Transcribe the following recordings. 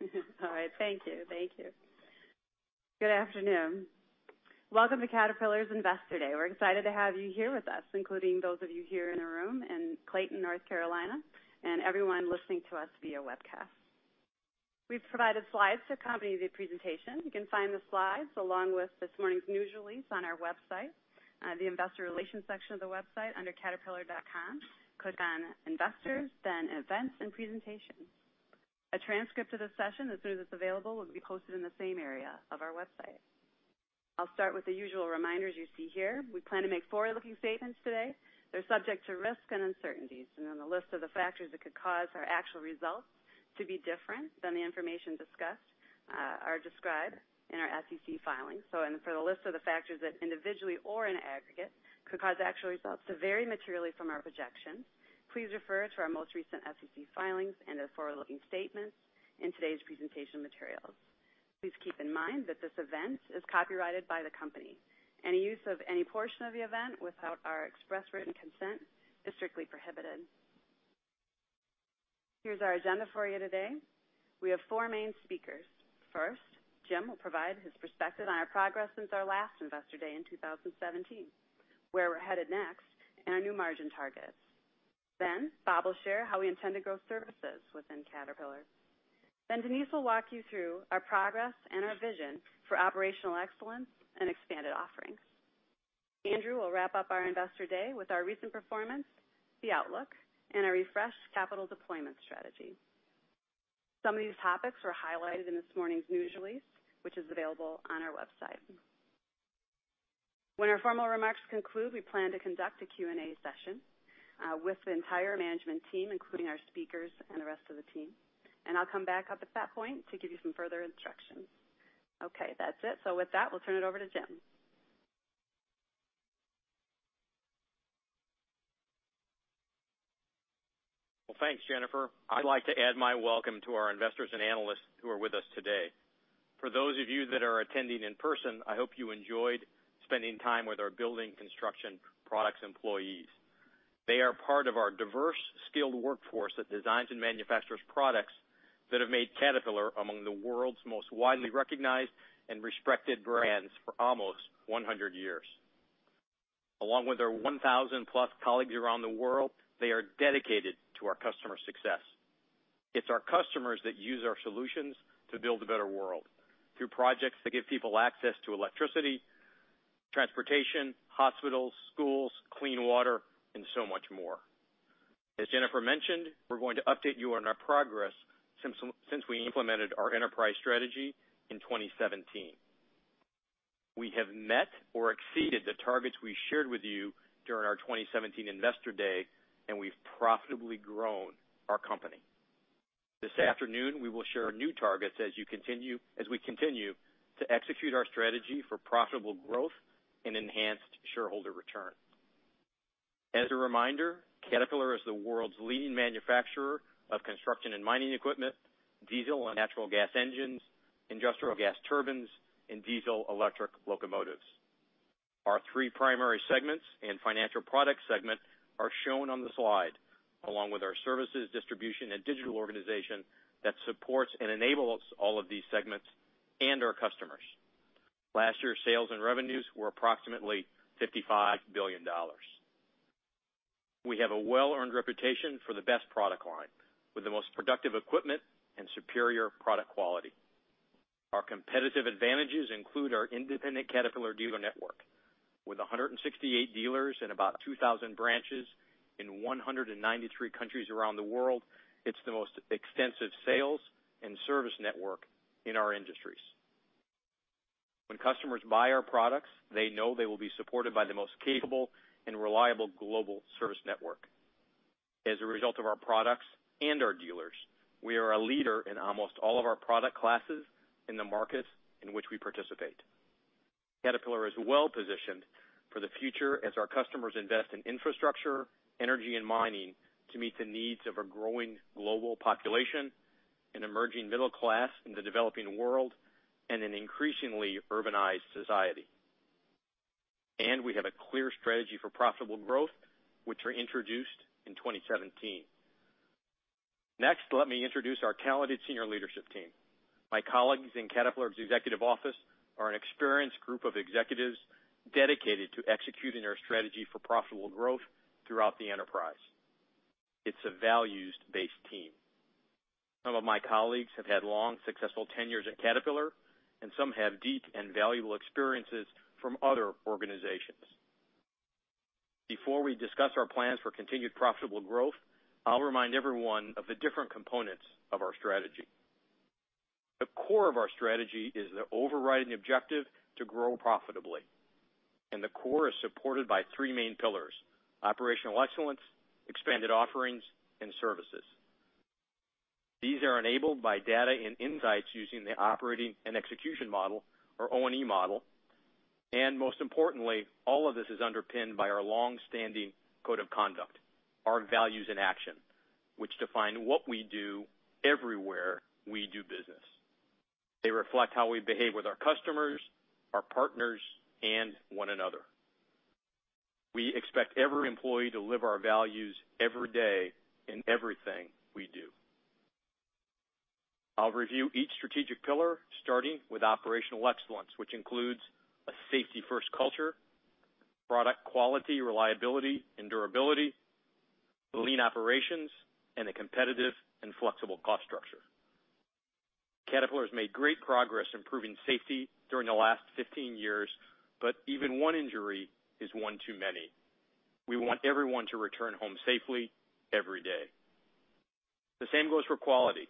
All right. Thank you. Thank you. Good afternoon. Welcome to Caterpillar's Investor Day. We're excited to have you here with us, including those of you here in the room in Clayton, North Carolina, and everyone listening to us via webcast. We've provided slides to accompany the presentation. You can find the slides along with this morning's news release on our website, the investor relations section of the website under caterpillar.com. Click on investors, then events and presentations. A transcript of the session, as soon as it's available, will be posted in the same area of our website. I'll start with the usual reminders you see here. We plan to make forward-looking statements today. They're subject to risk and uncertainties, and then the list of the factors that could cause our actual results to be different than the information discussed, are described in our SEC filings. For the list of the factors that individually or in aggregate could cause actual results to vary materially from our projections, please refer to our most recent SEC filings and the forward-looking statements in today's presentation materials. Please keep in mind that this event is copyrighted by the company. Any use of any portion of the event without our express written consent is strictly prohibited. Here's our agenda for you today. We have four main speakers. First, Jim will provide his perspective on our progress since our last Investor Day in 2017, where we're headed next, and our new margin targets. Bob will share how we intend to grow services within Caterpillar. Denise will walk you through our progress and our vision for operational excellence and expanded offerings. Andrew will wrap up our Investor Day with our recent performance, the outlook, and our refreshed capital deployment strategy. Some of these topics were highlighted in this morning's news release, which is available on our website. When our formal remarks conclude, we plan to conduct a Q&A session with the entire management team, including our speakers and the rest of the team, and I'll come back up at that point to give you some further instructions. Okay, that's it. With that, we'll turn it over to Jim. Well, thanks, Jennifer. I'd like to add my welcome to our investors and analysts who are with us today. For those of you that are attending in person, I hope you enjoyed spending time with our Building Construction Products employees. They are part of our diverse, skilled workforce that designs and manufactures products that have made Caterpillar among the world's most widely recognized and respected brands for almost 100 years. Along with our 1,000 plus colleagues around the world, they are dedicated to our customer success. It's our customers that use our solutions to build a better world through projects that give people access to electricity, transportation, hospitals, schools, clean water, and so much more. As Jennifer mentioned, we're going to update you on our progress since we implemented our enterprise strategy in 2017. We have met or exceeded the targets we shared with you during our 2017 Investor Day, and we've profitably grown our company. This afternoon, we will share new targets as we continue to execute our strategy for profitable growth and enhanced shareholder return. As a reminder, Caterpillar is the world's leading manufacturer of construction and mining equipment, diesel and natural gas engines, industrial gas turbines, and diesel-electric locomotives. Our three primary segments and financial products segment are shown on the slide, along with our services, distribution, and digital organization that supports and enables all of these segments and our customers. Last year's sales and revenues were approximately $55 billion. We have a well-earned reputation for the best product line with the most productive equipment and superior product quality. Our competitive advantages include our independent Caterpillar dealer network. With 168 dealers and about 2,000 branches in 193 countries around the world, it's the most extensive sales and service network in our industries. When customers buy our products, they know they will be supported by the most capable and reliable global service network. As a result of our products and our dealers, we are a leader in almost all of our product classes in the markets in which we participate. Caterpillar is well-positioned for the future as our customers invest in infrastructure, energy, and mining to meet the needs of a growing global population, an emerging middle class in the developing world, and an increasingly urbanized society. We have a clear strategy for profitable growth, which were introduced in 2017. Next, let me introduce our talented senior leadership team. My colleagues in Caterpillar's executive office are an experienced group of executives dedicated to executing our strategy for profitable growth throughout the enterprise. It's a values-based team. Some of my colleagues have had long, successful tenures at Caterpillar, and some have deep and valuable experiences from other organizations. Before we discuss our plans for continued profitable growth, I'll remind everyone of the different components of our strategy. The core of our strategy is the overriding objective to grow profitably, and the core is supported by three main pillars: operational excellence, expanded offerings, and services. These are enabled by data and insights using the Operating & Execution Model, or O&E Model. Most importantly, all of this is underpinned by our long-standing code of conduct, our values in action, which define what we do everywhere we do business. They reflect how we behave with our customers, our partners, and one another. We expect every employee to live our values every day in everything we do. I'll review each strategic pillar, starting with operational excellence, which includes a safety first culture, product quality, reliability and durability, lean operations, and a competitive and flexible cost structure. Caterpillar has made great progress improving safety during the last 15 years, but even one injury is one too many. We want everyone to return home safely every day. The same goes for quality.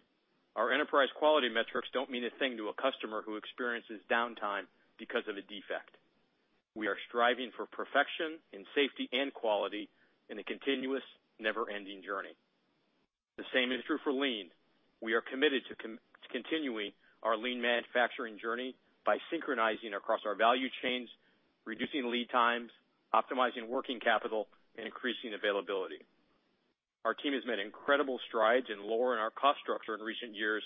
Our enterprise quality metrics don't mean a thing to a customer who experiences downtime because of a defect. We are striving for perfection in safety and quality in a continuous, never-ending journey. The same is true for lean. We are committed to continuing our lean manufacturing journey by synchronizing across our value chains, reducing lead times, optimizing working capital, and increasing availability. Our team has made incredible strides in lowering our cost structure in recent years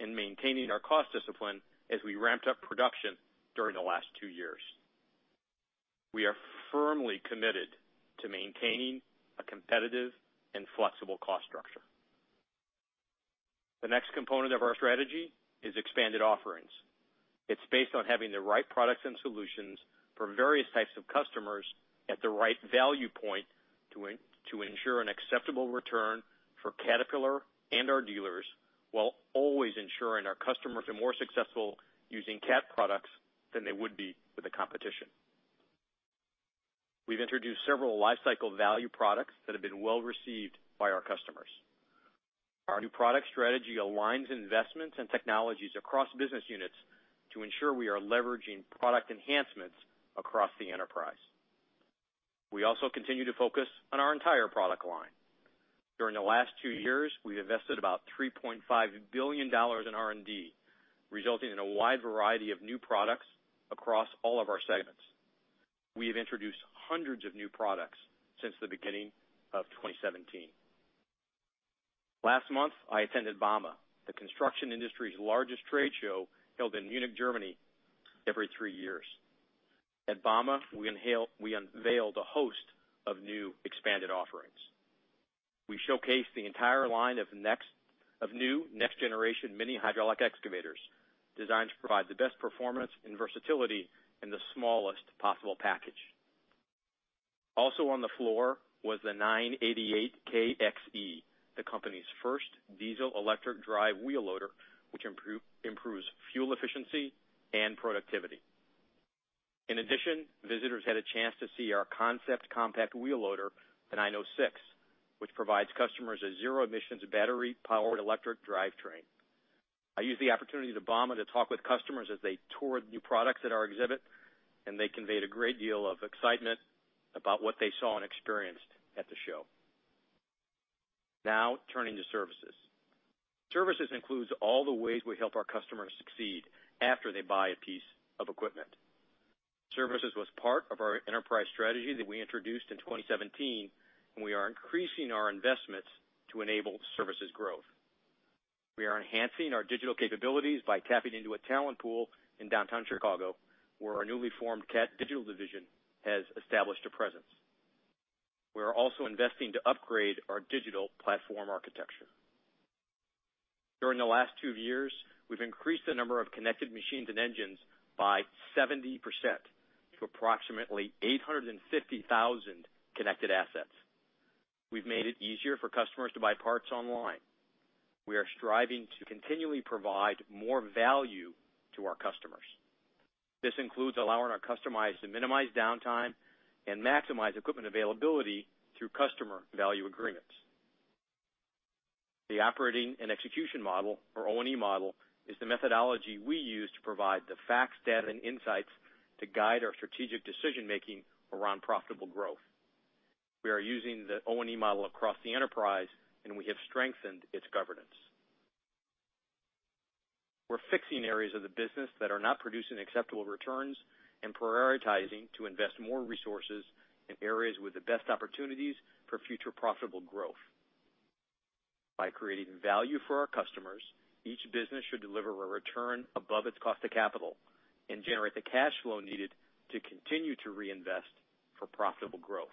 and maintaining our cost discipline as we ramped up production during the last two years. We are firmly committed to maintaining a competitive and flexible cost structure. The next component of our strategy is expanded offerings. It's based on having the right products and solutions for various types of customers at the right value point to ensure an acceptable return for Caterpillar and our dealers, while always ensuring our customers are more successful using Cat products than they would be with the competition. We've introduced several lifecycle value products that have been well received by our customers. Our new product strategy aligns investments and technologies across business units to ensure we are leveraging product enhancements across the enterprise. We also continue to focus on our entire product line. During the last two years, we've invested about $3.5 billion in R&D, resulting in a wide variety of new products across all of our segments. We have introduced hundreds of new products since the beginning of 2017. Last month, I attended Bauma, the construction industry's largest trade show, held in Munich, Germany every three years. At Bauma, we unveiled a host of new expanded offerings. We showcased the entire line of new next generation mini hydraulic excavators, designed to provide the best performance and versatility in the smallest possible package. Also on the floor was the 988K XE, the company's first diesel electric drive wheel loader, which improves fuel efficiency and productivity. In addition, visitors had a chance to see our concept compact wheel loader, the 906, which provides customers a zero emissions battery, powered electric drivetrain. I used the opportunity at Bauma to talk with customers as they toured new products at our exhibit. They conveyed a great deal of excitement about what they saw and experienced at the show. Turning to services. Services includes all the ways we help our customers succeed after they buy a piece of equipment. Services was part of our enterprise strategy that we introduced in 2017. We are increasing our investments to enable services growth. We are enhancing our digital capabilities by tapping into a talent pool in downtown Chicago, where our newly formed Cat Digital division has established a presence. We are also investing to upgrade our digital platform architecture. During the last two years, we've increased the number of connected machines and engines by 70% to approximately 850,000 connected assets. We've made it easier for customers to buy parts online. We are striving to continually provide more value to our customers. This includes allowing our customers to minimize downtime and maximize equipment availability through Customer Value Agreements. The Operating & Execution Model, or O&E Model, is the methodology we use to provide the facts, data, and insights to guide our strategic decision-making around profitable growth. We are using the O&E Model across the enterprise, and we have strengthened its governance. We're fixing areas of the business that are not producing acceptable returns and prioritizing to invest more resources in areas with the best opportunities for future profitable growth. By creating value for our customers, each business should deliver a return above its cost of capital and generate the cash flow needed to continue to reinvest for profitable growth.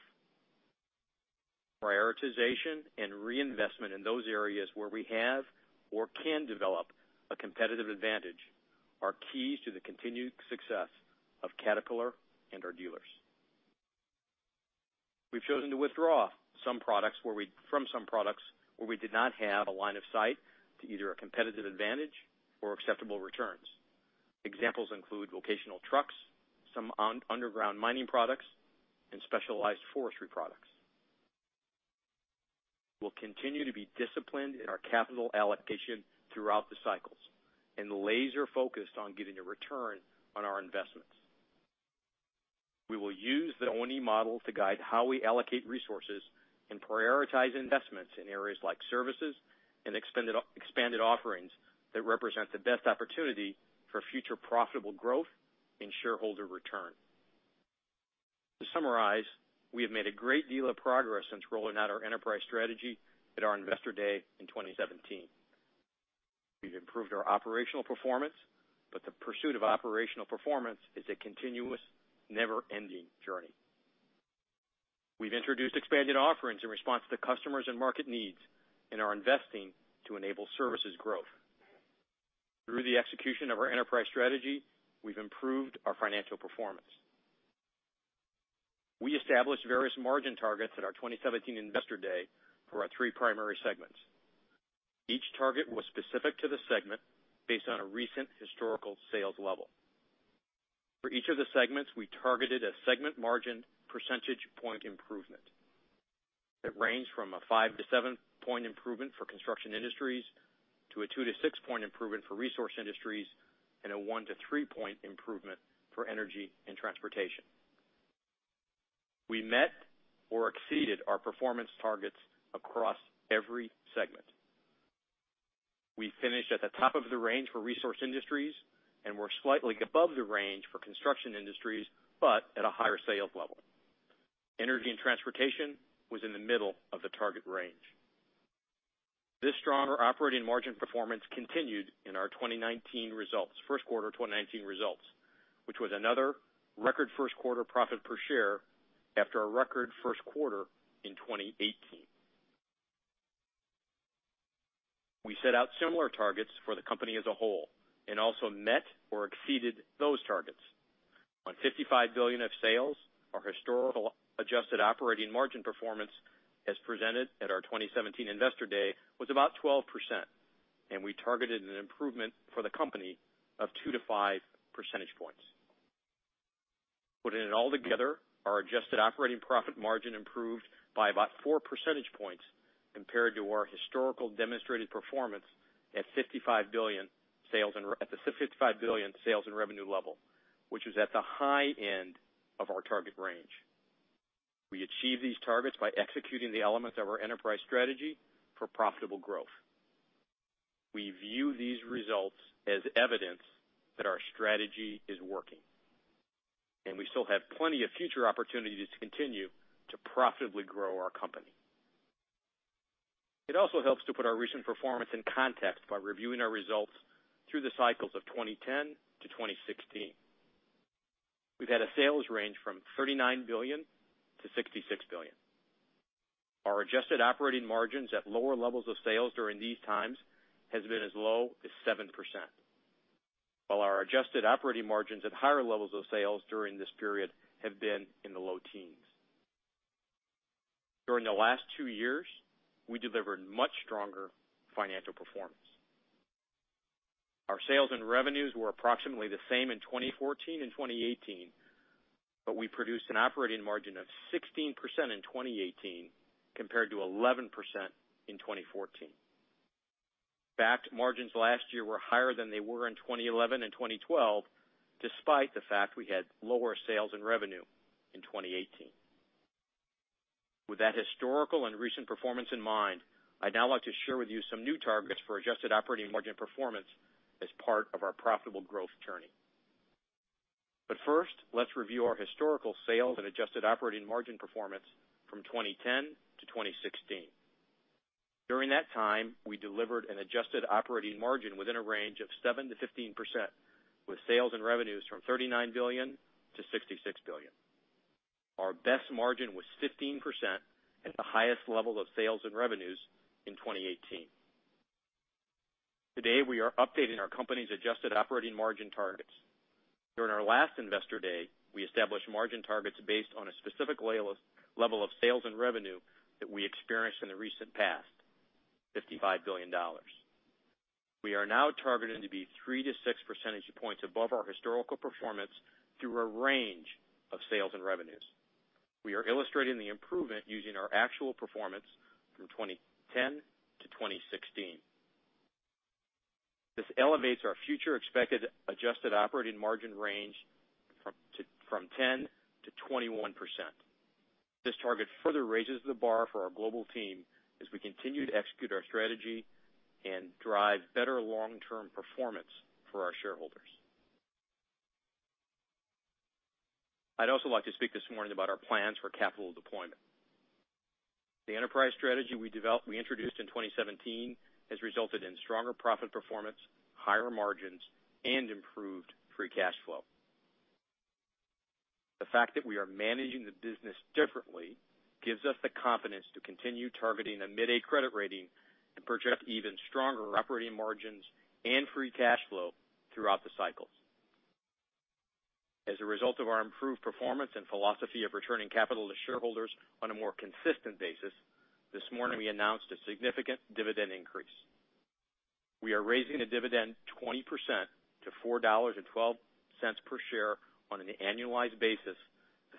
Prioritization and reinvestment in those areas where we have or can develop a competitive advantage are keys to the continued success of Caterpillar and our dealers. We've chosen to withdraw from some products where we did not have a line of sight to either a competitive advantage or acceptable returns. Examples include vocational trucks, some on-underground mining products, and specialized forestry products. We'll continue to be disciplined in our capital allocation throughout the cycles and laser-focused on getting a return on our investments. We will use the O&E Model to guide how we allocate resources and prioritize investments in areas like services and expanded offerings that represent the best opportunity for future profitable growth and shareholder return. To summarize, we have made a great deal of progress since rolling out our enterprise strategy at our Investor Day in 2017. We've improved our operational performance, the pursuit of operational performance is a continuous, never-ending journey. We've introduced expanded offerings in response to customers and market needs and are investing to enable services growth. Through the execution of our enterprise strategy, we've improved our financial performance. We established various margin targets at our 2017 Investor Day for our three primary segments. Each target was specific to the segment based on a recent historical sales level. For each of the segments, we targeted a segment margin percentage point improvement that ranged from a 5-7 percentage point improvement for Construction Industries, to a 2-6 percentage point improvement for Resource Industries, and a 1-3 percentage point improvement for Energy & Transportation. We met or exceeded our performance targets across every segment. We finished at the top of the range for Resource Industries and were slightly above the range for Construction Industries, but at a higher sales level. Energy & Transportation was in the middle of the target range. This stronger operating margin performance continued in our 2019 results, first quarter 2019 results, which was another record first quarter profit per share after a record first quarter in 2018. We set out similar targets for the company as a whole and also met or exceeded those targets. On $55 billion of sales, our historical adjusted operating margin performance, as presented at our 2017 Investor Day, was about 12%, and we targeted an improvement for the company of 2-5 percentage points. Putting it all together, our adjusted operating profit margin improved by about 4 percentage points compared to our historical demonstrated performance at $55 billion sales and revenue level, which was at the high end of our target range. We achieved these targets by executing the elements of our enterprise strategy for profitable growth. We view these results as evidence that our strategy is working, and we still have plenty of future opportunities to continue to profitably grow our company. It also helps to put our recent performance in context by reviewing our results through the cycles of 2010-2016. We've had a sales range from $39 billion-$66 billion. Our adjusted operating margins at lower levels of sales during these times has been as low as 7%, while our adjusted operating margins at higher levels of sales during this period have been in the low teens. During the last two years, we delivered much stronger financial performance. Our sales and revenues were approximately the same in 2014 and 2018, but we produced an operating margin of 16% in 2018 compared to 11% in 2014. In fact, margins last year were higher than they were in 2011 and 2012, despite the fact we had lower sales and revenue in 2018. With that historical and recent performance in mind, I'd now like to share with you some new targets for adjusted operating margin performance as part of our profitable growth journey. First, let's review our historical sales and adjusted operating margin performance from 2010 to 2016. During that time, we delivered an adjusted operating margin within a range of 7%-15%, with sales and revenues from $39 billion-$66 billion. Our best margin was 15% at the highest level of sales and revenues in 2018. Today, we are updating our company's adjusted operating margin targets. During our last Investor Day, we established margin targets based on a specific level of sales and revenue that we experienced in the recent past, $55 billion. We are now targeting to be 3 to 6 percentage points above our historical performance through a range of sales and revenues. We are illustrating the improvement using our actual performance from 2010 to 2016. This elevates our future expected adjusted operating margin range from 10%-21%. This target further raises the bar for our global team as we continue to execute our strategy and drive better long-term performance for our shareholders. I'd also like to speak this morning about our plans for capital deployment. The enterprise strategy we developed, we introduced in 2017 has resulted in stronger profit performance, higher margins, and improved free cash flow. The fact that we are managing the business differently gives us the confidence to continue targeting a mid-A credit rating and project even stronger operating margins and free cash flow throughout the cycles. As a result of our improved performance and philosophy of returning capital to shareholders on a more consistent basis, this morning we announced a significant dividend increase. We are raising the dividend 20% to $4.12 per share on an annualized basis,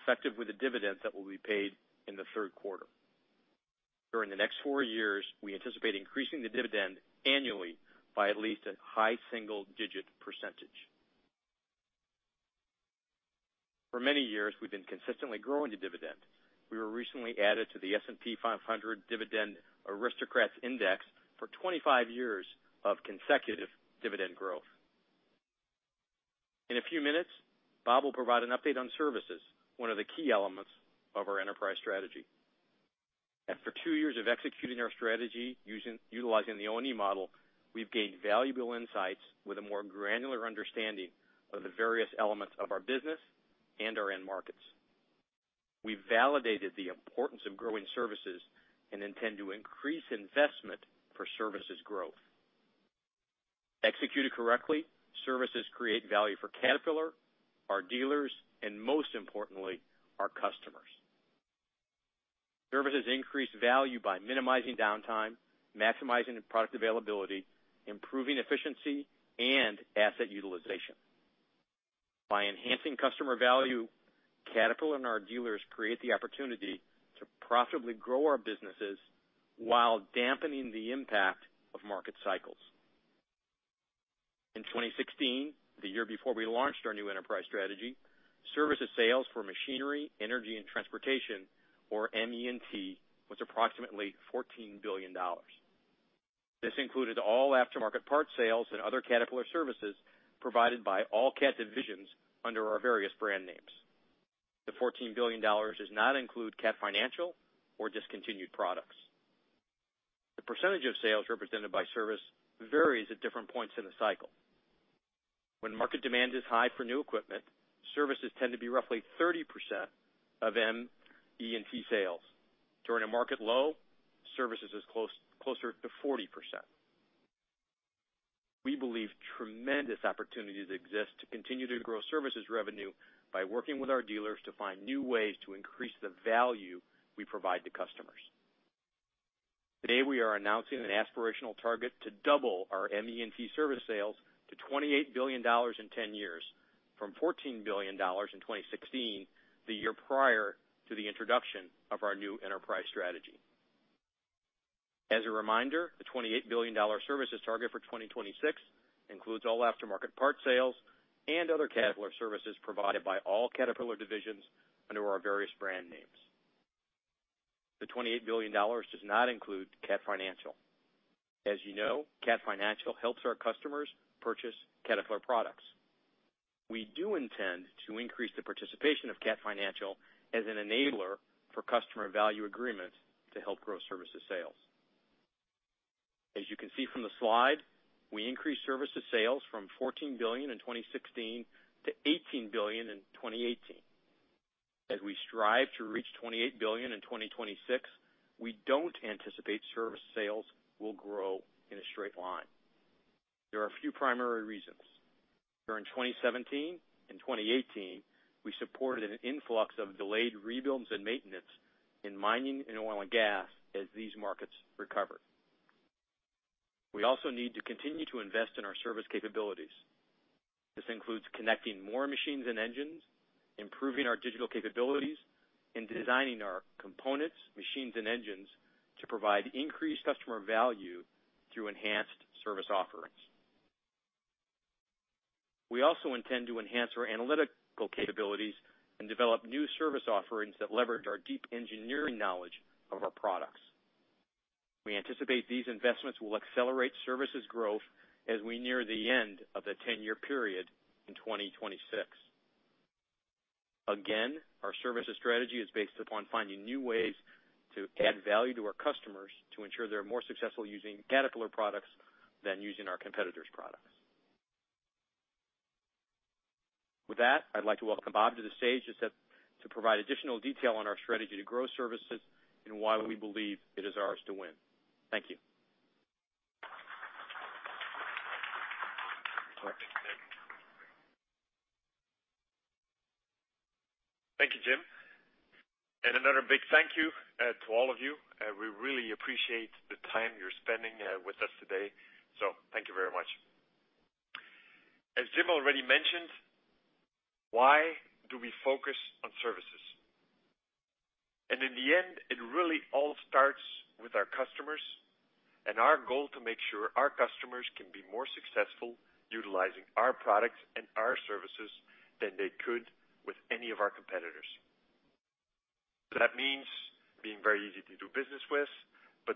effective with the dividends that will be paid in the third quarter. During the next four years, we anticipate increasing the dividend annually by at least a high single-digit percentage. For many years, we've been consistently growing the dividend. We were recently added to the S&P 500 Dividend Aristocrats Index for 25 years of consecutive dividend growth. In a few minutes, Bob will provide an update on services, one of the key elements of our enterprise strategy. After two years of executing our strategy utilizing the O&E Model, we've gained valuable insights with a more granular understanding of the various elements of our business and our end markets. We validated the importance of growing services and intend to increase investment for services growth. Executed correctly, services create value for Caterpillar, our dealers, and most importantly, our customers. Services increase value by minimizing downtime, maximizing the product availability, improving efficiency and asset utilization. By enhancing customer value, Caterpillar and our dealers create the opportunity to profitably grow our businesses while dampening the impact of market cycles. In 2016, the year before we launched our new enterprise strategy, services sales for Machinery, Energy & Transportation, or ME&T, was approximately $14 billion. This included all aftermarket parts sales and other Caterpillar services provided by all Cat divisions under our various brand names. The $14 billion does not include Cat Financial or discontinued products. The percentage of sales represented by service varies at different points in the cycle. When market demand is high for new equipment, services tend to be roughly 30% of ME&T sales. During a market low, services is close, closer to 40%. We believe tremendous opportunities exist to continue to grow services revenue by working with our dealers to find new ways to increase the value we provide to customers. Today, we are announcing an aspirational target to double our ME&T service sales to $28 billion in 10 years, from $14 billion in 2016, the year prior to the introduction of our new enterprise strategy. As a reminder, the $28 billion services target for 2026 includes all aftermarket parts sales and other Caterpillar services provided by all Caterpillar divisions under our various brand names. The $28 billion does not include Cat Financial. As you know, Cat Financial helps our customers purchase Caterpillar products. We do intend to increase the participation of Cat Financial as an enabler for Customer Value Agreements to help grow services sales. As you can see from the slide, we increased services sales from $14 billion in 2016 to $18 billion in 2018. As we strive to reach $28 billion in 2026, we don't anticipate service sales will grow in a straight line. There are a few primary reasons. During 2017 and 2018, we supported an influx of delayed rebuilds and maintenance in mining and oil and gas as these markets recovered. We also need to continue to invest in our service capabilities. This includes connecting more machines and engines, improving our digital capabilities, and designing our components, machines and engines to provide increased customer value through enhanced service offerings. We also intend to enhance our analytical capabilities and develop new service offerings that leverage our deep engineering knowledge of our products. We anticipate these investments will accelerate services growth as we near the end of the 10 year period in 2026. Again, our services strategy is based upon finding new ways to add value to our customers to ensure they're more successful using Caterpillar products than using our competitors' products. With that, I'd like to welcome Bob to the stage to provide additional detail on our strategy to grow services and why we believe it is ours to win. Thank you. Thank you, Jim. Another big thank you to all of you. We really appreciate the time you're spending with us today. Thank you very much. As Jim already mentioned, why do we focus on services? In the end, it really all starts with our customers and our goal to make sure our customers can be more successful utilizing our products and our services than they could with any of our competitors. That means being very easy to do business with,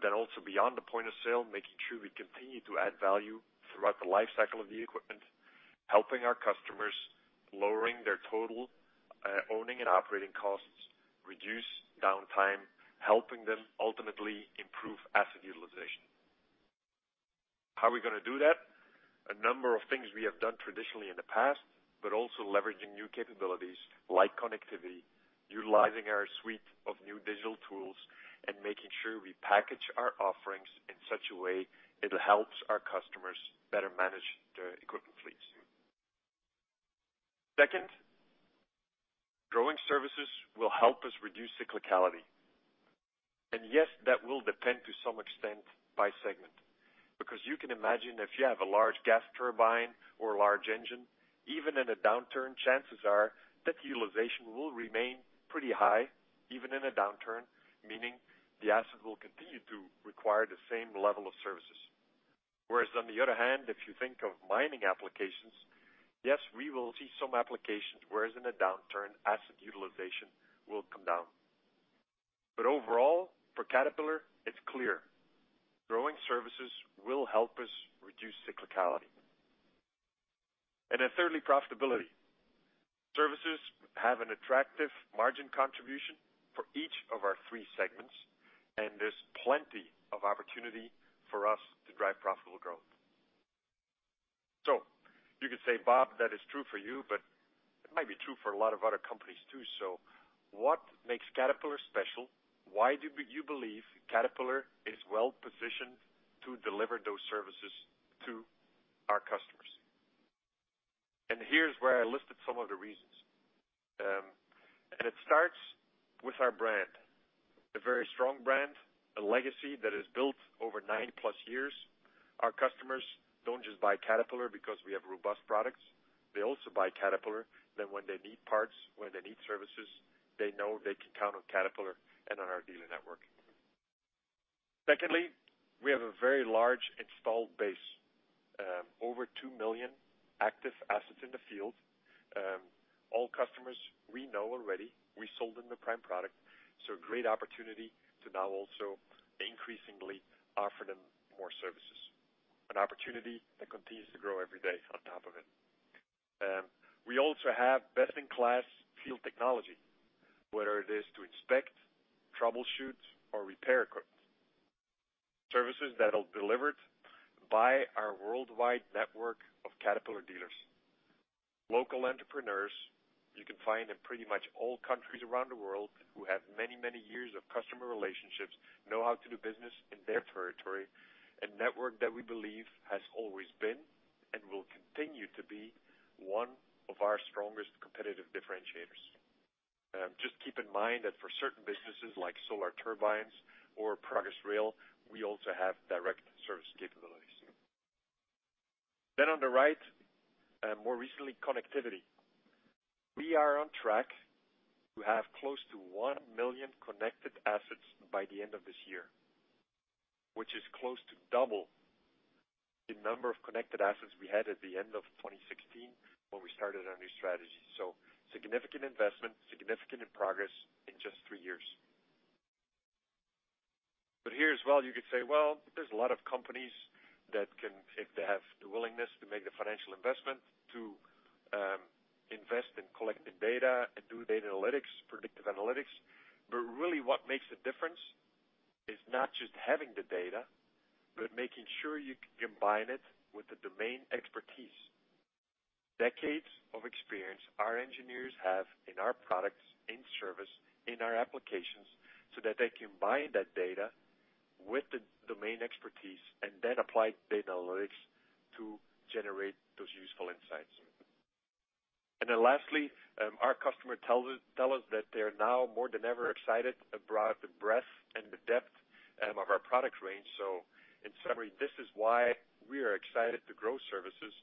also beyond the point of sale, making sure we continue to add value throughout the life cycle of the equipment, helping our customers, lowering their total owning and operating costs, reduce downtime, helping them ultimately improve asset utilization. How are we gonna do that? A number of things we have done traditionally in the past, but also leveraging new capabilities like connectivity, utilizing our suite of new digital tools, and making sure we package our offerings in such a way it helps our customers better manage their equipment fleets. Second, growing services will help us reduce cyclicality. Yes, that will depend to some extent by segment. Because you can imagine if you have a large gas turbine or a large engine, even in a downturn, chances are that utilization will remain pretty high, even in a downturn, meaning the asset will continue to require the same level of services. Whereas on the other hand, if you think of mining applications, yes, we will see some applications, whereas in a downturn, asset utilization will come down. Overall, for Caterpillar, it's clear. Growing services will help us reduce cyclicality. Thirdly, profitability. Services have an attractive margin contribution for each of our three segments, there's plenty of opportunity for us to drive profitable growth. You could say, "Bob, that is true for you, but it might be true for a lot of other companies too." What makes Caterpillar special? Why do you believe Caterpillar is well-positioned to deliver those services to our customers? Here's where I listed some of the reasons. It starts with our brand, a very strong brand, a legacy that is built over 90+ years. Our customers don't just buy Caterpillar because we have robust products. They also buy Caterpillar that when they need parts, when they need services, they know they can count on Caterpillar and on our dealer network. Secondly, we have a very large installed base, over 2 million active assets in the field. All customers we know already. We sold them the prime product, so a great opportunity to now also increasingly offer them more services, an opportunity that continues to grow every day on top of it. We also have best-in-class field technology, whether it is to inspect, troubleshoot, or repair equipment. Services that are delivered by our worldwide network of Caterpillar dealers. Local entrepreneurs you can find in pretty much all countries around the world who have many years of customer relationships, know how to do business in their territory, a network that we believe has always been and will continue to be one of our strongest competitive differentiators. Just keep in mind that for certain businesses, like Solar Turbines or Progress Rail, we also have direct service capabilities. On the right, more recently, connectivity. We are on track to have close to 1 million connected assets by the end of this year, which is close to double the number of connected assets we had at the end of 2016 when we started our new strategy. Significant investment, significant in progress in just three years. Here as well, you could say, well, there's a lot of companies that can, if they have the willingness to make the financial investment, to invest in collecting data and do data analytics, predictive analytics. Really what makes a difference is not just having the data, but making sure you combine it with the domain expertise. Decades of experience our engineers have in our products, in service, in our applications, so that they combine that data with the domain expertise and then apply data analytics to generate those useful insights. Lastly, our customer tells us that they are now, more than ever, excited about the breadth and the depth of our product range. In summary, this is why we are excited to grow services.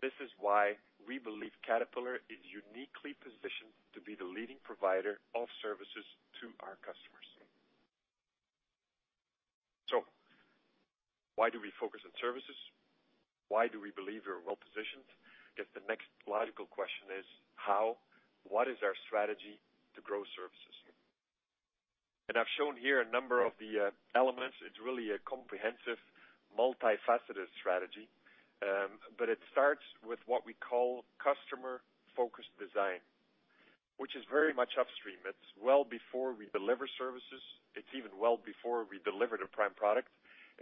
This is why we believe Caterpillar is uniquely positioned to be the leading provider of services to our customers. Why do we focus on services? Why do we believe we are well-positioned? I guess the next logical question is how, what is our strategy to grow services? I've shown here a number of the elements. It's really a comprehensive, multifaceted strategy. It starts with what we call customer-focused design, which is very much upstream. It's well before we deliver services. It's even well before we deliver the prime product.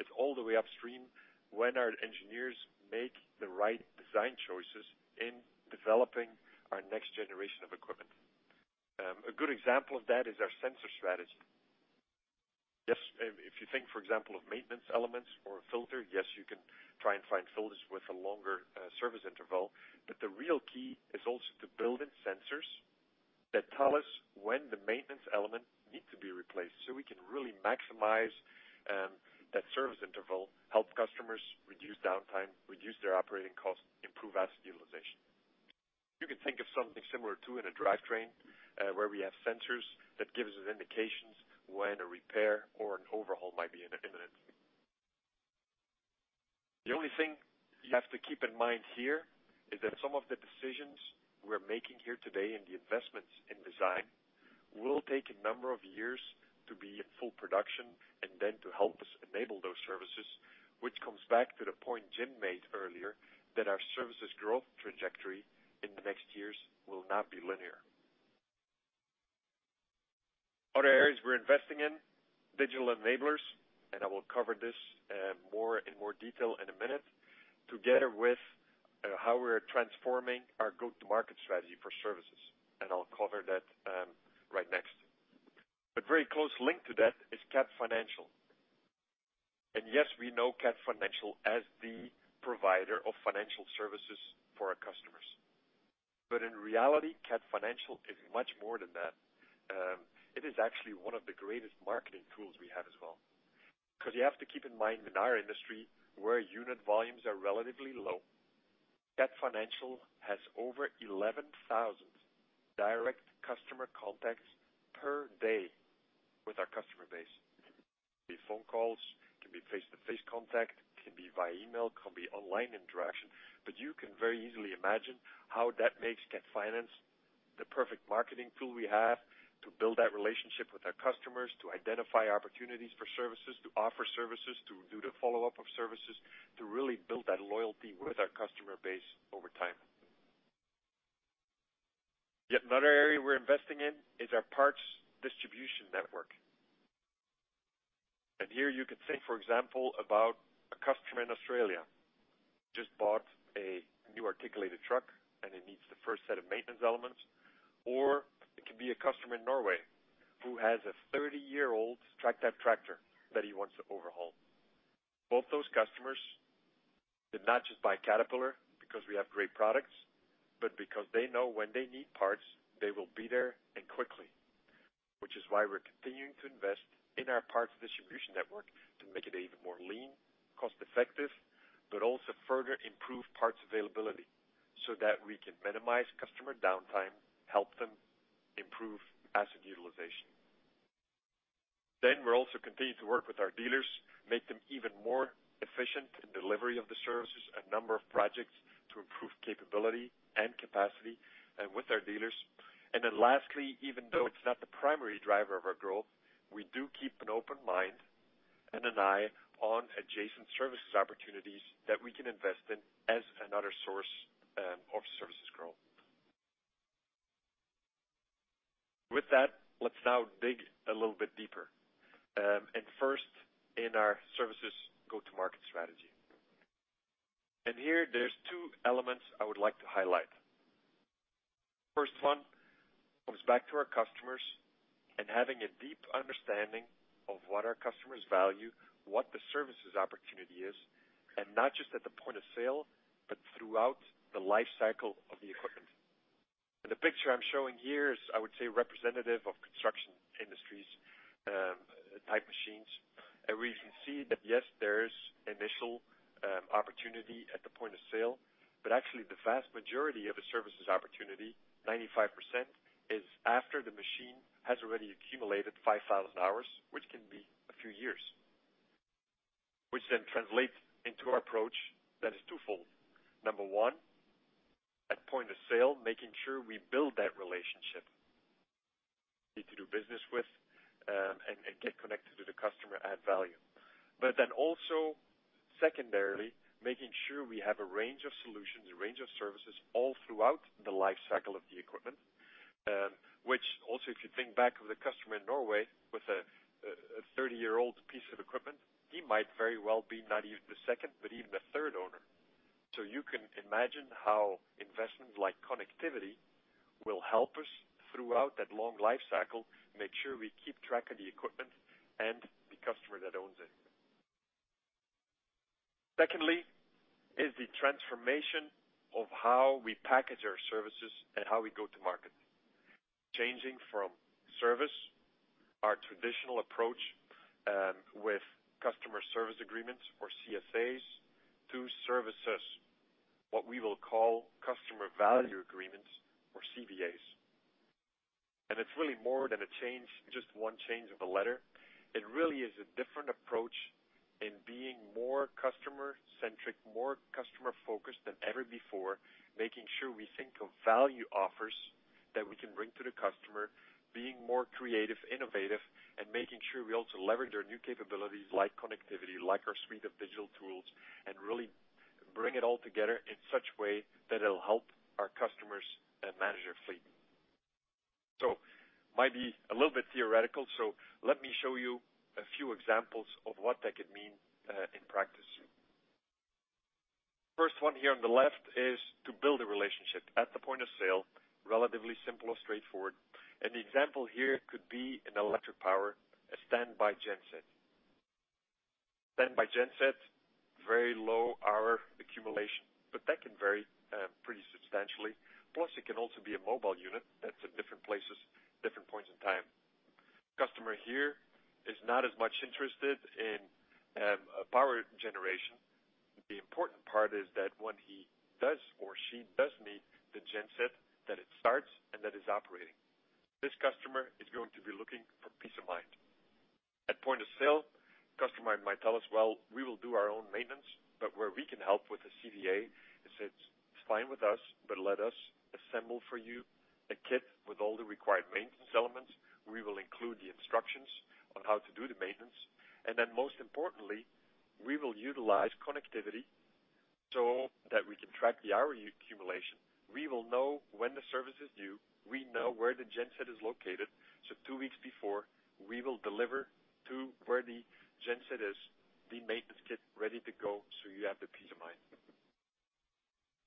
It's all the way upstream when our engineers make the right design choices in developing our next generation of equipment. A good example of that is our sensor strategy. Yes, if you think, for example, of maintenance elements or a filter, yes, you can try and find filters with a longer service interval. The real key is also to build in sensors that tell us when the maintenance element need to be replaced, so we can really maximize that service interval, help customers reduce downtime, reduce their operating costs, improve asset utilization. You can think of something similar, too, in a drivetrain, where we have sensors that gives us indications when a repair or an overhaul might be imminent. The only thing you have to keep in mind here is that some of the decisions we're making here today and the investments in design will take a number of years to be at full production and then to help us enable those services, which comes back to the point Jim made earlier that our services growth trajectory in the next years will not be linear. Other areas we're investing in, digital enablers, and I will cover this, more, in more detail in a minute, together with, how we're transforming our go-to-market strategy for services, and I'll cover that, right next. A very close link to that is Cat Financial. Yes, we know Cat Financial as the provider of financial services for our customers. In reality, Cat Financial is much more than that. It is actually one of the greatest marketing tools we have as well. 'Cause you have to keep in mind, in our industry, where unit volumes are relatively low, Cat Financial has over 11,000 direct customer contacts per day with our customers. Phone calls, can be face-to-face contact, can be via email, can be online interaction. You can very easily imagine how that makes Cat Financial the perfect marketing tool we have to build that relationship with our customers, to identify opportunities for services, to offer services, to do the follow-up of services, to really build that loyalty with our customer base over time. Yet another area we're investing in is our parts distribution network. Here you could think, for example, about a customer in Australia just bought a new articulated truck, and it needs the first set of maintenance elements. It can be a customer in Norway who has a 30 year-old track-type tractor that he wants to overhaul. Both those customers did not just buy Caterpillar because we have great products, but because they know when they need parts, they will be there and quickly. We're continuing to invest in our parts distribution network to make it even more lean, cost-effective, but also further improve parts availability so that we can minimize customer downtime, help them improve asset utilization. We're also continuing to work with our dealers, make them even more efficient in delivery of the services, a number of projects to improve capability and capacity with our dealers. Lastly, even though it's not the primary driver of our growth, we do keep an open mind and an eye on adjacent services opportunities that we can invest in as another source of services growth. With that, let's now dig a little bit deeper. First in our services go-to-market strategy. Here there's two elements I would like to highlight. First one comes back to our customers and having a deep understanding of what our customers value, what the services opportunity is, and not just at the point of sale, but throughout the life cycle of the equipment. The picture I'm showing here is, I would say, representative of Construction Industries type machines. We can see that, yes, there is initial opportunity at the point of sale, but actually the vast majority of a services opportunity, 95%, is after the machine has already accumulated 5,000 hours, which can be a few years. Which then translates into our approach that is twofold. Number one, at point of sale, making sure we build that relationship to do business with, and get connected to the customer, add value. Also secondarily, making sure we have a range of solutions, a range of services all throughout the life cycle of the equipment. Which also, if you think back of the customer in Norway with a 30 year-old piece of equipment, he might very well be not even the second, but even the third owner. You can imagine how investments like connectivity will help us throughout that long life cycle, make sure we keep track of the equipment and the customer that owns it. Secondly is the transformation of how we package our services and how we go to market. Changing from service, our traditional approach, with Customer Service Agreements or CSAs, to services, what we will call Customer Value Agreements or CVAs. It's really more than a change, just one change of a letter. It really is a different approach in being more customer-centric, more customer-focused than ever before, making sure we think of value offers that we can bring to the customer, being more creative, innovative, and making sure we also leverage our new capabilities like connectivity, like our suite of digital tools, and really bring it all together in such way that it'll help our customers manage their fleet. Might be a little bit theoretical, let me show you a few examples of what that could mean in practice. First one here on the left is to build a relationship at the point of sale, relatively simple or straightforward. The example here could be an electric power, a standby genset. Standby genset, very low hour accumulation, but that can vary pretty substantially. It can also be a mobile unit that's in different places, different points in time. Customer here is not as much interested in a power generation. The important part is that when he does or she does need the genset, that it starts and that is operating. This customer is going to be looking for peace of mind. At point of sale, customer might tell us, "Well, we will do our own maintenance," but where we can help with the CVA is it's fine with us, but let us assemble for you a kit with all the required maintenance elements. We will include the instructions on how to do the maintenance. Most importantly, we will utilize connectivity so that we can track the hour accumulation. We will know when the service is due. We know where the genset is located. Two weeks before, we will deliver to where the genset is the maintenance kit ready to go, so you have the peace of mind.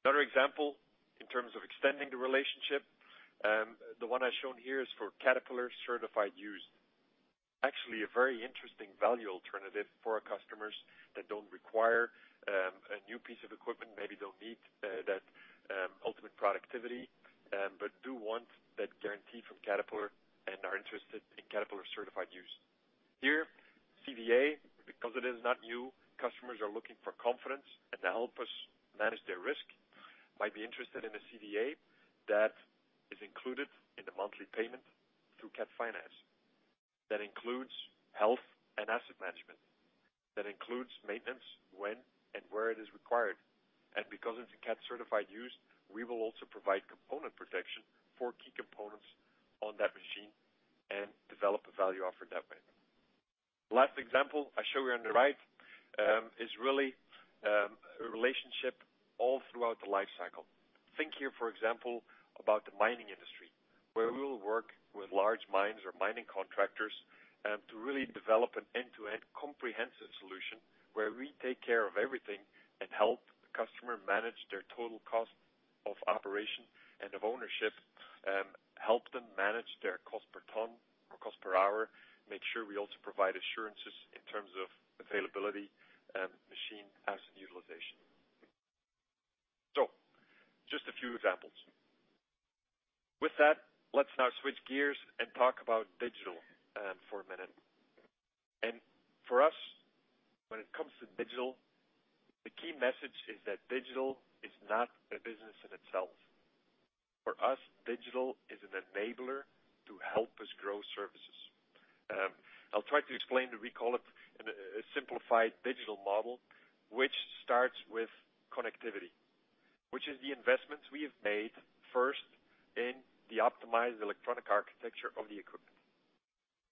Another example, in terms of extending the relationship, the one I've shown here is for Cat Certified Used. Actually, a very interesting value alternative for our customers that don't require a new piece of equipment. Maybe they'll need that ultimate productivity, but do want that guarantee from Caterpillar and are interested in Cat Certified Used. Here, CVA, because it is not new, customers are looking for confidence, and to help us manage their risk. Might be interested in a CVA that is included in the monthly payment through Cat Financial. That includes health and asset management. That includes maintenance when and where it is required. Because it's a Cat Certified Used, we will also provide component protection for key components on that machine and develop a value offer that way. Last example I show you on the right, is really a relationship all throughout the life cycle. Think here, for example, about the mining industry, where we will work with large mines or mining contractors, to really develop an end-to-end comprehensive solution where we take care of everything and help the customer manage their total cost of operation and of ownership, help them manage their cost per ton or cost per hour, make sure we also provide assurances in terms of availability, machine asset utilization. Just a few examples. With that, let's now switch gears and talk about digital for a minute. For us, when it comes to digital, the key message is that digital is not a business in itself. For us, digital is an enabler to help us grow services. I'll try to explain, we call it in a simplified digital model, which starts with connectivity, which is the investments we have made first in the optimized electronic architecture of the equipment.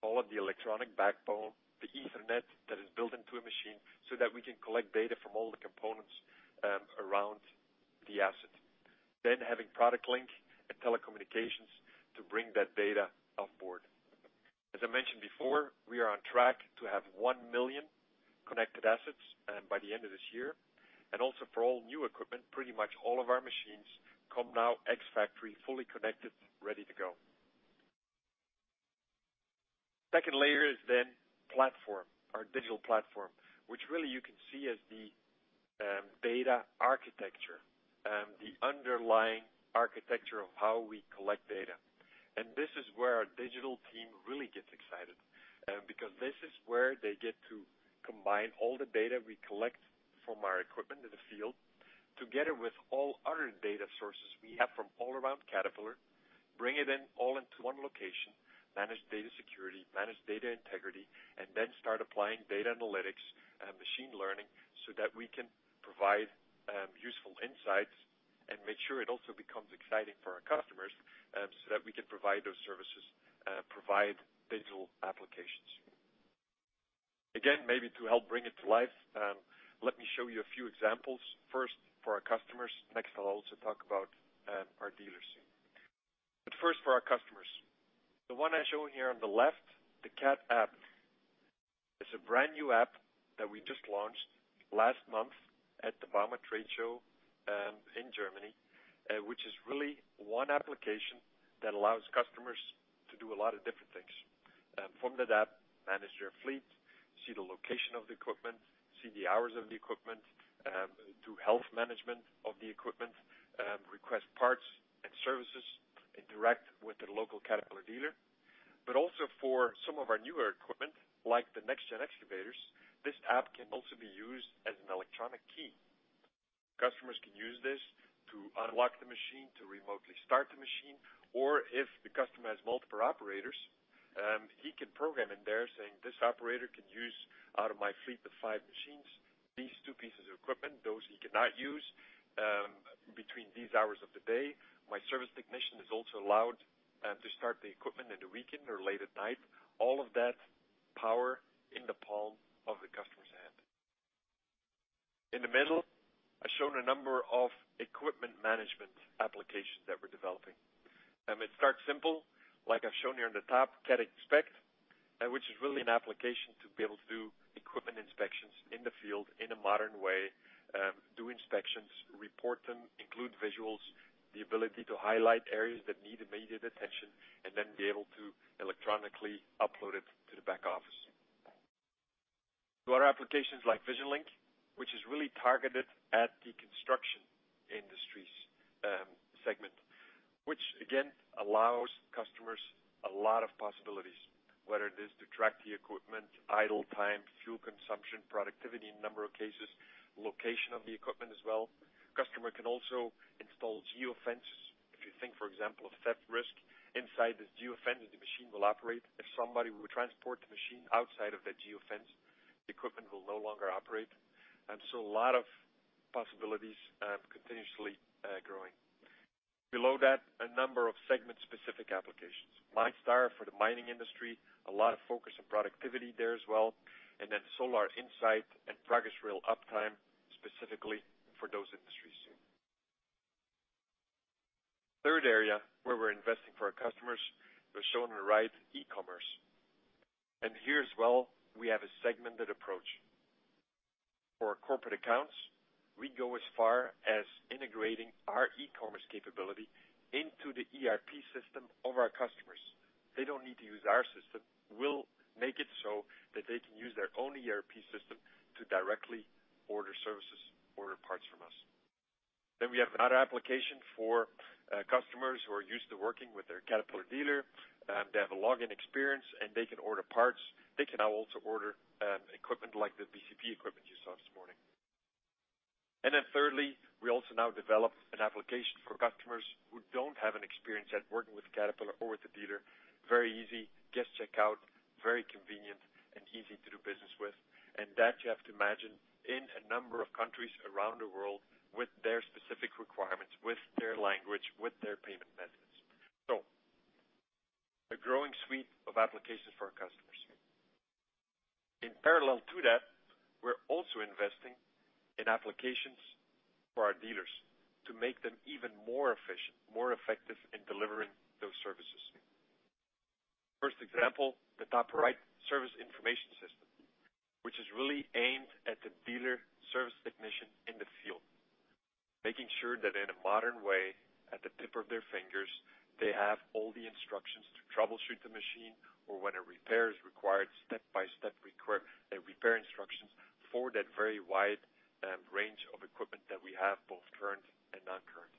All of the electronic backbone, the Ethernet that is built into a machine so that we can collect data from all the components around the asset. Having Product Link and telecommunications to bring that data on board. As I mentioned before, we are on track to have 1 million connected assets by the end of this year. Also for all new equipment, pretty much all of our machines come now ex factory, fully connected, ready to go. Second layer is platform, our digital platform, which really you can see as the data architecture, the underlying architecture of how we collect data. This is where our digital team really gets excited, because this is where they get to combine all the data we collect from our equipment in the field, together with all other data sources we have from all around Caterpillar, bring it in all into one location, manage data security, manage data integrity, and start applying data analytics and machine learning so that we can provide useful insights and make sure it also becomes exciting for our customers, so that we can provide those services, provide digital applications. Maybe to help bring it to life, let me show you a few examples, first for our customers. I'll also talk about our dealers soon. First, for our customers. The one I show here on the left, the Cat App, is a brand-new app that we just launched last month at the Bauma trade show in Germany, which is really one application that allows customers to do a lot of different things. From that app, manage their fleet, see the location of the equipment, see the hours of the equipment, do health management of the equipment, request parts and services, interact with their local Caterpillar dealer. Also for some of our newer equipment, like the next gen excavators, this app can also be used as an electronic key. Customers can use this to unlock the machine, to remotely start the machine, or if the customer has multiple operators, he can program in there saying, "This operator can use out of my fleet of five machines, these two pieces of equipment. Those he cannot use between these hours of the day. My service technician is also allowed to start the equipment in the weekend or late at night." All of that power in the palm of the customer's hand. In the middle, I've shown a number of equipment management applications that we're developing. It starts simple, like I've shown here on the top, Cat Inspect, which is really an application to be able to do equipment inspections in the field in a modern way, do inspections, report them, include visuals, the ability to highlight areas that need immediate attention, and then be able to electronically upload it to the back office. To our applications like VisionLink, which is really targeted at the construction industry segment, which again allows customers a lot of possibilities, whether it is to track the equipment, idle time, fuel consumption, productivity in a number of cases, location of the equipment as well. Customer can also install geo-fences. If you think, for example, of theft risk, inside this geo-fence, the machine will operate. If somebody would transport the machine outside of that geo-fence, the equipment will no longer operate. A lot of possibilities, continuously growing. Below that, a number of segment-specific applications. MineStar for the mining industry, a lot of focus on productivity there as well. Solar InSight and Progress Rail PR Uptime specifically for those industries too. Third area where we're investing for our customers was shown on the right, e-commerce. Here as well, we have a segmented approach. For our corporate accounts, we go as far as integrating our e-commerce capability into the ERP system of our customers. They don't need to use our system. We'll make it so that they can use their own ERP system to directly order services, order parts from us. We have another application for customers who are used to working with their Caterpillar dealer, they have a login experience and they can order parts. They can now also order equipment like the BCP equipment you saw this morning. Thirdly, we also now develop an application for customers who don't have an experience at working with Caterpillar or with the dealer. Very easy, guest checkout, very convenient, and easy to do business with. That you have to imagine in a number of countries around the world with their specific requirements, with their language, with their payment methods. A growing suite of applications for our customers. In parallel to that, we're also investing in applications for our dealers to make them even more efficient, more effective in delivering those services. First example, the top right Service Information System, which is really aimed at the dealer service technician in the field, making sure that in a modern way, at the tip of their fingers, they have all the instructions to troubleshoot the machine or when a repair is required, step-by-step repair instructions for that very wide range of equipment that we have, both current and non-current.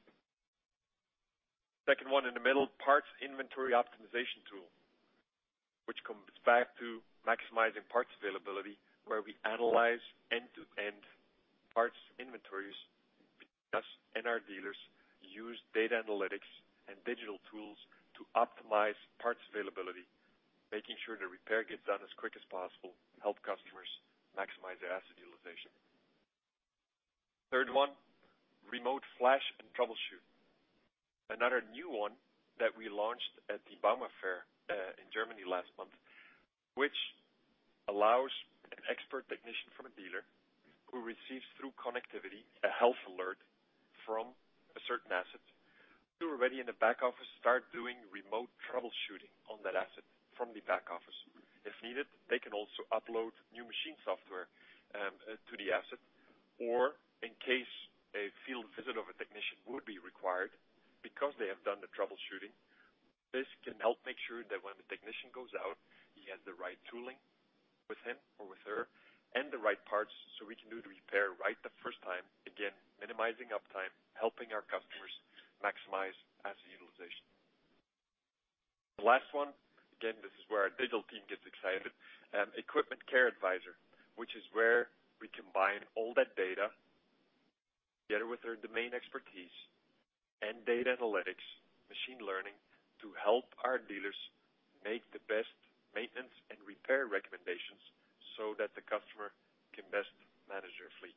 Second one in the middle, parts inventory optimization tool, which comes back to maximizing parts availability, where we analyze end-to-end parts inventories between us and our dealers, use data analytics and digital tools to optimize parts availability, making sure the repair gets done as quick as possible to help customers maximize their asset utilization. Third one, remote flash and troubleshoot. Another new one that we launched at the Bauma, in Germany last month, which allows an expert technician from a dealer who receives through connectivity a health alert from a certain asset to already in the back office, start doing remote troubleshooting on that asset from the back office. If needed, they can also upload new machine software to the asset, or in case a field visit of a technician would be required because they have done the troubleshooting, this can help make sure that when the technician goes out, he has the right tooling with him or with her and the right parts, so we can do the repair right the first time, again, minimizing uptime, helping our customers maximize asset utilization. The last one, again, this is where our digital team gets excited, Equipment Care Advisor, which is where we combine all that data together with our domain expertise and data analytics, machine learning to help our dealers make the best maintenance and repair recommendations so that the customer can best manage their fleet.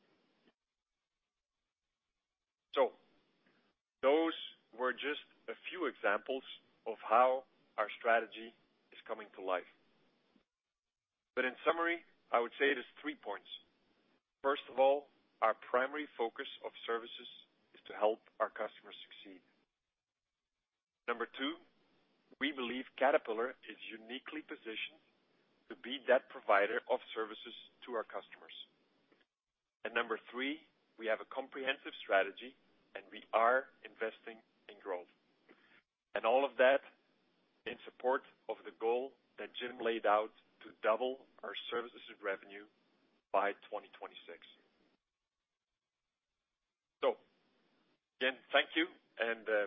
Those were just a few examples of how our strategy is coming to life. In summary, I would say it is three points. First of all, our primary focus of services is to help our customers succeed. Number two, we believe Caterpillar is uniquely positioned to be that provider of services to our customers. Number three, we have a comprehensive strategy, and we are investing in growth. All of that in support of the goal that Jim laid out to double our services revenue by 2026. Again, thank you.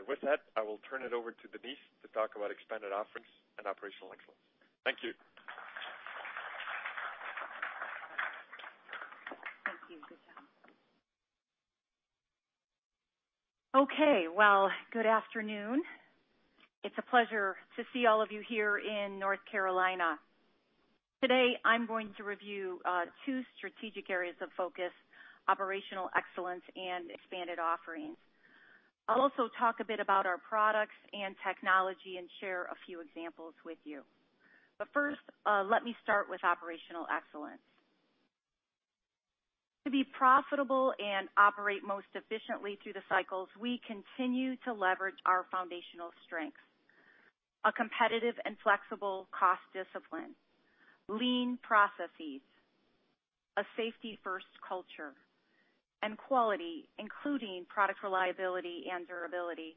With that, I will turn it over to Denise to talk about expanded offerings and operational excellence. Thank you. Thank you, De Lange. Okay. Well, good afternoon. It's a pleasure to see all of you here in North Carolina. Today, I'm going to review two strategic areas of focus, operational excellence and expanded offerings. I'll also talk a bit about our products and technology and share a few examples with you. First, let me start with operational excellence. To be profitable and operate most efficiently through the cycles, we continue to leverage our foundational strengths, a competitive and flexible cost discipline, lean processes, a safety-first culture, and quality, including product reliability and durability.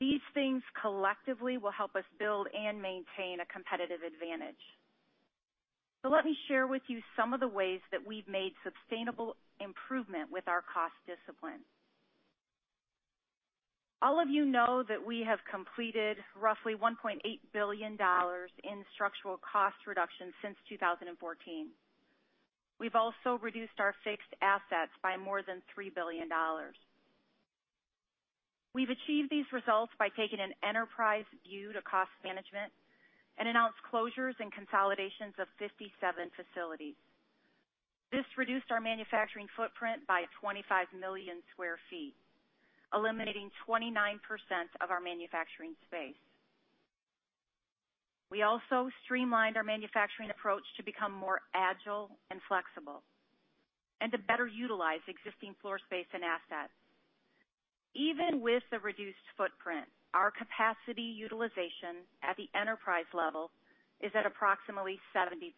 These things collectively will help us build and maintain a competitive advantage. Let me share with you some of the ways that we've made sustainable improvement with our cost discipline. All of you know that we have completed roughly $1.8 billion in structural cost reductions since 2014. We've also reduced our fixed assets by more than $3 billion. We've achieved these results by taking an enterprise view to cost management and announced closures and consolidations of 57 facilities. This reduced our manufacturing footprint by 25 million sq ft, eliminating 29% of our manufacturing space. We also streamlined our manufacturing approach to become more agile and flexible and to better utilize existing floor space and assets. Even with the reduced footprint, our capacity utilization at the enterprise level is at approximately 70%.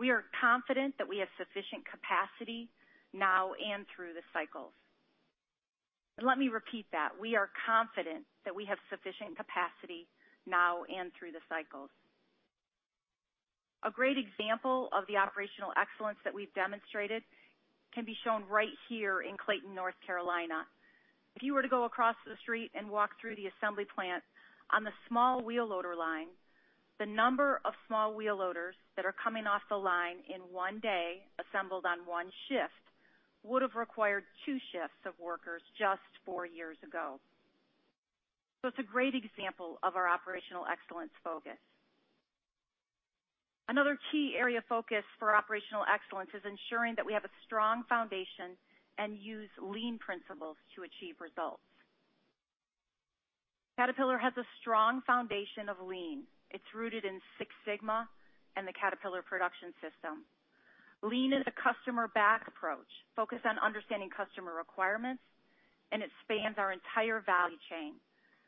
We are confident that we have sufficient capacity now and through the cycles. Let me repeat that. We are confident that we have sufficient capacity now and through the cycles. A great example of the operational excellence that we've demonstrated can be shown right here in Clayton, North Carolina. If you were to go across the street and walk through the assembly plant on the small wheel loader line, the number of small wheel loaders that are coming off the line in one day, assembled on one shift, would have required two shifts of workers just four years ago. It's a great example of our operational excellence focus. Another key area of focus for operational excellence is ensuring that we have a strong foundation and use lean principles to achieve results. Caterpillar has a strong foundation of lean. It's rooted in Six Sigma and the Caterpillar Production System. Lean is a customer back approach, focused on understanding customer requirements, and it spans our entire value chain,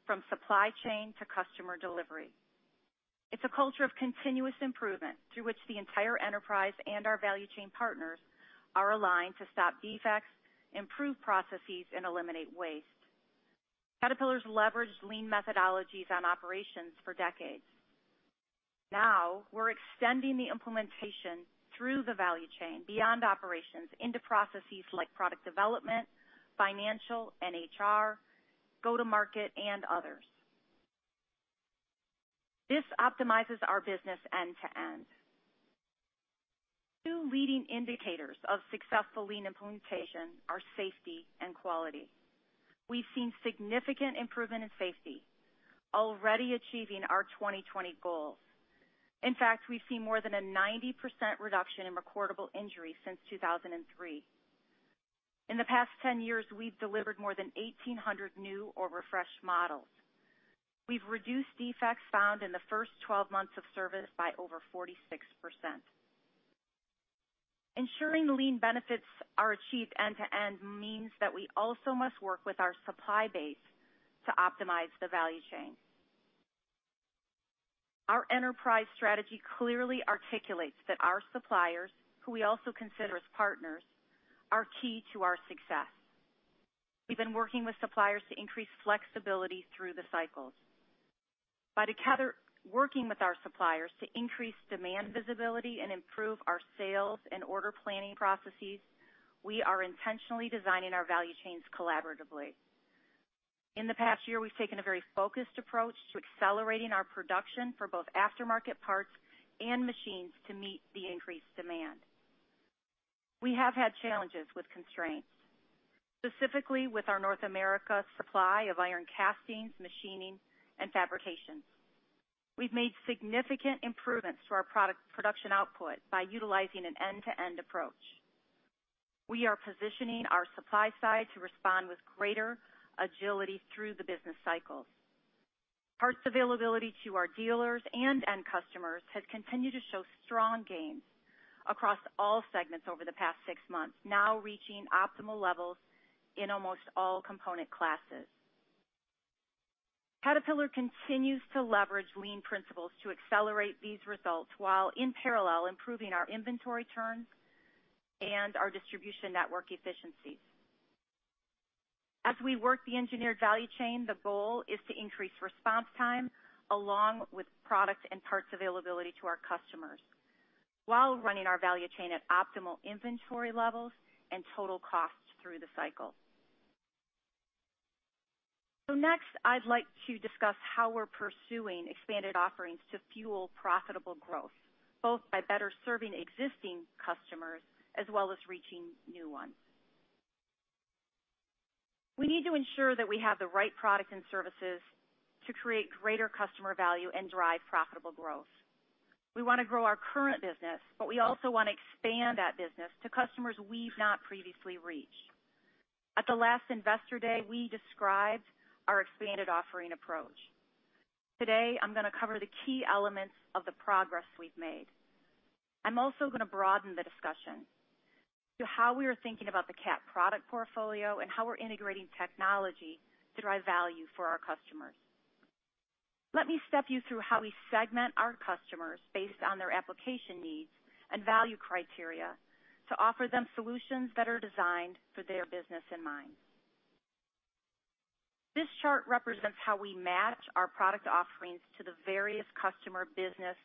from supply chain to customer delivery. It's a culture of continuous improvement through which the entire enterprise and our value chain partners are aligned to stop defects, improve processes and eliminate waste. Caterpillar's leveraged lean methodologies on operations for decades. We're extending the implementation through the value chain beyond operations into processes like product development, financial and HR, go to market and others. This optimizes our business end to end. two leading indicators of successful lean implementation are safety and quality. We've seen significant improvement in safety, already achieving our 2020 goals. In fact, we've seen more than a 90% reduction in recordable injuries since 2003. In the past 10 years, we've delivered more than 1,800 new or refreshed models. We've reduced defects found in the first 12 months of service by over 46%. Ensuring lean benefits are achieved end to end means that we also must work with our supply base to optimize the value chain. Our enterprise strategy clearly articulates that our suppliers, who we also consider as partners, are key to our success. We've been working with suppliers to increase flexibility through the cycles. By together working with our suppliers to increase demand visibility and improve our sales and order planning processes, we are intentionally designing our value chains collaboratively. In the past year, we've taken a very focused approach to accelerating our production for both aftermarket parts and machines to meet the increased demand. We have had challenges with constraints, specifically with our North America supply of iron castings, machining and fabrication. We've made significant improvements to our product production output by utilizing an end-to-end approach. We are positioning our supply side to respond with greater agility through the business cycles. Parts availability to our dealers and end customers has continued to show strong gains across all segments over the past six months, now reaching optimal levels in almost all component classes. Caterpillar continues to leverage lean principles to accelerate these results while in parallel improving our inventory turns and our distribution network efficiencies. As we work the engineered value chain, the goal is to increase response time along with product and parts availability to our customers while running our value chain at optimal inventory levels and total costs through the cycle. Next, I'd like to discuss how we're pursuing expanded offerings to fuel profitable growth, both by better serving existing customers as well as reaching new ones. We need to ensure that we have the right products and services to create greater customer value and drive profitable growth. We wanna grow our current business, but we also wanna expand that business to customers we've not previously reached. At the last Investor Day, we described our expanded offering approach. Today, I'm gonna cover the key elements of the progress we've made. I'm also gonna broaden the discussion to how we are thinking about the Cat product portfolio and how we're integrating technology to drive value for our customers. Let me step you through how we segment our customers based on their application needs and value criteria to offer them solutions that are designed for their business in mind. This chart represents how we match our product offerings to the various customer business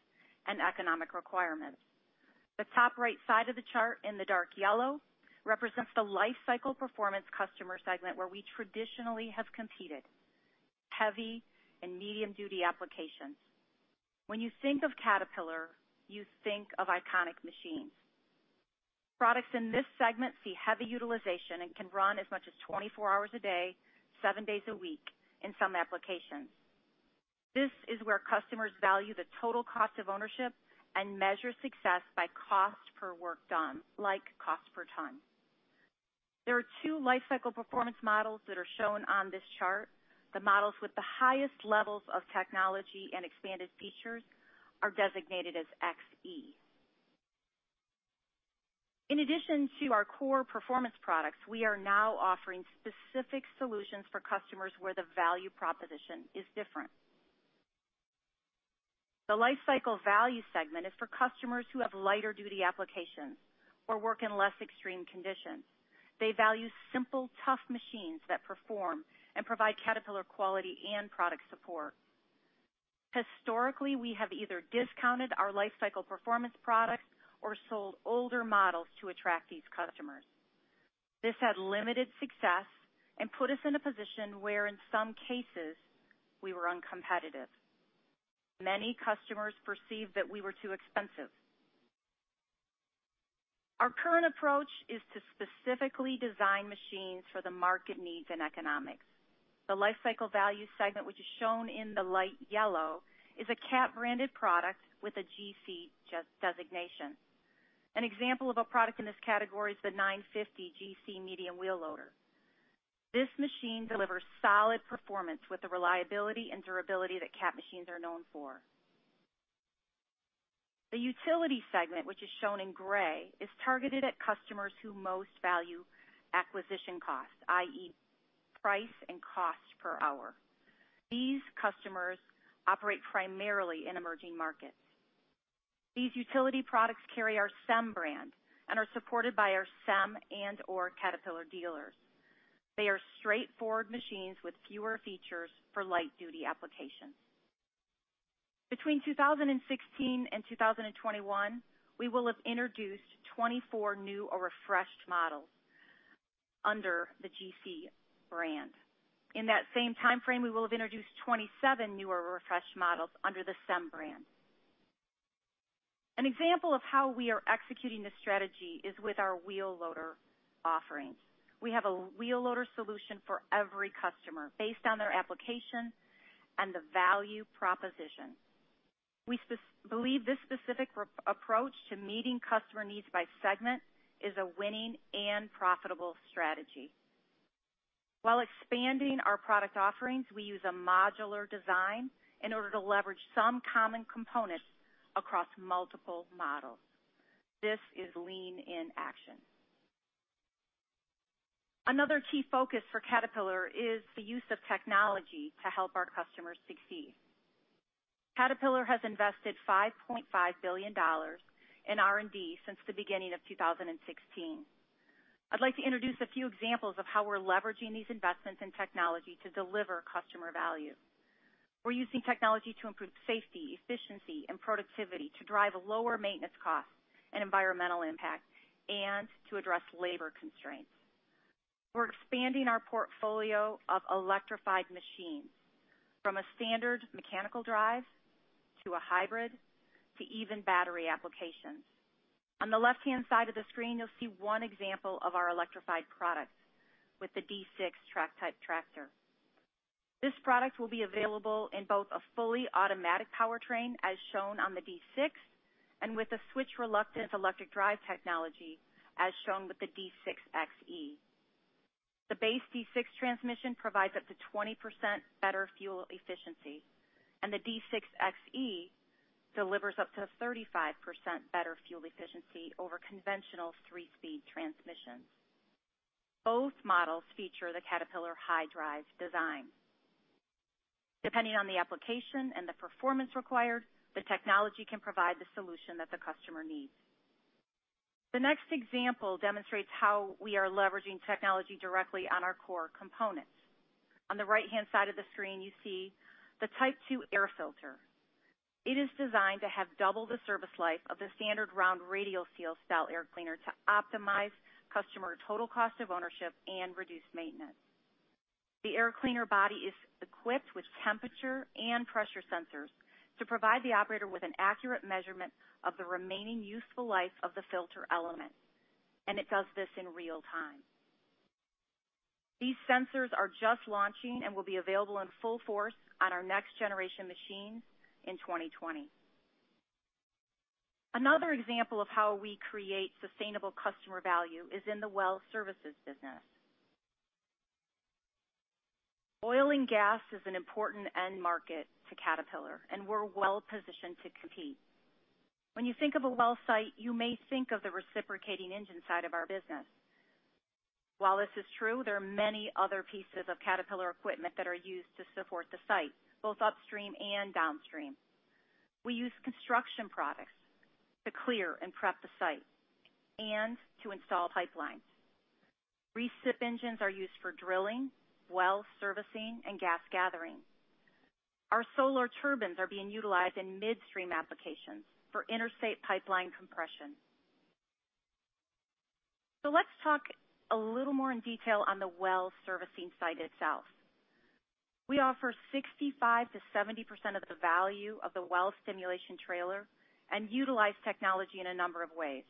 and economic requirements. The top right side of the chart in the dark yellow represents the lifecycle performance customer segment where we traditionally have competed, heavy and medium duty applications. When you think of Caterpillar, you think of iconic machines. Products in this segment see heavy utilization and can run as much as 24 hours a day, seven days a week in some applications. This is where customers value the total cost of ownership and measure success by cost per work done, like cost per ton. There are two lifecycle performance models that are shown on this chart. The models with the highest levels of technology and expanded features are designated as XE. In addition to our core performance products, we are now offering specific solutions for customers where the value proposition is different. The lifecycle value segment is for customers who have lighter duty applications or work in less extreme conditions. They value simple, tough machines that perform and provide Caterpillar quality and product support. Historically, we have either discounted our lifecycle performance products or sold older models to attract these customers. This had limited success and put us in a position where in some cases we were uncompetitive. Many customers perceived that we were too expensive. Our current approach is to specifically design machines for the market needs and economics. The lifecycle value segment, which is shown in the light yellow, is a Cat branded product with a GC designation. An example of a product in this category is the 950 GC medium wheel loader. This machine delivers solid performance with the reliability and durability that Cat machines are known for. The utility segment, which is shown in gray, is targeted at customers who most value acquisition costs, i.e., price and cost per hour. These customers operate primarily in emerging markets. These utility products carry our SEM brand and are supported by our SEM and/or Caterpillar dealers. They are straightforward machines with fewer features for light duty applications. Between 2016 and 2021, we will have introduced 24 new or refreshed models under the GC brand. In that same timeframe, we will have introduced 27 new or refreshed models under the SEM brand. An example of how we are executing this strategy is with our wheel loader offerings. We believe this specific approach to meeting customer needs by segment is a winning and profitable strategy. While expanding our product offerings, we use a modular design in order to leverage some common components across multiple models. This is lean in action. Another key focus for Caterpillar is the use of technology to help our customers succeed. Caterpillar has invested $5.5 billion in R&D since the beginning of 2016. I'd like to introduce a few examples of how we're leveraging these investments in technology to deliver customer value. We're using technology to improve safety, efficiency, and productivity to drive lower maintenance costs and environmental impact and to address labor constraints. We're expanding our portfolio of electrified machines from a standard mechanical drive to a hybrid to even battery applications. On the left-hand side of the screen, you'll see one example of our electrified products with the D6 track type tractor. This product will be available in both a fully automatic powertrain, as shown on the D6, and with a switched reluctance electric drive technology, as shown with the D6 XE. The base D6 transmission provides up to 20% better fuel efficiency, and the D6 XE delivers up to 35% better fuel efficiency over conventional three speed transmissions. Both models feature the Caterpillar high drive design. Depending on the application and the performance required, the technology can provide the solution that the customer needs. The next example demonstrates how we are leveraging technology directly on our core components. On the right-hand side of the screen, you see the type two air filter. It is designed to have double the service life of the standard round radial seal style air cleaner to optimize customer total cost of ownership and reduce maintenance. The air cleaner body is equipped with temperature and pressure sensors to provide the operator with an accurate measurement of the remaining useful life of the filter element, and it does this in real time. These sensors are just launching and will be available in full force on our next generation machines in 2020. Another example of how we create sustainable customer value is in the well services business. Oil and gas is an important end market to Caterpillar, we're well positioned to compete. When you think of a well site, you may think of the reciprocating engine side of our business. While this is true, there are many other pieces of Caterpillar equipment that are used to support the site, both upstream and downstream. We use construction products to clear and prep the site and to install pipelines. Recip engines are used for drilling, well servicing, and gas gathering. Our Solar Turbines are being utilized in midstream applications for interstate pipeline compression. Let's talk a little more in detail on the well servicing site itself. We offer 65%-70% of the value of the well stimulation trailer and utilize technology in a number of ways.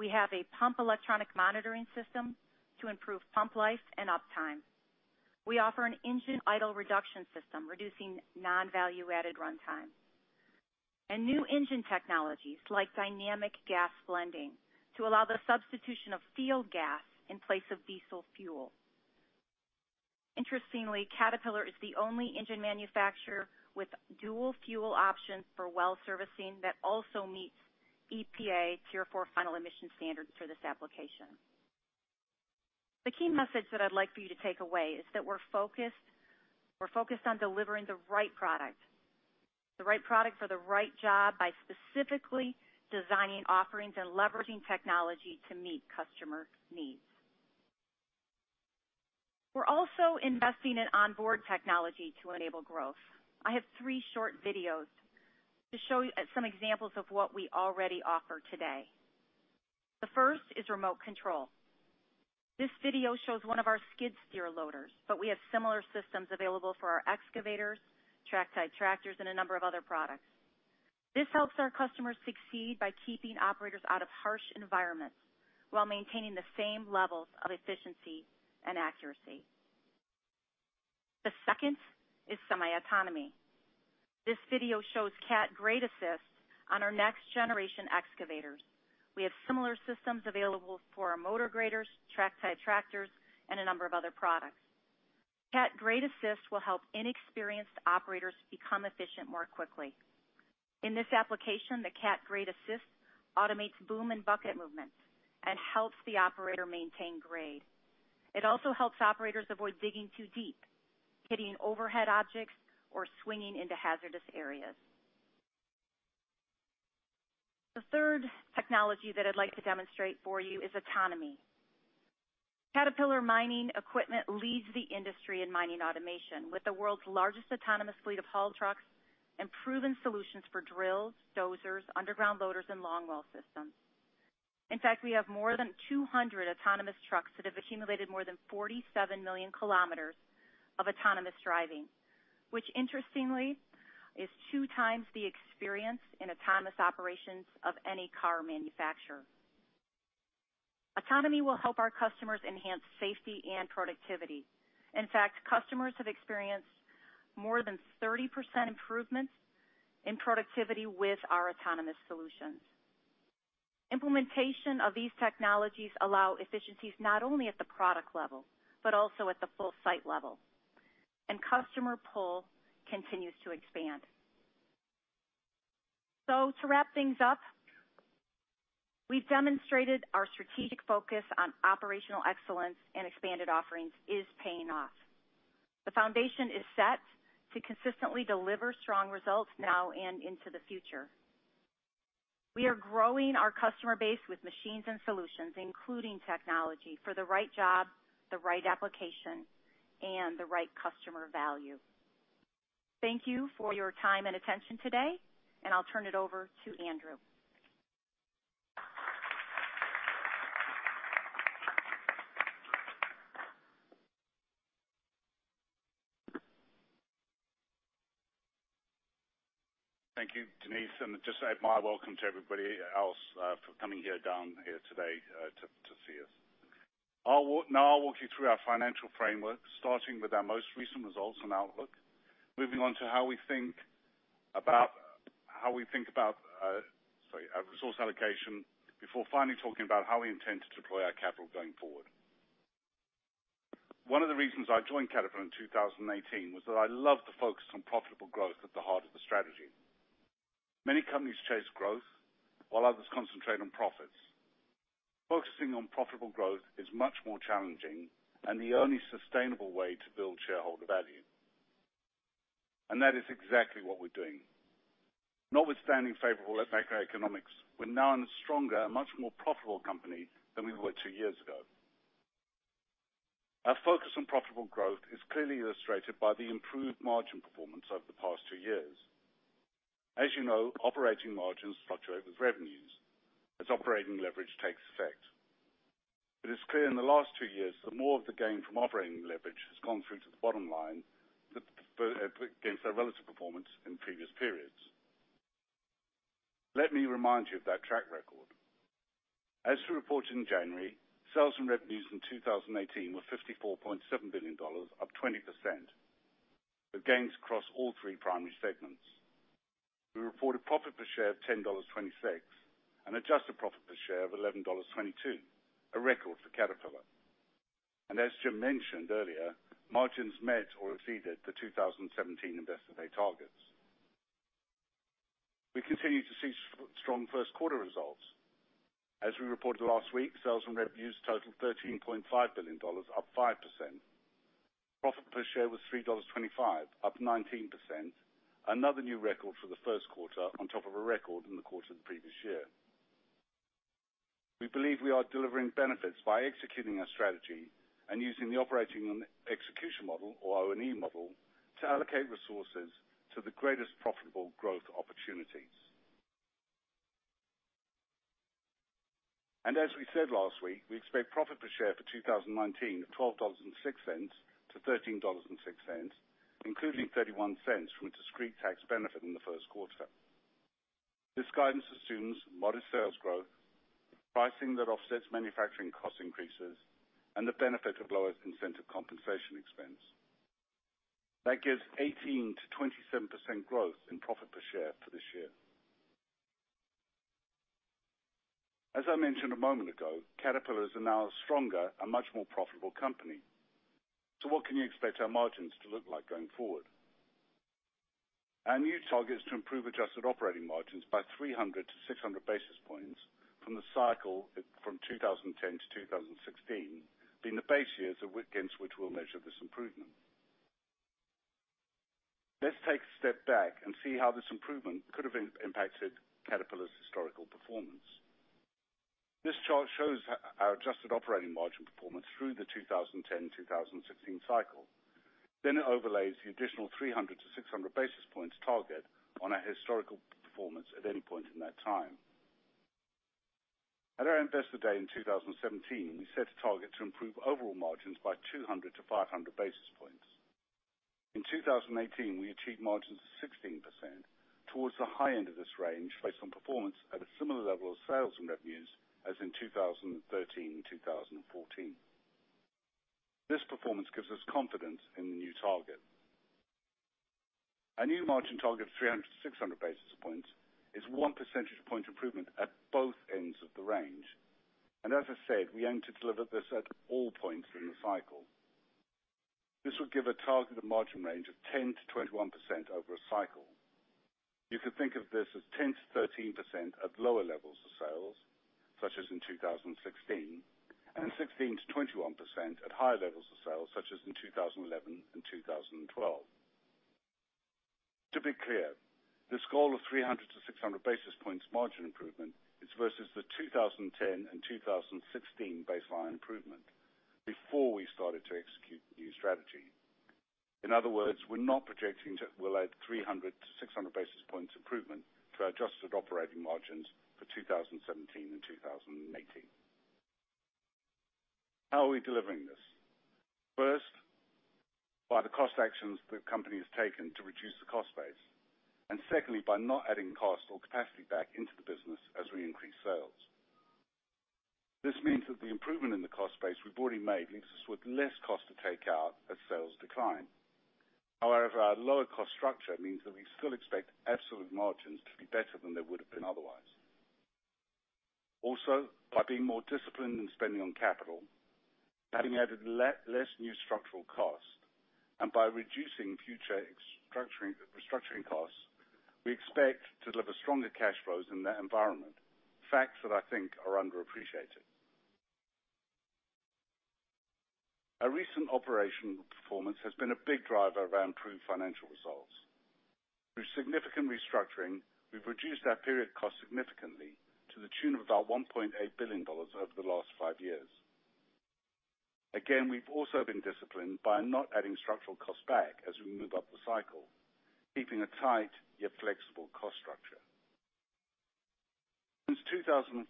We have a pump electronic monitoring system to improve pump life and uptime. We offer an engine idle reduction system, reducing non-value-added runtime. New engine technologies like Dynamic Gas Blending to allow the substitution of field gas in place of diesel fuel. Interestingly, Caterpillar is the only engine manufacturer with dual fuel options for well servicing that also meets EPA Tier 4 Final emission standards for this application. The key message that I'd like for you to take away is that we're focused. We're focused on delivering the right product. The right product for the right job by specifically designing offerings and leveraging technology to meet customer needs. We're also investing in onboard technology to enable growth. I have three short videos to show you, some examples of what we already offer today. The first is remote control. This video shows one of our skid steer loaders, but we have similar systems available for our excavators, track-type tractors, and a number of other products. This helps our customers succeed by keeping operators out of harsh environments while maintaining the same levels of efficiency and accuracy. The second is semi-autonomy. This video shows Cat Grade Assist on our next-generation excavators. We have similar systems available for our motor graders, track-type tractors, and a number of other products. Cat Grade Assist will help inexperienced operators become efficient more quickly. In this application, the Cat Grade Assist automates boom and bucket movements and helps the operator maintain grade. It also helps operators avoid digging too deep, hitting overhead objects, or swinging into hazardous areas. The third technology that I'd like to demonstrate for you is autonomy. Caterpillar mining equipment leads the industry in mining automation, with the world's largest autonomous fleet of haul trucks and proven solutions for drills, dozers, underground loaders, and longwall systems. In fact, we have more than 200 autonomous trucks that have accumulated more than 47 million km of autonomous driving, which interestingly, is two times the experience in autonomous operations of any car manufacturer. Autonomy will help our customers enhance safety and productivity. In fact, customers have experienced more than 30% improvement in productivity with our autonomous solutions. Implementation of these technologies allow efficiencies not only at the product level, but also at the full site level, and customer pull continues to expand. To wrap things up, we've demonstrated our strategic focus on operational excellence and expanded offerings is paying off. The foundation is set to consistently deliver strong results now and into the future. We are growing our customer base with machines and solutions, including technology for the right job, the right application, and the right customer value. Thank you for your time and attention today, and I'll turn it over to Andrew. Thank you, Denise, and just add my welcome to everybody else, for coming here, down here today, to see us. Now I'll walk you through our financial framework, starting with our most recent results and outlook, moving on to how we think about, sorry, our resource allocation, before finally talking about how we intend to deploy our capital going forward. One of the reasons I joined Caterpillar in 2018 was that I love the focus on profitable growth at the heart of the strategy. Many companies chase growth while others concentrate on profits. Focusing on profitable growth is much more challenging and the only sustainable way to build shareholder value. That is exactly what we're doing. Notwithstanding favorable economics, we're now in a stronger, much more profitable company than we were two years ago. Our focus on profitable growth is clearly illustrated by the improved margin performance over the past two years. As you know, operating margins fluctuate with revenues as operating leverage takes effect. It is clear in the last two years that more of the gain from operating leverage has gone through to the bottom line against our relative performance in previous periods. Let me remind you of that track record. As we reported in January, sales and revenues in 2018 were $54.7 billion, up 20%, with gains across all three primary segments. We reported profit per share of $10.26 and adjusted profit per share of $11.22, a record for Caterpillar. As Jim mentioned earlier, margins met or exceeded the 2017 Investor Day targets. We continue to see strong first quarter results. As we reported last week, sales and revenues totaled $13.5 billion, up 5%. Profit per share was $3.25, up 19%, another new record for the first quarter on top of a record in the quarter the previous year. We believe we are delivering benefits by executing our strategy and using the Operating & Execution Model or O&E Model to allocate resources to the greatest profitable growth opportunities. As we said last week, we expect profit per share for 2019 of $12.06-$13.06, including $0.31 from a discrete tax benefit in the first quarter. This guidance assumes modest sales growth, pricing that offsets manufacturing cost increases, and the benefit of lower incentive compensation expense. That gives 18%-27% growth in profit per share for this year. As I mentioned a moment ago, Caterpillar is now a stronger and much more profitable company. What can you expect our margins to look like going forward? Our new target is to improve adjusted operating margins by 300 to 600 basis points from the cycle, from 2010 to 2016, being the base years against which we'll measure this improvement. Let's take a step back and see how this improvement could have impacted Caterpillar's historical performance. This chart shows how adjusted operating margin performance through the 2010, 2016 cycle. It overlays the additional 300 to 600 basis points target on a historical performance at any point in that time. At our Investor Day in 2017, we set a target to improve overall margins by 200 to 500 basis points. In 2018, we achieved margins of 16% towards the high end of this range, based on performance at a similar level of sales and revenues as in 2013, 2014. This performance gives us confidence in the new target. Our new margin target of 300 to 600 basis points is 1 percentage point improvement at both ends of the range. As I said, we aim to deliver this at all points in the cycle. This will give a targeted margin range of 10%-21% over a cycle. You could think of this as 10%-13% at lower levels of sales, such as in 2016, and 16%-21% at higher levels of sales, such as in 2011 and 2012. To be clear, this goal of 300-600 basis points margin improvement is versus the 2010 and 2016 baseline improvement before we started to execute the new strategy. In other words, we're not projecting to allow the 300-600 basis points improvement to adjusted operating margins for 2017 and 2018. How are we delivering this? First, by the cost actions the company has taken to reduce the cost base, and secondly, by not adding cost or capacity back into the business as we increase sales. This means that the improvement in the cost base we've already made leaves us with less cost to take out as sales decline. Our lower cost structure means that we still expect absolute margins to be better than they would have been otherwise. By being more disciplined in spending on CapEx, having added less new structural costs, and by reducing future restructuring costs, we expect to deliver stronger cash flows in that environment. Facts that I think are underappreciated. Our recent operational performance has been a big driver around improved financial results. Through significant restructuring, we've reduced our period cost significantly to the tune of about $1.8 billion over the last five years. We've also been disciplined by not adding structural costs back as we move up the cycle, keeping a tight yet flexible cost structure. Since 2014,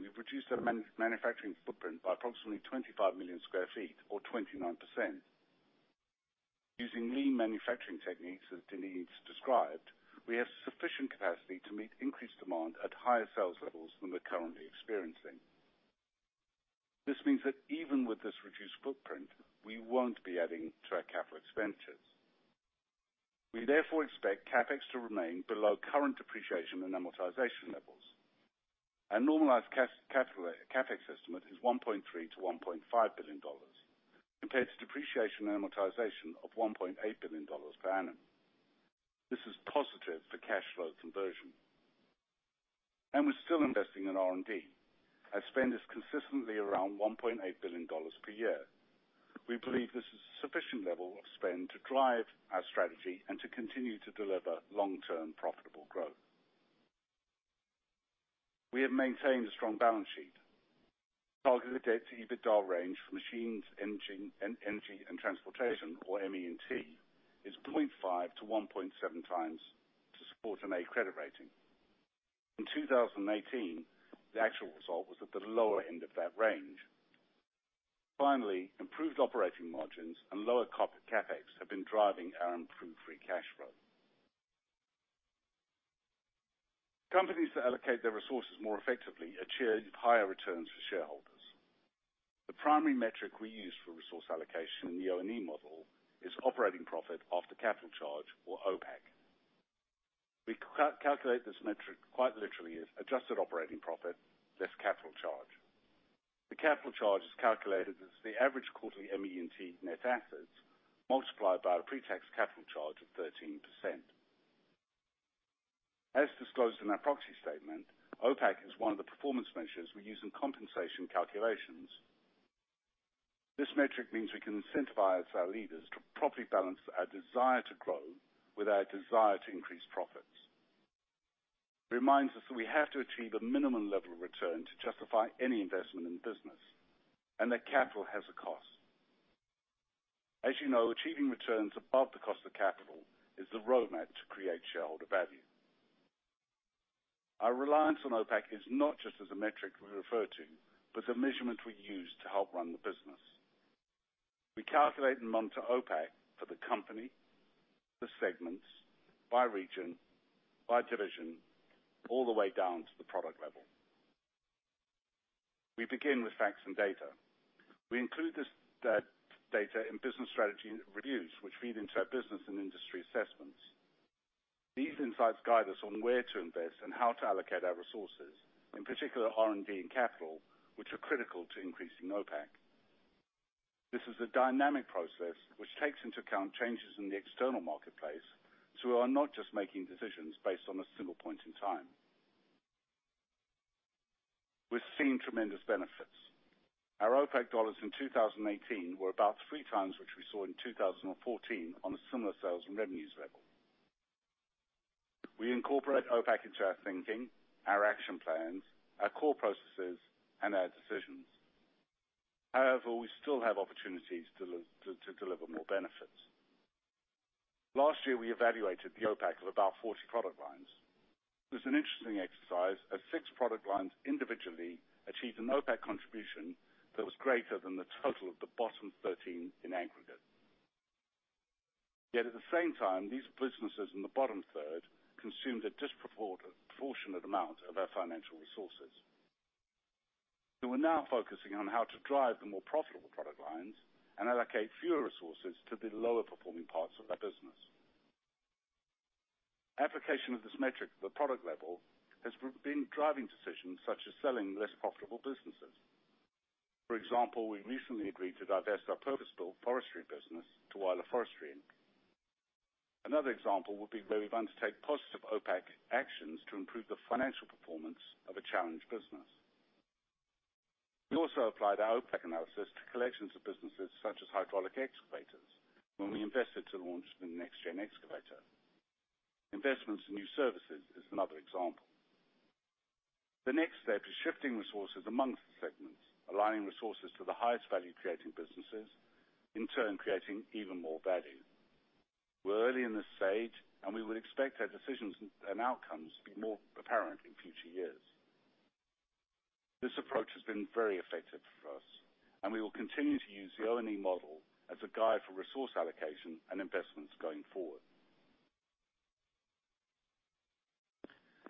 we've reduced our manufacturing footprint by approximately 25 million sq ft or 29%. Using lean manufacturing techniques, as Denise described, we have sufficient capacity to meet increased demand at higher sales levels than we're currently experiencing. This means that even with this reduced footprint, we won't be adding to our capital expenditures. We therefore expect CapEx to remain below current depreciation and amortization levels. Our normalized capital CapEx estimate is $1.3 billion-$1.5 billion compared to depreciation and amortization of $1.8 billion per annum. This is positive for cash flow conversion. We're still investing in R&D, as spend is consistently around $1.8 billion per year. We believe this is a sufficient level of spend to drive our strategy and to continue to deliver long-term profitable growth. We have maintained a strong balance sheet. Targeted debt to EBITDA range for Machinery, Energy & Transportation, or ME&T, is 0.5-1.7x to support an A credit rating. In 2018, the actual result was at the lower end of that range. Finally, improved operating margins and lower CapEx have been driving our improved free cash flow. Companies that allocate their resources more effectively achieve higher returns for shareholders. The primary metric we use for resource allocation in the O&E Model is operating profit after capital charge, or OPACC. We calculate this metric quite literally as adjusted operating profit less capital charge. The capital charge is calculated as the average quarterly ME&T net assets multiplied by a pre-tax capital charge of 13%. As disclosed in our proxy statement, OPACC is one of the performance measures we use in compensation calculations. This metric means we can incentivize our leaders to properly balance our desire to grow with our desire to increase profits. It reminds us that we have to achieve a minimum level of return to justify any investment in the business, and that capital has a cost. As you know, achieving returns above the cost of capital is the roadmap to create shareholder value. Our reliance on OPACC is not just as a metric we refer to, but a measurement we use to help run the business. We calculate and monitor OPACC for the company, the segments, by region, by division, all the way down to the product level. We begin with facts and data. We include this data in business strategy reviews, which feed into our business and industry assessments. These insights guide us on where to invest and how to allocate our resources, in particular R&D and capital, which are critical to increasing OPACC. This is a dynamic process which takes into account changes in the external marketplace, so we are not just making decisions based on a single point in time. We're seeing tremendous benefits. Our OPACC dollars in 2018 were about three times which we saw in 2014 on a similar sales and revenues level. We incorporate OPACC into our thinking, our action plans, our core processes, and our decisions. However, we still have opportunities to deliver more benefits. Last year, we evaluated the OPACC of about 40 product lines. It was an interesting exercise as six product lines individually achieved an OPACC contribution that was greater than the total of the bottom 13 in aggregate. At the same time, these businesses in the bottom third consumed a disproportionate amount of our financial resources. We're now focusing on how to drive the more profitable product lines and allocate fewer resources to the lower performing parts of our business. Application of this metric at the product level has been driving decisions such as selling less profitable businesses. For example, we recently agreed to divest our purpose-built forestry business to Weiler Forestry Inc. Another example would be where we want to take positive OPACC actions to improve the financial performance of a challenged business. We also applied our OPACC analysis to collections of businesses such as hydraulic excavators when we invested to launch the next-gen excavator. Investments in new services is another example. The next step is shifting resources amongst the segments, aligning resources to the highest value creating businesses, in turn creating even more value. We're early in this stage, and we would expect our decisions and outcomes to be more apparent in future years. This approach has been very effective for us, and we will continue to use the O&E Model as a guide for resource allocation and investments going forward.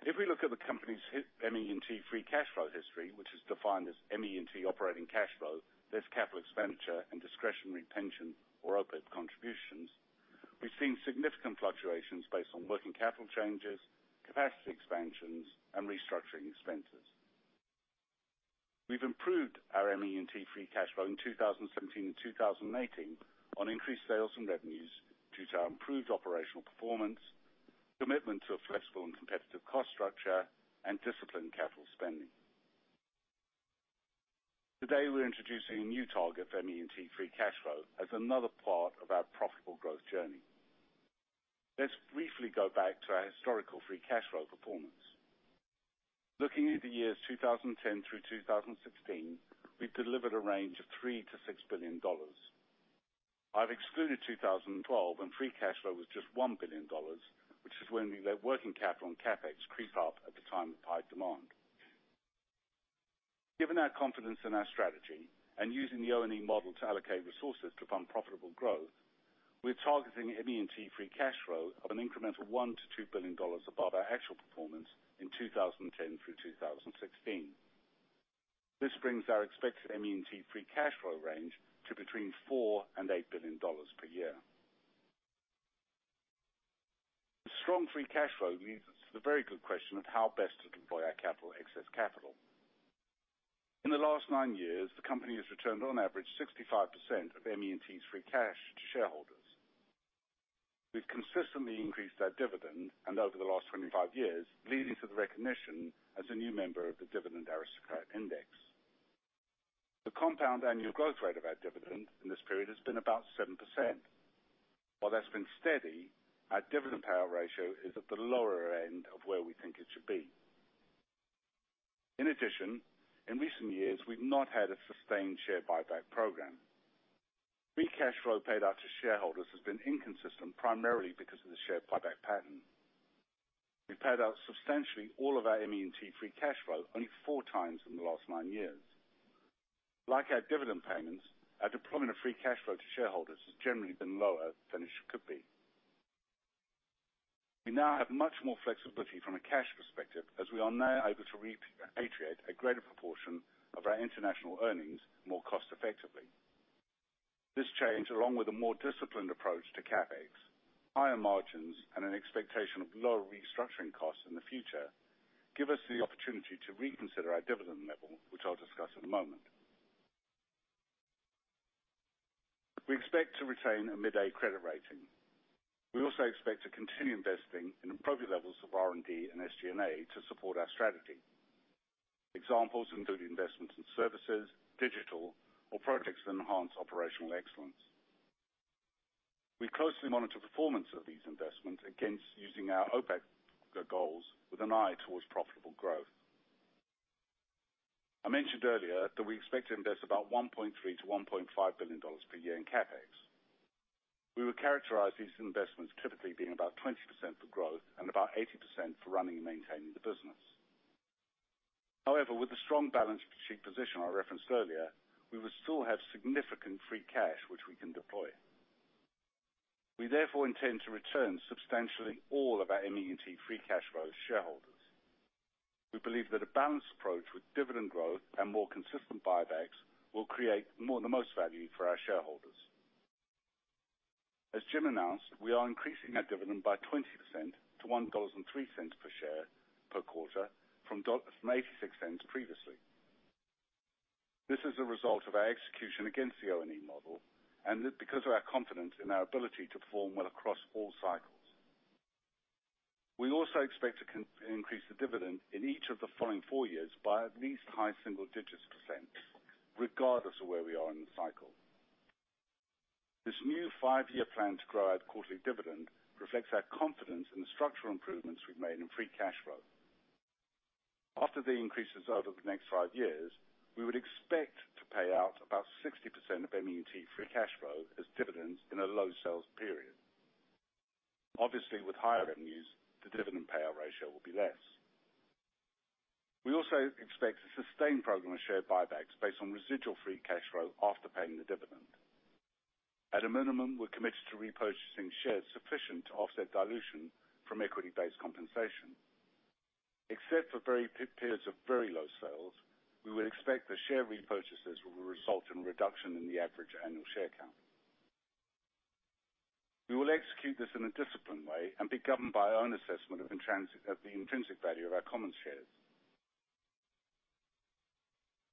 If we look at the company's ME&T free cash flow history, which is defined as ME&T operating cash flow, less capital expenditure and discretionary pension or OPACC contributions, we've seen significant fluctuations based on working capital changes, capacity expansions, and restructuring expenses. We've improved our ME&T free cash flow in 2017 and 2018 on increased sales and revenues due to our improved operational performance, commitment to a flexible and competitive cost structure, and disciplined capital spending. Today, we're introducing a new target for ME&T free cash flow as another part of our profitable growth journey. Let's briefly go back to our historical free cash flow performance. Looking at the years 2010 through 2016, we've delivered a range of $3 billion-$6 billion. I've excluded 2012 when free cash flow was just $1 billion, which is when we let working capital and CapEx creep up at the time of high demand. Given our confidence in our strategy and using the O&E Model to allocate resources to fund profitable growth, we're targeting ME&T free cash flow of an incremental $1 billion-$2 billion above our actual performance in 2010 through 2016. This brings our expected ME&T free cash flow range to between $4 billion and $8 billion per year. Strong free cash flow leads us to the very good question of how best to deploy our capital, excess capital. In the last nine years, the company has returned on average 65% of ME&T's free cash to shareholders. We've consistently increased our dividend, and over the last 25 years, leading to the recognition as a new member of the Dividend Aristocrat Index. The compound annual growth rate of our dividend in this period has been about seven percent. While that's been steady, our dividend payout ratio is at the lower end of where we think it should be. In addition, in recent years, we've not had a sustained share buyback program. Free cash flow paid out to shareholders has been inconsistent primarily because of the share buyback pattern. We paid out substantially all of our ME&T free cash flow only four times in the last nine years. Like our dividend payments, our deployment of free cash flow to shareholders has generally been lower than it could be. We now have much more flexibility from a cash perspective as we are now able to repatriate a greater proportion of our international earnings more cost effectively. This change, along with a more disciplined approach to CapEx, higher margins, and an expectation of lower restructuring costs in the future, give us the opportunity to reconsider our dividend level, which I'll discuss in a moment. We expect to retain a mid-A credit rating. We also expect to continue investing in appropriate levels of R&D and SG&A to support our strategy. Examples include investments in services, digital, or projects that enhance operational excellence. We closely monitor performance of these investments against using our OPACC goals with an eye towards profitable growth. I mentioned earlier that we expect to invest about $1.3 billion-$1.5 billion per year in CapEx. We would characterize these investments typically being about 20% for growth and about 80% for running and maintaining the business. However, with the strong balance sheet position I referenced earlier, we will still have significant free cash which we can deploy. We therefore intend to return substantially all of our ME&T free cash flow to shareholders. We believe that a balanced approach with dividend growth and more consistent buybacks will create the most value for our shareholders. As Jim announced, we are increasing our dividend by 20% to $1.03 per share per quarter from $0.86 previously. This is a result of our execution against the O&E Model because of our confidence in our ability to perform well across all cycles. We also expect to increase the dividend in each of the following four years by at least high single digits percent regardless of where we are in the cycle. This new five year plan to grow our quarterly dividend reflects our confidence in the structural improvements we've made in free cash flow. After the increases over the next five years, we would expect to pay out about 60% of ME&T free cash flow as dividends in a low sales period. With higher revenues, the dividend payout ratio will be less. We also expect a sustained program of share buybacks based on residual free cash flow after paying the dividend. At a minimum, we're committed to repurchasing shares sufficient to offset dilution from equity-based compensation. Except for periods of very low sales, we would expect the share repurchases will result in a reduction in the average annual share count. We will execute this in a disciplined way and be governed by our own assessment of the intrinsic value of our common shares.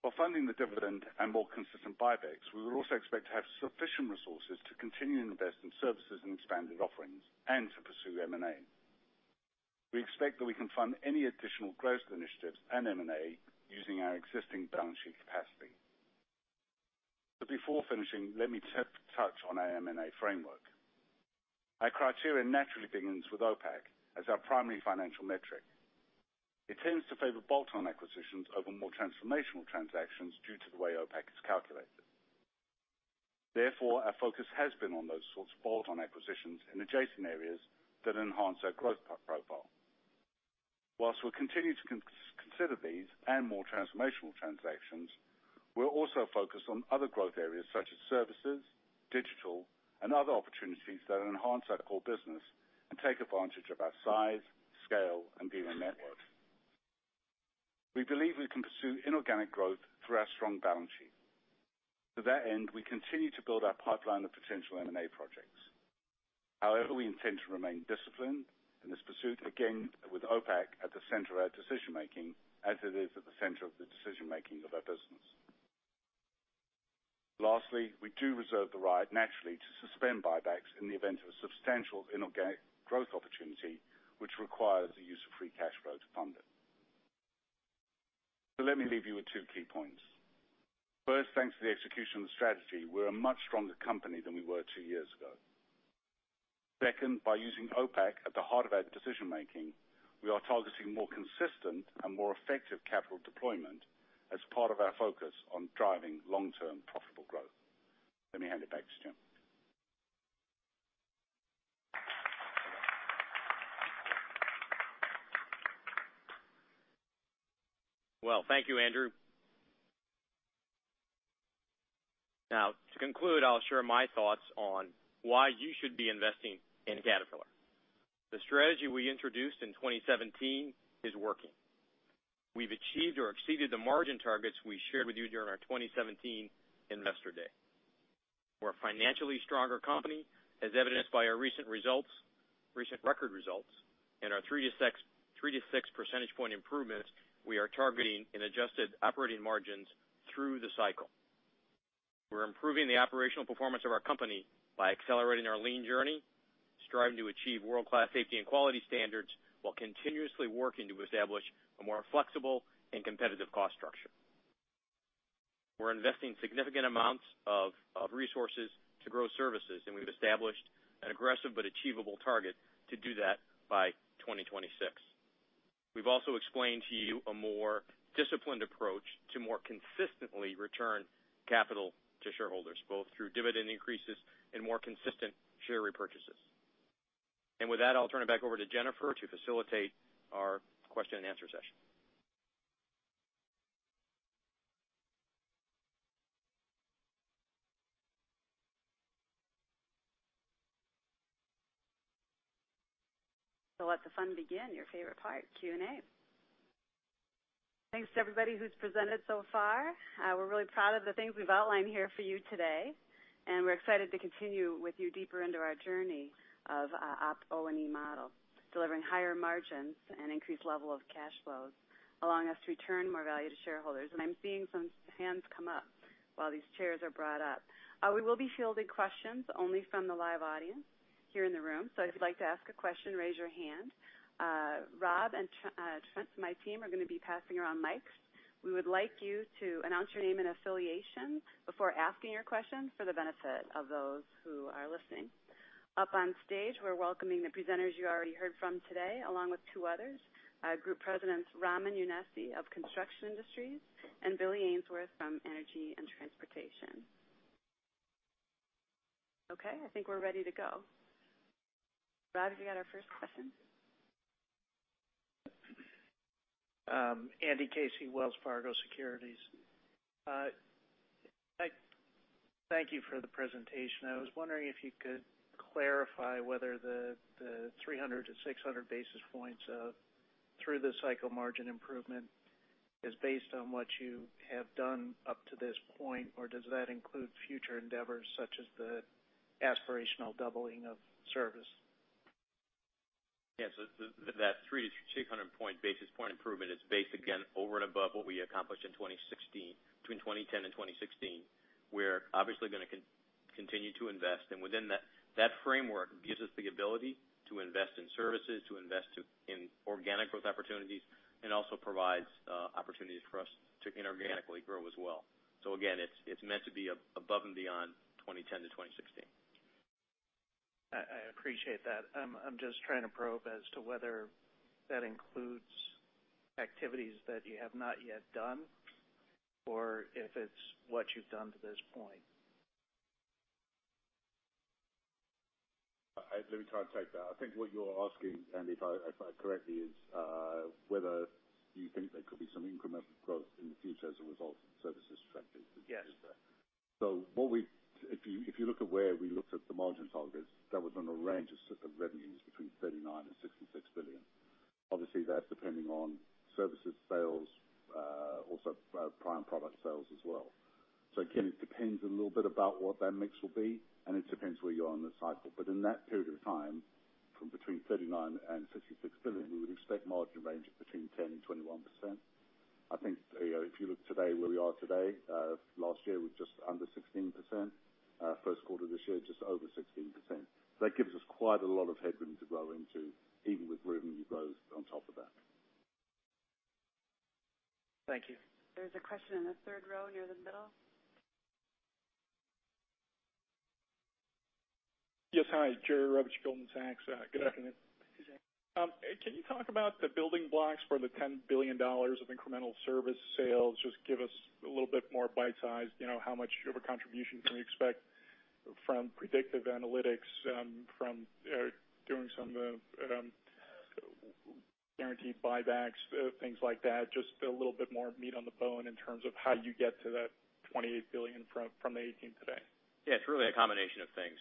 While funding the dividend and more consistent buybacks, we will also expect to have sufficient resources to continue to invest in services and expanded offerings and to pursue M&A. We expect that we can fund any additional growth initiatives and M&A using our existing balance sheet capacity. Before finishing, let me touch on our M&A framework. Our criteria naturally begins with OPACC as our primary financial metric. It tends to favor bolt-on acquisitions over more transformational transactions due to the way OPACC is calculated. Therefore, our focus has been on those sorts of bolt-on acquisitions in adjacent areas that enhance our growth profile. Whilst we'll continue to consider these and more transformational transactions, we're also focused on other growth areas such as services, digital, and other opportunities that enhance our core business and take advantage of our size, scale, and dealer network. We believe we can pursue inorganic growth through our strong balance sheet. To that end, we continue to build our pipeline of potential M&A projects. However, we intend to remain disciplined in this pursuit, again, with OPACC at the center of our decision-making as it is at the center of the decision-making of our business. Lastly, we do reserve the right, naturally, to suspend buybacks in the event of a substantial inorganic growth opportunity which requires the use of free cash flow to fund it. Let me leave you with two key points. First, thanks to the execution of the strategy, we're a much stronger company than we were two years ago. Second, by using OPACC at the heart of our decision-making, we are targeting more consistent and more effective capital deployment as part of our focus on driving long-term profitable growth. Let me hand it back to Jim. Well, thank you, Andrew. Now, to conclude, I'll share my thoughts on why you should be investing in Caterpillar. The strategy we introduced in 2017 is working. We've achieved or exceeded the margin targets we shared with you during our 2017 Investor Day. We're a financially stronger company, as evidenced by our recent results, recent record results and our 3 to 6 percentage point improvements we are targeting in adjusted operating margins through the cycle. We're improving the operational performance of our company by accelerating our lean journey, striving to achieve world-class safety and quality standards, while continuously working to establish a more flexible and competitive cost structure. We're investing significant amounts of resources to grow services, and we've established an aggressive but achievable target to do that by 2026. We've also explained to you a more disciplined approach to more consistently return capital to shareholders, both through dividend increases and more consistent share repurchases. With that, I'll turn it back over to Jennifer to facilitate our question and answer session. Let the fun begin, your favorite part, Q&A. Thanks to everybody who's presented so far. We're really proud of the things we've outlined here for you today, and we're excited to continue with you deeper into our journey of O&E Model, delivering higher margins and increased level of cash flows, allowing us to return more value to shareholders. I'm seeing some hands come up while these chairs are brought up. We will be fielding questions only from the live audience here in the room. If you'd like to ask a question, raise your hand. Rob and Trent, my team, are gonna be passing around mics. We would like you to announce your name and affiliation before asking your question for the benefit of those who are listening. Up on stage, we're welcoming the presenters you already heard from today, along with two others, Group Presidents, Ramin Younessi of Construction Industries and Billy Ainsworth from Energy & Transportation. Okay, I think we're ready to go. Rob, have you got our first question? Andrew Casey, Wells Fargo Securities. I thank you for the presentation. I was wondering if you could clarify whether the 300 to 600 basis points through the cycle margin improvement is based on what you have done up to this point, or does that include future endeavors such as the aspirational doubling of service? Yes. That 300 to 600 basis point improvement is based again over and above what we accomplished in 2016, between 2010 and 2016. We're obviously gonna continue to invest, and within that framework gives us the ability to invest in services, to invest in organic growth opportunities, and also provides opportunities for us to inorganically grow as well. Again, it's meant to be above and beyond 2010 to 2016. I appreciate that. I'm just trying to probe as to whether that includes activities that you have not yet done or if it's what you've done to this point. Let me try and take that. I think what you're asking, Andy, if I correctly, is whether you think there could be some incremental growth in the future as a result of services strategy. Yes, sir. If you look at where we looked at the margin targets, that was on a range of certain revenues between $39 billion-$66 billion. Obviously, that's depending on services sales, also, prime product sales as well. Again, it depends a little bit about what that mix will be, and it depends where you are in the cycle. In that period of time, from between $39 billion-$66 billion, we would expect margin ranges between 10%-21%. I think, if you look today where we are today, last year was just under 16%. First quarter this year, just over 16%. That gives us quite a lot of headroom to grow into, even with revenue growth on top of that. Thank you. There's a question in the third row near the middle. Yes. Hi, Jerry Revich, Goldman Sachs. Good afternoon. Afternoon. Can you talk about the building blocks for the $10 billion of incremental service sales? Just give us a little bit more bite-sized, you know, how much of a contribution can we expect from predictive analytics, from doing some of guaranteed buybacks, things like that. Just a little bit more meat on the bone in terms of how you get to that $28 billion from the $18 billion today. It's really a combination of things.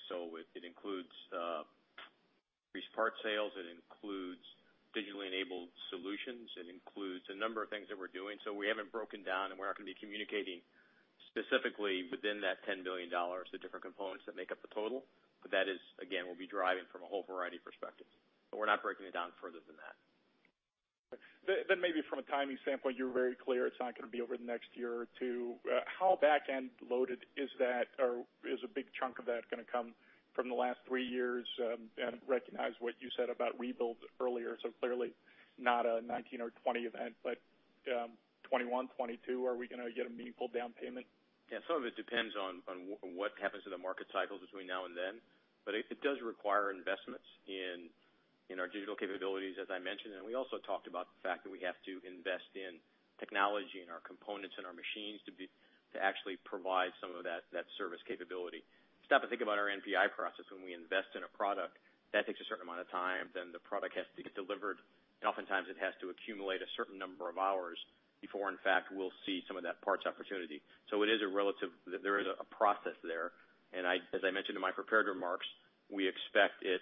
It includes increased parts sales. It includes digitally enabled solutions. It includes a number of things that we're doing. We haven't broken down, and we're not gonna be communicating specifically within that $10 billion, the different components that make up the total. That is, again, we'll be driving from a whole variety of perspectives, but we're not breaking it down further than that. Then, maybe from a timing standpoint, you're very clear it's not gonna be over the next one or two years. How back-end loaded is that? Or is a big chunk of that gonna come from the last three years? And recognize what you said about rebuild earlier, so clearly not a '19 or '20 event. '21, '22, are we gonna get a meaningful down payment? Yeah, some of it depends on what happens to the market cycle between now and then. It does require investments in our digital capabilities, as I mentioned. We also talked about the fact that we have to invest in technology and our components and our machines to actually provide some of that service capability. Stop and think about our NPI process. When we invest in a product, that takes a certain amount of time. The product has to get delivered. Oftentimes it has to accumulate a certain number of hours before, in fact, we'll see some of that parts opportunity. It is a process there. As I mentioned in my prepared remarks, we expect it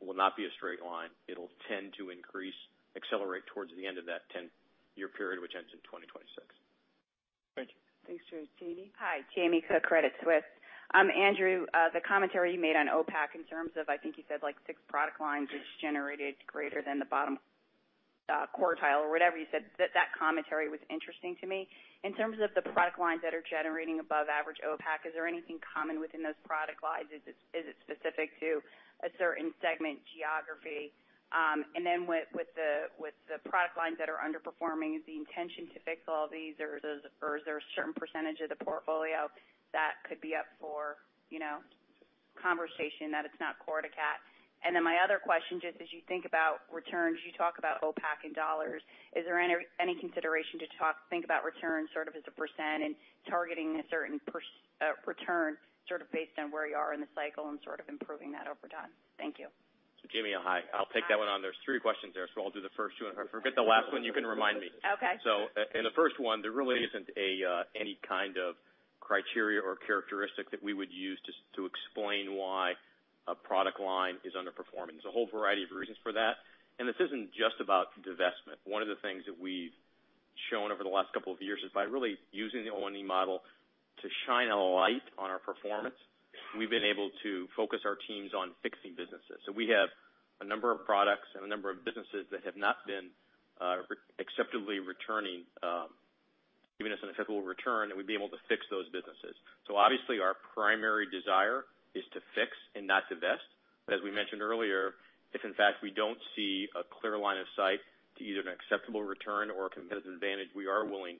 will not be a straight line. It'll tend to increase, accelerate towards the end of that 10 year period, which ends in 2026. Thank you. Thanks, Jerry. Jamie? Hi, Jamie Cook, Credit Suisse. Andrew, the commentary you made on OPACC in terms of, I think you said, like, six product lines which generated greater than the bottom quartile or whatever you said, that commentary was interesting to me. In terms of the product lines that are generating above average OPACC, is there anything common within those product lines? Is it specific to a certain segment, geography? Then with the product lines that are underperforming, is the intention to fix all these, or is there a certain percentage of the portfolio that could be up for, you know, conversation that it's not core to Cat? Then my other question, just as you think about returns, you talk about OPACC in dollars. Is there any consideration think about returns sort of as a percent and targeting a certain return sort of based on where you are in the cycle and sort of improving that over time? Thank you. Jamie, hi. I'll pick that one on. There's three questions there, so I'll do the first two, and if I forget the last one, you can remind me. Okay. In the first one, there really isn't any kind of criteria or characteristic that we would use to explain why a product line is underperforming. There's a whole variety of reasons for that, and this isn't just about divestment. One of the things that we've shown over the last couple of years is by really using the O&E Model to shine a light on our performance, we've been able to focus our teams on fixing businesses. We have a number of products and a number of businesses that have not been acceptably returning, giving us an acceptable return, and we'd be able to fix those businesses. Obviously, our primary desire is to fix and not divest. As we mentioned earlier, if in fact we don't see a clear line of sight to either an acceptable return or a competitive advantage, we are willing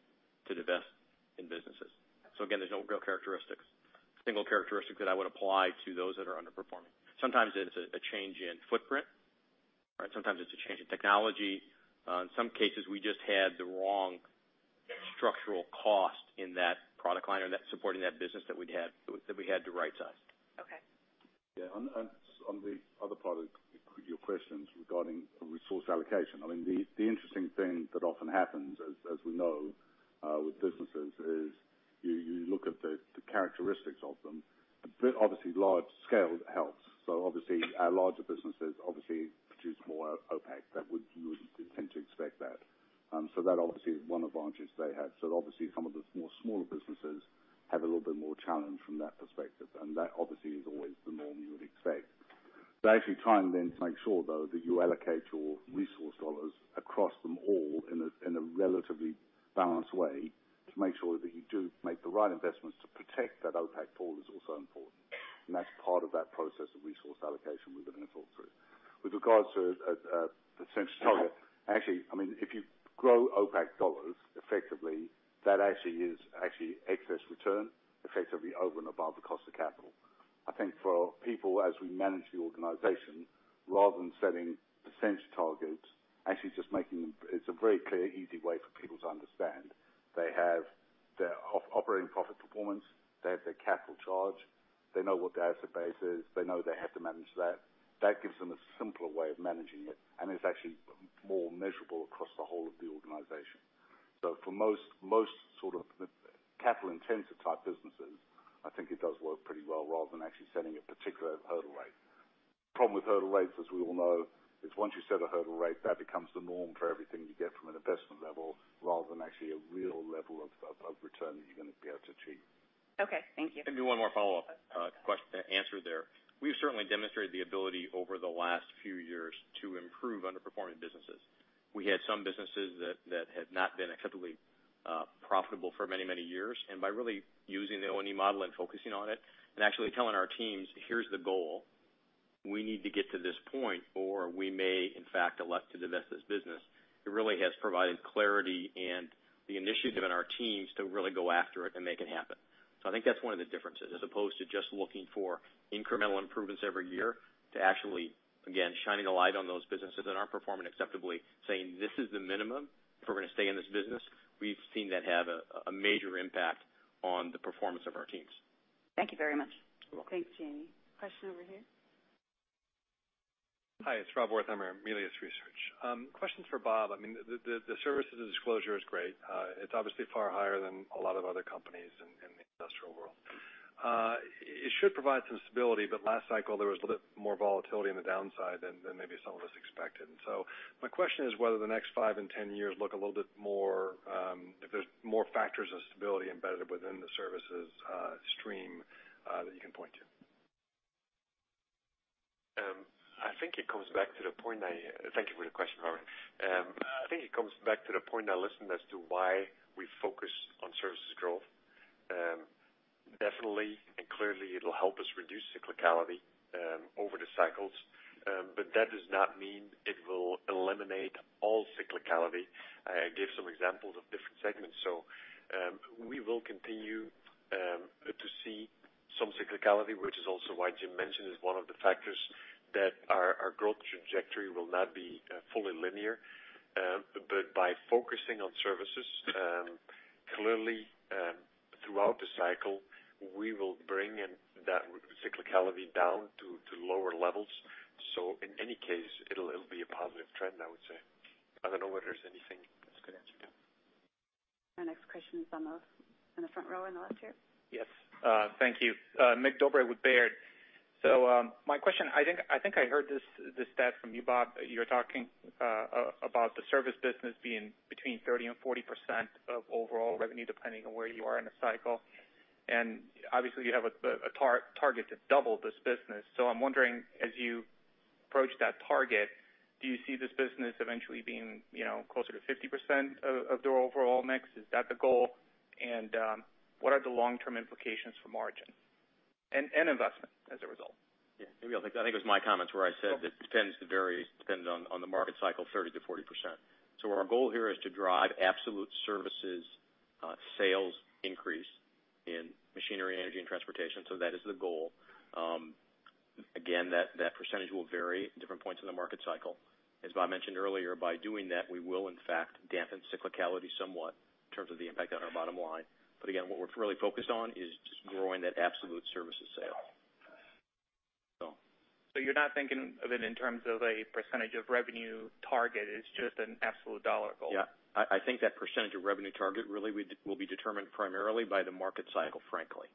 to divest in businesses. Again, there's no real characteristics, single characteristic that I would apply to those that are underperforming. Sometimes it's a change in footprint. Right? Sometimes it's a change in technology. In some cases, we just had the wrong structural cost in that product line or that supporting that business that we had to right-size. Okay. Yeah. On the other part of your questions regarding resource allocation, I mean, the interesting thing that often happens as we know with businesses is you look at the characteristics of them. Obviously, large scale helps. Obviously, our larger businesses obviously produce more OPACC. You would tend to expect that. That obviously is one advantage they have. Obviously, some of the more smaller businesses have a little bit more challenge from that perspective, and that obviously is always the norm you would expect. Actually trying then to make sure though that you allocate your resource dollars across them all in a relatively balanced way to make sure that you do make the right investments to protect that OPACC pool is also important. That's part of that process of resource allocation we're gonna talk through. With regards to the sense target, actually, I mean, if you grow OPACC dollars effectively, that actually is actually excess return effectively over and above the cost of capital. I think for people as we manage the organization, rather than setting percent targets, actually it's a very clear, easy way for people to understand. They have their operating profit performance, they have their capital charge, they know what the asset base is, they know they have to manage that. That gives them a simpler way of managing it, and it's actually more measurable across the whole of the organization. For most sort of capital-intensive type businesses, I think it does work pretty well rather than actually setting a particular hurdle rate. Problem with hurdle rates, as we all know, is once you set a hurdle rate, that becomes the norm for everything you get from an investment level rather than actually a real level of return that you're gonna be able to achieve. Okay. Thank you. Maybe one more follow-up answer there. We've certainly demonstrated the ability over the last few years to improve underperforming businesses. We had some businesses that had not been acceptably profitable for many, many years. By really using the O&E Model and focusing on it, and actually telling our teams, "Here's the goal. We need to get to this point, or we may, in fact, elect to divest this business," it really has provided clarity and the initiative in our teams to really go after it and make it happen. I think that's one of the differences, as opposed to just looking for incremental improvements every year, to actually, again, shining a light on those businesses that aren't performing acceptably, saying, "This is the minimum if we're gonna stay in this business." We've seen that have a major impact on the performance of our teams. Thank you very much. You're welcome. Thanks, Jamie. Question over here. Hi, it's Rob Wertheimer, Melius Research. Question for Bob. I mean, the services disclosure is great. It's obviously far higher than a lot of other companies in the industrial world. It should provide some stability. Last cycle, there was a bit more volatility on the downside than maybe some of us expected. My question is whether the next 5 and 10 years look a little bit more, if there's more factors of stability embedded within the services stream that you can point to. Thank you for the question, Rob. I think it comes back to the point I listed as to why we focus on services growth. Definitely and clearly it'll help us reduce cyclicality over the cycles. That does not mean it will eliminate all cyclicality. I gave some examples of different segments. We will continue to see some cyclicality, which is also why Jim mentioned is one of the factors that our growth trajectory will not be fully linear. By focusing on services, clearly throughout the cycle, we will bring in that cyclicality down to lower levels. In any case, it'll be a positive trend, I would say. I don't know whether there's anything- That's a good answer. Our next question is in the front row on the left here. Yes. Thank you. Mig Dobre with Baird. My question, I think, I think I heard this stat from you, Bob. You were talking about the service business being between 30% and 40% of overall revenue, depending on where you are in the cycle. Obviously, you have a target to double this business. I'm wondering, as you approach that target, do you see this business eventually being, you know, closer to 50% of the overall mix? Is that the goal? What are the long-term implications for margin and investment as a result? Maybe I think it was my comments where I said that it tends to vary, depends on the market cycle, 30%-40%. Our goal here is to drive absolute services sales increase in Machinery, Energy & Transportation. That is the goal. Again, that percentage will vary at different points in the market cycle. As Bob mentioned earlier, by doing that, we will in fact dampen cyclicality somewhat in terms of the impact on our bottom line. Again, what we're really focused on is just growing that absolute services sale. You're not thinking of it in terms of a percent of revenue target, it's just an absolute dollar goal? Yeah. I think that percentage of revenue target really will be determined primarily by the market cycle, frankly,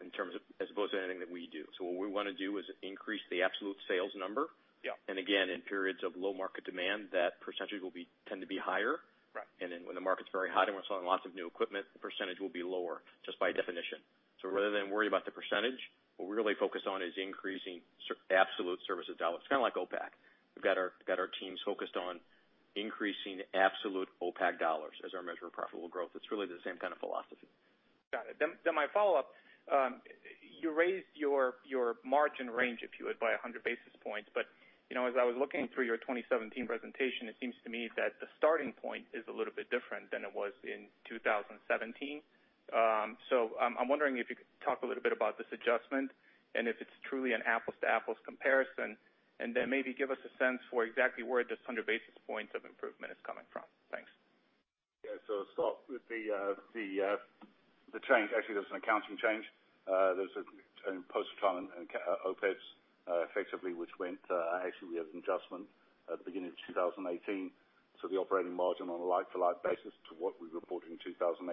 in terms of as opposed to anything that we do. What we wanna do is increase the absolute sales number. Yeah. Again, in periods of low market demand, that percentage tend to be higher. Right. When the market's very hot and we're selling lots of new equipment, the percentage will be lower just by definition. Rather than worry about the percentage, what we're really focused on is increasing absolute services dollar. Kind of like OPACC. We've got our teams focused on increasing absolute OPACC dollar as our measure of profitable growth. It's really the same kind of philosophy. Got it. My follow-up, you raised your margin range, if you would, by 100 basis points. You know, as I was looking through your 2017 presentation, it seems to me that the starting point is a little bit different than it was in 2017. I'm wondering if you could talk a little bit about this adjustment and if it's truly an apples to apples comparison, and then maybe give us a sense for exactly where this 100 basis points of improvement is coming from. Thanks. I'll start with the change. Actually, there's an accounting change. There's a post retirement and OPEB, effectively, which went, actually we have an adjustment at the beginning of 2018. The operating margin on a like-to-like basis to what we reported in 2018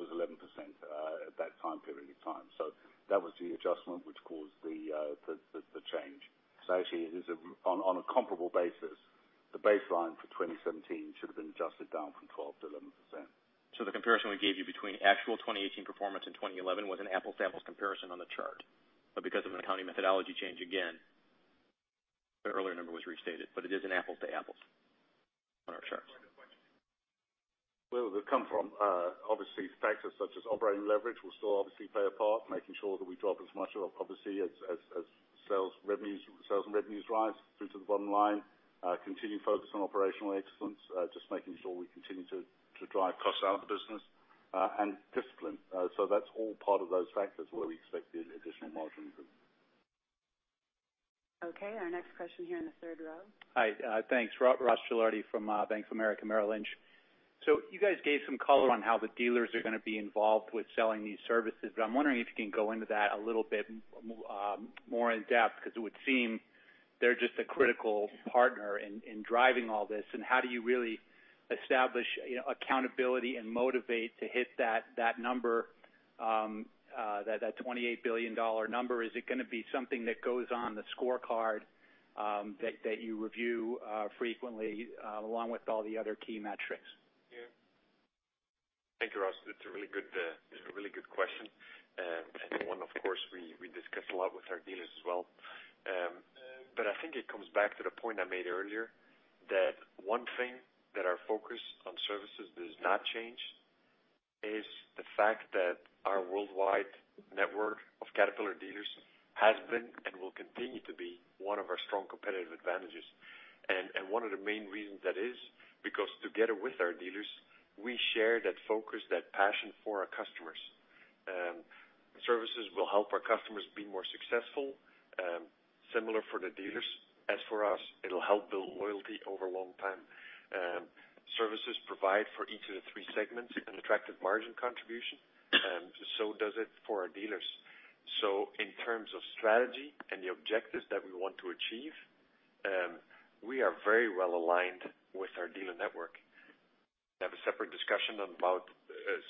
was 11% at that time period of time. That was the adjustment which caused the change. Actually, it is on a comparable basis. The baseline for 2017 should have been adjusted down from 12%-11%. The comparison we gave you between actual 2018 performance and 2011 was an apples to apples comparison on the chart. Because of an accounting methodology change, again, the earlier number was restated, but it is an apples to apples on our charts. Where will it come from? Obviously, factors such as operating leverage will still obviously play a part, making sure that we drop as much of our profitability as sales revenues, sales and revenues rise through to the bottom line. Continue to focus on operational excellence, just making sure we continue to drive costs out of the business, and discipline. That's all part of those factors where we expect the additional margin improvement. Okay, our next question here in the third row. Hi, thanks. Ross Gilardi from Bank of America Merrill Lynch. You guys gave some color on how the dealers are gonna be involved with selling these services, but I'm wondering if you can go into that a little bit more in depth, 'cause it would seem they're just a critical partner in driving all this. How do you really establish, you know, accountability and motivate to hit that number, that $28 billion number? Is it gonna be something that goes on the scorecard that you review frequently along with all the other key metrics? Thank you, Ross. That's a really good question. One, of course, we discuss a lot with our dealers as well. I think it comes back to the point I made earlier, that one thing that our focus on services does not change is the fact that our worldwide network of Caterpillar dealers has been and will continue to be one of our strong competitive advantages. One of the main reasons that is because together with our dealers, we share that focus, that passion for our customers. Services will help our customers be more successful, similar for the dealers. As for us, it'll help build loyalty over a long time. Services provide for each of the three segments, an attractive margin contribution, so does it for our dealers. In terms of strategy and the objectives that we want to achieve, we are very well aligned with our dealer network. We have a separate discussion on about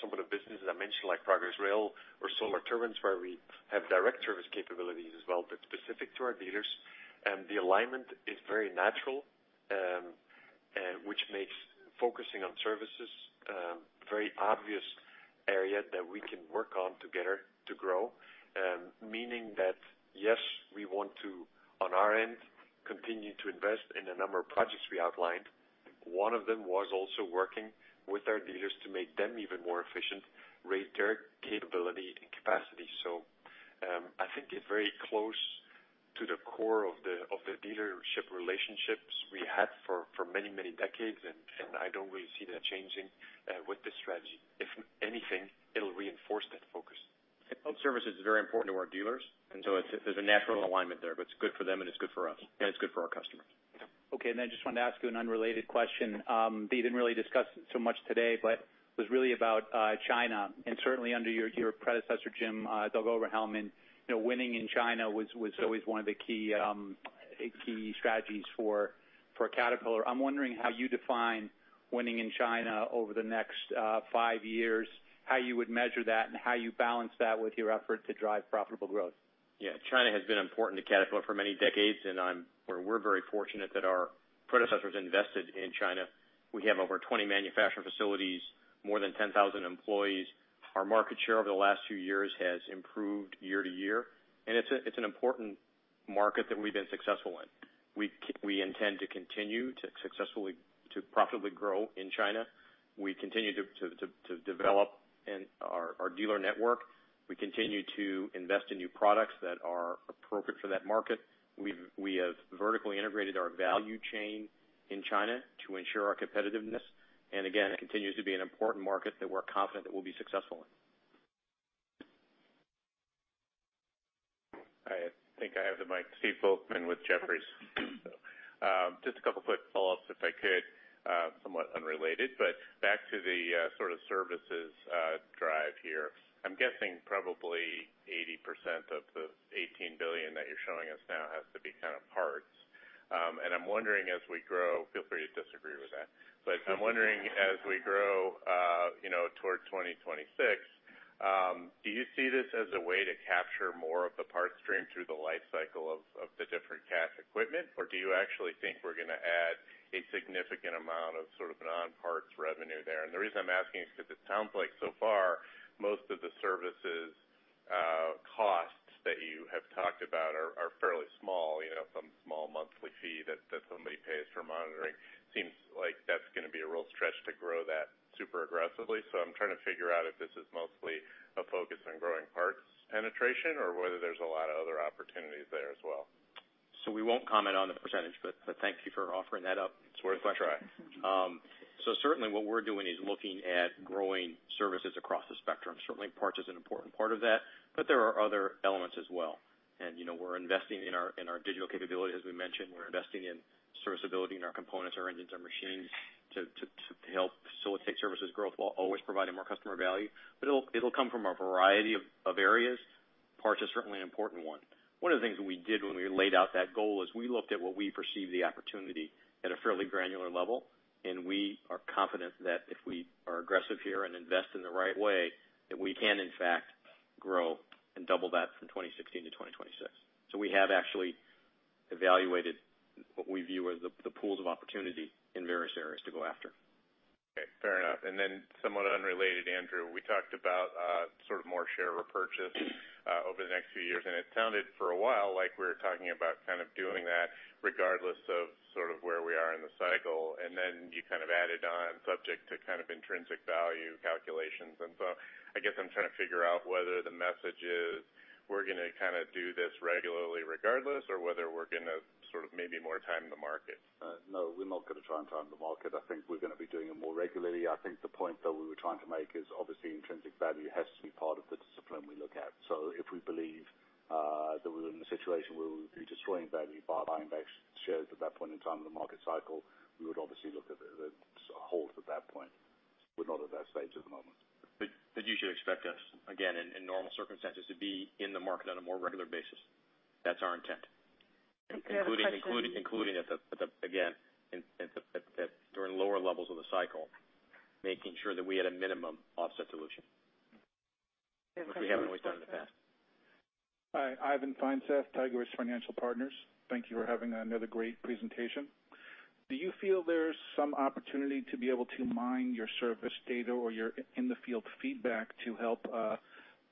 some of the businesses I mentioned, like Progress Rail or Solar Turbines, where we have direct service capabilities as well, but specific to our dealers. The alignment is very natural, which makes focusing on services, very obvious area that we can work on together to grow. Meaning that, yes, we want to, on our end, continue to invest in a number of projects we outlined. One of them was also working with our dealers to make them even more efficient, rate their capability and capacity. I think it's very close to the core of the dealership relationships we had for many, many decades, and I don't really see that changing with this strategy. If anything, it'll reinforce that focus. Both services are very important to our dealers, and so it's, there's a natural alignment there, but it's good for them and it's good for us, and it's good for our customers. Okay, I just wanted to ask you an unrelated question. That you didn't really discuss so much today, but it was really about China, and certainly under your predecessor, Jim, Doug Oberhelman, you know, winning in China was always one of the key strategies for Caterpillar. I'm wondering how you define winning in China over the next five years, how you would measure that, and how you balance that with your effort to drive profitable growth. China has been important to Caterpillar for many decades. We're very fortunate that our predecessors invested in China. We have over 20 manufacturing facilities, more than 10,000 employees. Our market share over the last few years has improved year-to-year, it's an important market that we've been successful in. We intend to continue to successfully, to profitably grow in China. We continue to develop and our dealer network. We continue to invest in new products that are appropriate for that market. We have vertically integrated our value chain in China to ensure our competitiveness. Again, it continues to be an important market that we're confident that we'll be successful in. I think I have the mic. Steve Volkmann with Jefferies. Just a couple of quick follow-ups, if I could, somewhat unrelated, but back to the sort of services drive here. I'm guessing probably 80% of the $18 billion that you're showing us now has to be kind of parts. I'm wondering as we grow, feel free to disagree with that. But I'm wondering as we grow, you know, toward 2026, do you see this as a way to capture more of the parts stream through the life cycle of the different Cat equipment? Or do you actually think we're gonna add a significant amount of sort of non-parts revenue there? The reason I'm asking is because it sounds like so far, most of the services costs that you have talked about are fairly small. You know, some small monthly fee that somebody pays for monitoring. Seems like that's gonna be a real stretch to grow that super aggressively. I'm trying to figure out if this is mostly a focus on growing parts penetration or whether there's a lot of other opportunities there as well. We won't comment on the percentage, but thank you for offering that up. It's worth a try. Certainly what we're doing is looking at growing services across the spectrum. Certainly, parts is an important part of that, but there are other elements as well. You know, we're investing in our, in our digital capability, as we mentioned. We're investing in serviceability in our components, our engines, our machines to help facilitate services growth while always providing more customer value. It'll, it'll come from a variety of areas. Parts are certainly an important one. One of the things that we did when we laid out that goal is we looked at what we perceive the opportunity at a fairly granular level, and we are confident that if we are aggressive here and invest in the right way, that we can, in fact, grow and double that from 2016 to 2026. We have actually evaluated what we view as the pools of opportunity in various areas to go after. Okay, fair enough. Somewhat unrelated, Andrew, we talked about sort of more share repurchase over the next few years, and it sounded for a while like we were talking about kind of doing that regardless of sort of where we are in the cycle. You kind of added on subject to kind of intrinsic value calculations. I guess I'm trying to figure out whether the message is we're gonna kinda do this regularly regardless, or whether we're gonna sort of maybe more time the market. No, we're not gonna try and time the market. I think we're gonna be doing it more regularly. I think the point that we were trying to make is obviously intrinsic value has to be part of the discipline we look at. If we believe that we're in a situation where we would be destroying value by buying back shares at that point in time in the market cycle, we would obviously look at a halt at that point. We're not at that stage at the moment. You should expect us, again, in normal circumstances, to be in the market on a more regular basis. That's our intent. I think we have a question. Including at the again, at during lower levels of the cycle, making sure that we at a minimum offset dilution. We have a question. Which we haven't always done in the past. Hi, Ivan Feinseth, Tigress Financial Partners. Thank you for having another great presentation. Do you feel there's some opportunity to be able to mine your service data or your in the field feedback to help,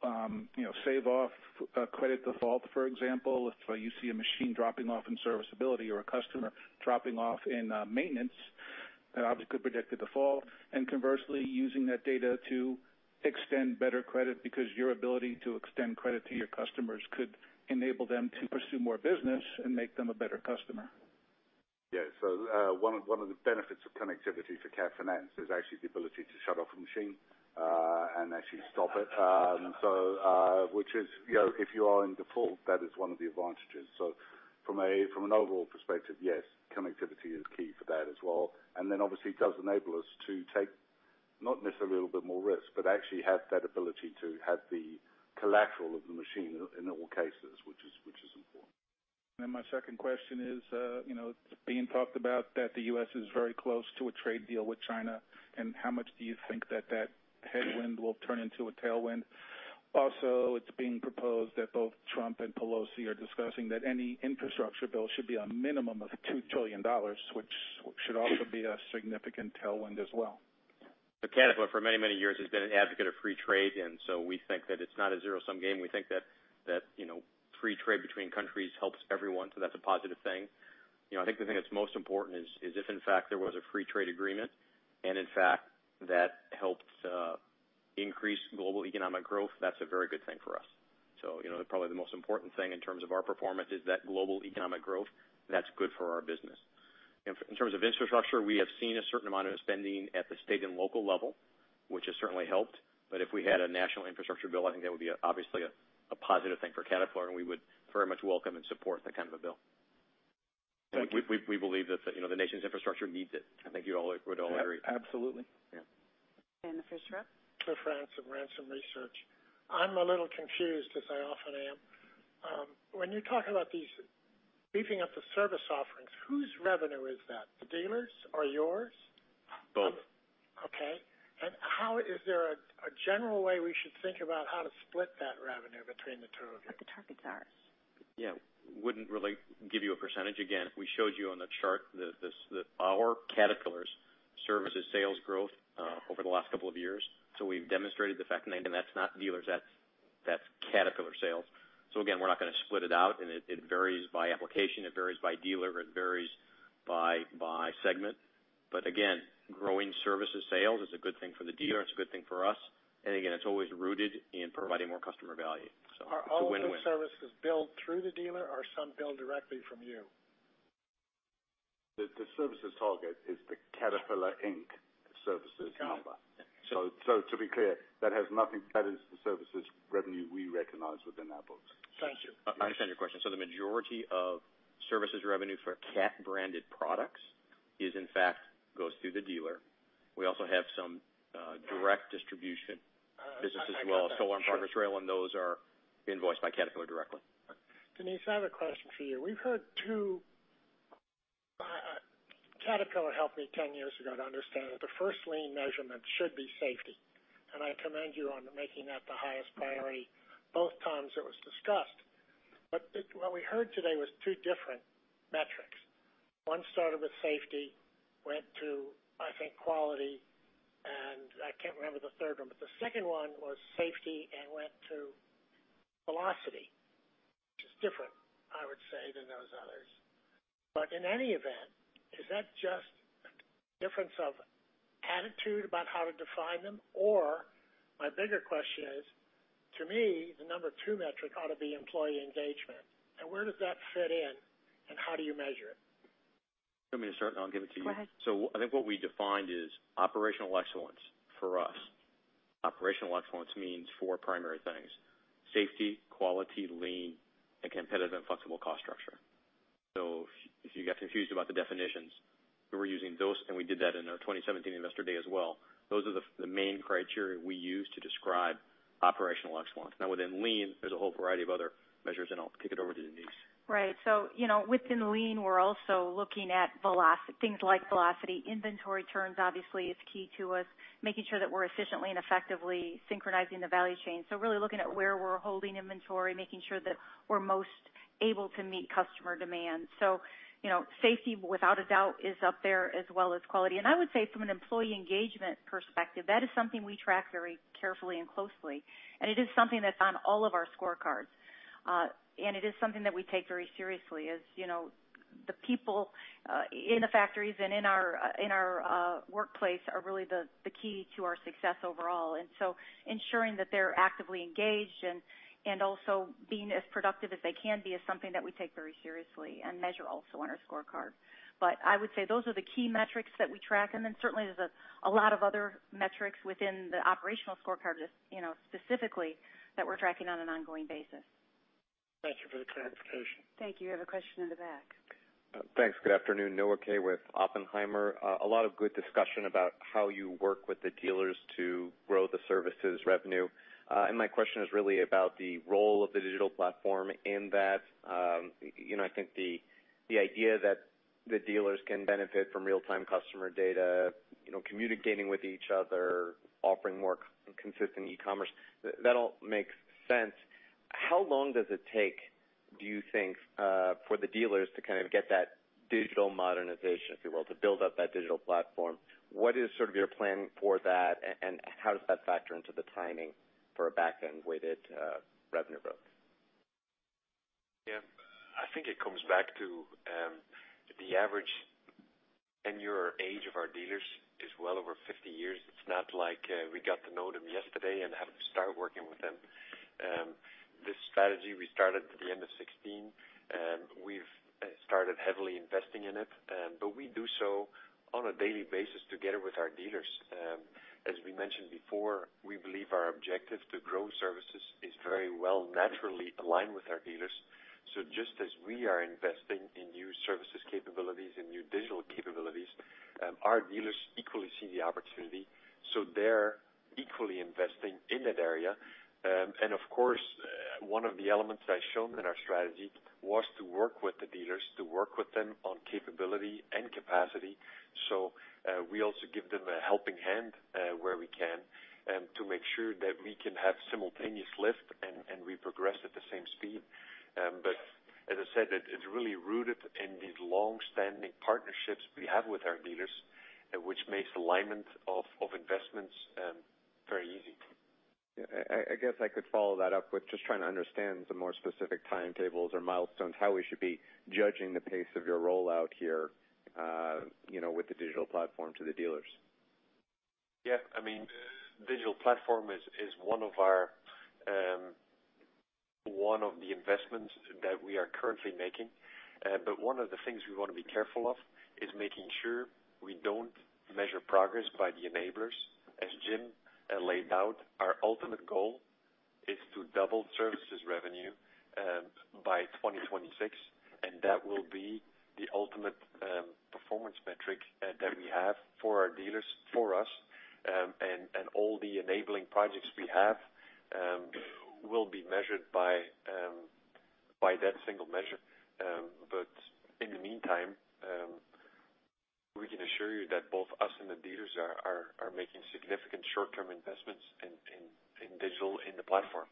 you know, shave off a credit default, for example? If you see a machine dropping off in serviceability or a customer dropping off in maintenance, that obviously could predict a default. Conversely, using that data to extend better credit because your ability to extend credit to your customers could enable them to pursue more business and make them a better customer. Yeah. One of the benefits of connectivity for Cat Finance is actually the ability to shut off a machine and actually stop it. Which is, you know, if you are in default, that is one of the advantages. From an overall perspective, yes, connectivity is key for that as well. Obviously it does enable us to take, not necessarily a little bit more risk, but actually have that ability to have the collateral of the machine in all cases, which is important. My second question is, you know, it's being talked about that the U.S. is very close to a trade deal with China, and how much do you think that that headwind will turn into a tailwind? It's being proposed that both Trump and Pelosi are discussing that any infrastructure bill should be a minimum of $2 trillion, which should also be a significant tailwind as well. Caterpillar for many, many years has been an advocate of free trade. We think that it's not a zero-sum game. We think that, you know, free trade between countries helps everyone. That's a positive thing. You know, I think the thing that's most important is if in fact there was a free trade agreement, and in fact that helped increase global economic growth, that's a very good thing for us. You know, probably the most important thing in terms of our performance is that global economic growth, that's good for our business. In terms of infrastructure, we have seen a certain amount of spending at the state and local level, which has certainly helped. If we had a national infrastructure bill, I think that would be, obviously, a positive thing for Caterpillar, and we would very much welcome and support that kind of a bill. Thank you. We believe, you know, the nation's infrastructure needs it. I think you all would agree. Absolutely. Yeah. Dan Fischler. Cliff Ransom of Ransom Research. I'm a little confused, as I often am. When you talk about these beefing up the service offerings, whose revenue is that? The dealers or yours? Both. Okay. How is there a general way we should think about how to split that revenue between the two of you? The targets ours. Yeah. I wouldn't really give you a %. Again, we showed you on the chart our Caterpillar's services sales growth over the last two years. We've demonstrated the fact, and that's not dealers, that's Caterpillar sales. Again, we're not gonna split it out, and it varies by application, it varies by dealer, it varies by segment. Again, growing services sales is a good thing for the dealer, it's a good thing for us. Again, it's always rooted in providing more customer value. It's a win-win. Are all those services billed through the dealer or some billed directly from you? The services target is the Caterpillar Inc. services number. Got it. To be clear, that is the services revenue we recognize within our books. Thank you. I understand your question. The majority of services revenue for Cat branded products is in fact, goes through the dealer. We also have some direct distribution business as well. I got that. Solar and Progress Rail, and those are invoiced by Caterpillar directly. Denise, I have a question for you. We've heard, Caterpillar helped me 10 years ago to understand that the first lean measurement should be safety, and I commend you on making that the highest priority both times it was discussed. What we heard today was two different metrics. One started with safety, went to, I think, quality, and I can't remember the third one, the second one was safety and went to velocity, which is different, I would say, than those others. In any event, is that just a difference of attitude about how to define them? My bigger question is, to me, the number two metric ought to be employee engagement. Now where does that fit in, and how do you measure it? You want me to start and I'll give it to you? Go ahead. I think what we defined is operational excellence for us. Operational excellence means four primary things: safety, quality, lean, and competitive and flexible cost structure. If you got confused about the definitions, we're using those, and we did that in our 2017 Investor Day as well. Those are the main criteria we use to describe operational excellence. Within lean, there's a whole variety of other measures, and I'll kick it over to Denise. Right. You know, within lean, we're also looking at things like velocity. Inventory turns obviously is key to us, making sure that we're efficiently and effectively synchronizing the value chain. Really looking at where we're holding inventory, making sure that we're most able to meet customer demand. You know, safety, without a doubt, is up there as well as quality. I would say from an employee engagement perspective, that is something we track very carefully and closely, and it is something that's on all of our scorecards. It is something that we take very seriously, as, you know, the people in the factories and in our in our workplace are really the key to our success overall. Ensuring that they're actively engaged and also being as productive as they can be is something that we take very seriously and measure also on our scorecard. I would say those are the key metrics that we track. Certainly, there's a lot of other metrics within the operational scorecard, just, you know, specifically that we're tracking on an ongoing basis. Thank you for the clarification. Thank you. We have a question in the back. Thanks. Good afternoon. Noah Kaye with Oppenheimer. A lot of good discussion about how you work with the dealers to grow the services revenue. My question is really about the role of the digital platform in that. You know, I think the idea that the dealers can benefit from real-time customer data, you know, communicating with each other, offering more consistent e-commerce, that all makes sense. How long does it take, do you think, for the dealers to kind of get that digital modernization, if you will, to build up that digital platform? What is sort of your plan for that, and how does that factor into the timing for a back-end-weighted revenue growth? Yeah. I think it comes back to, the average tenure age of our dealers is well over 50 years. It's not like, we got to know them yesterday and had to start working with them. This strategy we started at the end of 2016, and we've started heavily investing in it. We do so on a daily basis together with our dealers. As we mentioned before, we believe our objective to grow services is very well naturally aligned with our dealers. Just as we are investing in new services capabilities and new digital capabilities, our dealers equally see the opportunity, so they're equally investing in that area. Of course, one of the elements I've shown in our strategy was to work with the dealers, to work with them on capability and capacity. We also give them a helping hand, where we can, to make sure that we can have simultaneous lift and we progress at the same speed. As I said, it's really rooted in these longstanding partnerships we have with our dealers, which makes alignment of investments very easy. I guess I could follow that up with just trying to understand some more specific timetables or milestones, how we should be judging the pace of your rollout here, you know, with the digital platform to the dealers. Yeah. I mean, digital platform is one of our investments that we are currently making. One of the things we wanna be careful of is making sure we don't measure progress by the enablers. As Jim laid out, our ultimate goal is to double services revenue by 2026, and that will be the ultimate performance metric that we have for our dealers, for us. All the enabling projects we have will be measured by that single measure. In the meantime, we can assure you that both us and the dealers are making significant short-term investments in digital in the platform.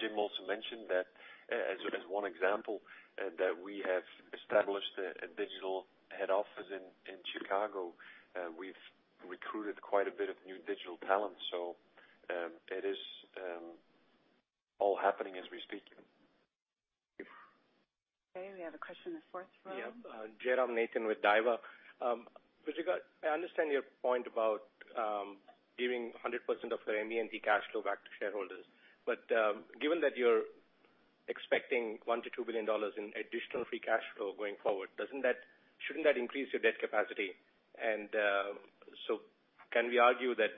Jim also mentioned that, as one example, we have established a digital head office in Chicago. We've recruited quite a bit of new digital talent. It is all happening as we speak. Thank you. Okay, we have a question in the fourth row. Yeah. Jairam Nathan with Daiwa. I understand your point about giving 100% of your ME&T cash flow back to shareholders. Given that you're expecting $1 billion-$2 billion in additional free cash flow going forward, shouldn't that increase your debt capacity? Can we argue that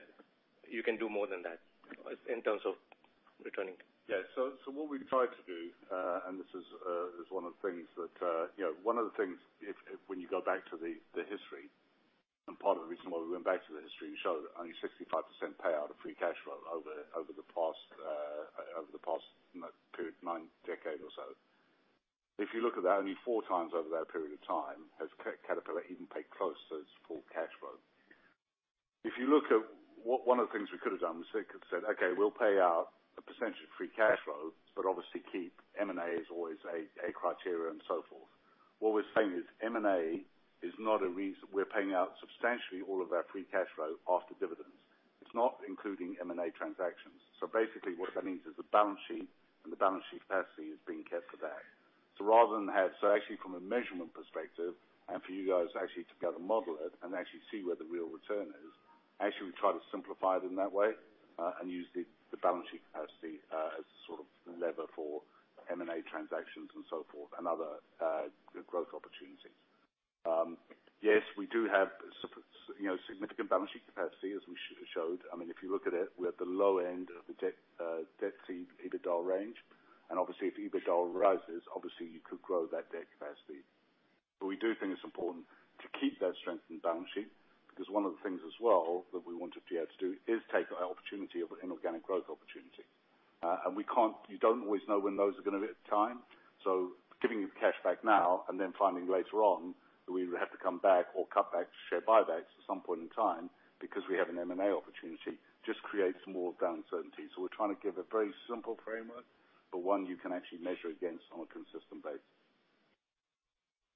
you can do more than that in terms of returning? What we've tried to do, and this is one of the things that, you know, one of the things if when you go back to the history, and part of the reason why we went back to the history, we showed only 65% payout of free cash flow over the past, over the past, you know, period, nine decade or so. You look at that, only four times over that period of time has Caterpillar even paid close to its full cash flow. You look at what one of the things we could have done was we could have said, "Okay, we'll pay out a percentage of free cash flow, but obviously keep M&A as always a criteria and so forth." What we're saying is M&A is not a reason. We're paying out substantially all of our free cash flow after dividends. It's not including M&A transactions. Basically, what that means is the balance sheet and the balance sheet capacity is being kept for that. Actually from a measurement perspective, and for you guys actually to be able to model it and actually see where the real return is, actually, we try to simplify it in that way, and use the balance sheet capacity as sort of lever for M&A transactions and so forth and other growth opportunities. Yes, we do have, you know, significant balance sheet capacity, as we showed. I mean, if you look at it, we're at the low end of the debt to EBITDA range. Obviously, if EBITDA rises, obviously you could grow that debt capacity. We do think it's important to keep that strength in the balance sheet because one of the things as well that we wanted to be able to do is take our opportunity of an inorganic growth opportunity. You don't always know when those are gonna be at the time. Giving you cash back now and then finding later on that we would have to come back or cut back share buybacks at some point in time because we have an M&A opportunity just creates more uncertainty. We're trying to give a very simple framework, but one you can actually measure against on a consistent basis.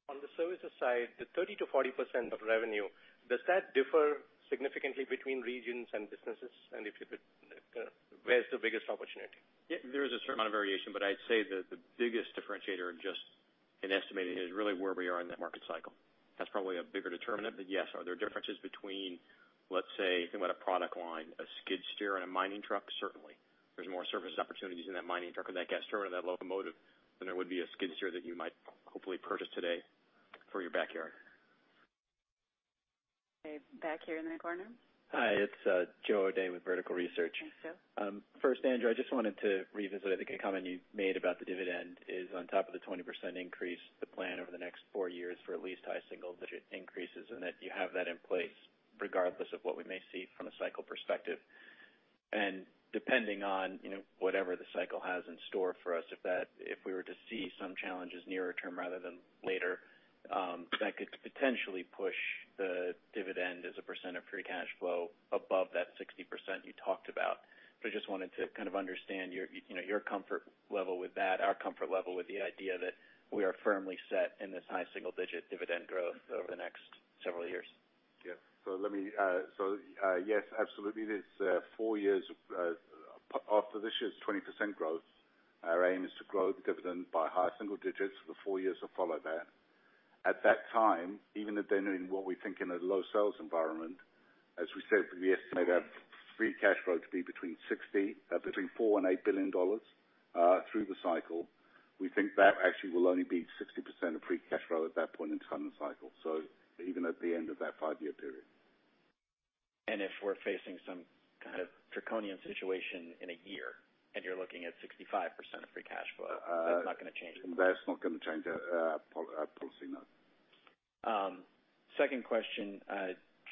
On the services side, the 30%-40% of revenue, does that differ significantly between regions and businesses? If you could, where's the biggest opportunity? Yeah, there is a certain amount of variation, but I'd say that the biggest differentiator just in estimating is really where we are in the market cycle. That's probably a bigger determinant. Yes, are there differences between, let's say, think about a product line, a skid steer and a mining truck? Certainly. There's more service opportunities in that mining truck, or that gas turbine, or that locomotive than there would be a skid steer that you might hopefully purchase today for your backyard. Okay, back here in the corner. Hi, it's Joe O'Dea with Vertical Research. Thanks, Joe. First, Andrew, I just wanted to revisit, I think, a comment you made about the dividend is on top of the 20% increase, the plan over the next four years for at least high single-digit increases, and that you have that in place regardless of what we may see from a cycle perspective. Depending on, you know, whatever the cycle has in store for us, if we were to see some challenges nearer term rather than later, that could potentially push the dividend as a percent of free cash flow above that 60% you talked about. I just wanted to kind of understand your, you know, your comfort level with that, our comfort level with the idea that we are firmly set in this high single-digit dividend growth over the next several years. Yes, absolutely. There's four years after this year's 20% growth, our aim is to grow the dividend by high single digits for the four years that follow that. At that time, even if they're in what we think in a low sales environment, as we said, we estimate our free cash flow to be between $4 billion and $8 billion through the cycle. We think that actually will only be 60% of free cash flow at that point in time in the cycle. Even at the end of that five year period. If we're facing some kind of draconian situation in a year, and you're looking at 65% of free cash flow, that's not going to change. That's not gonna change our policy, no. Second question,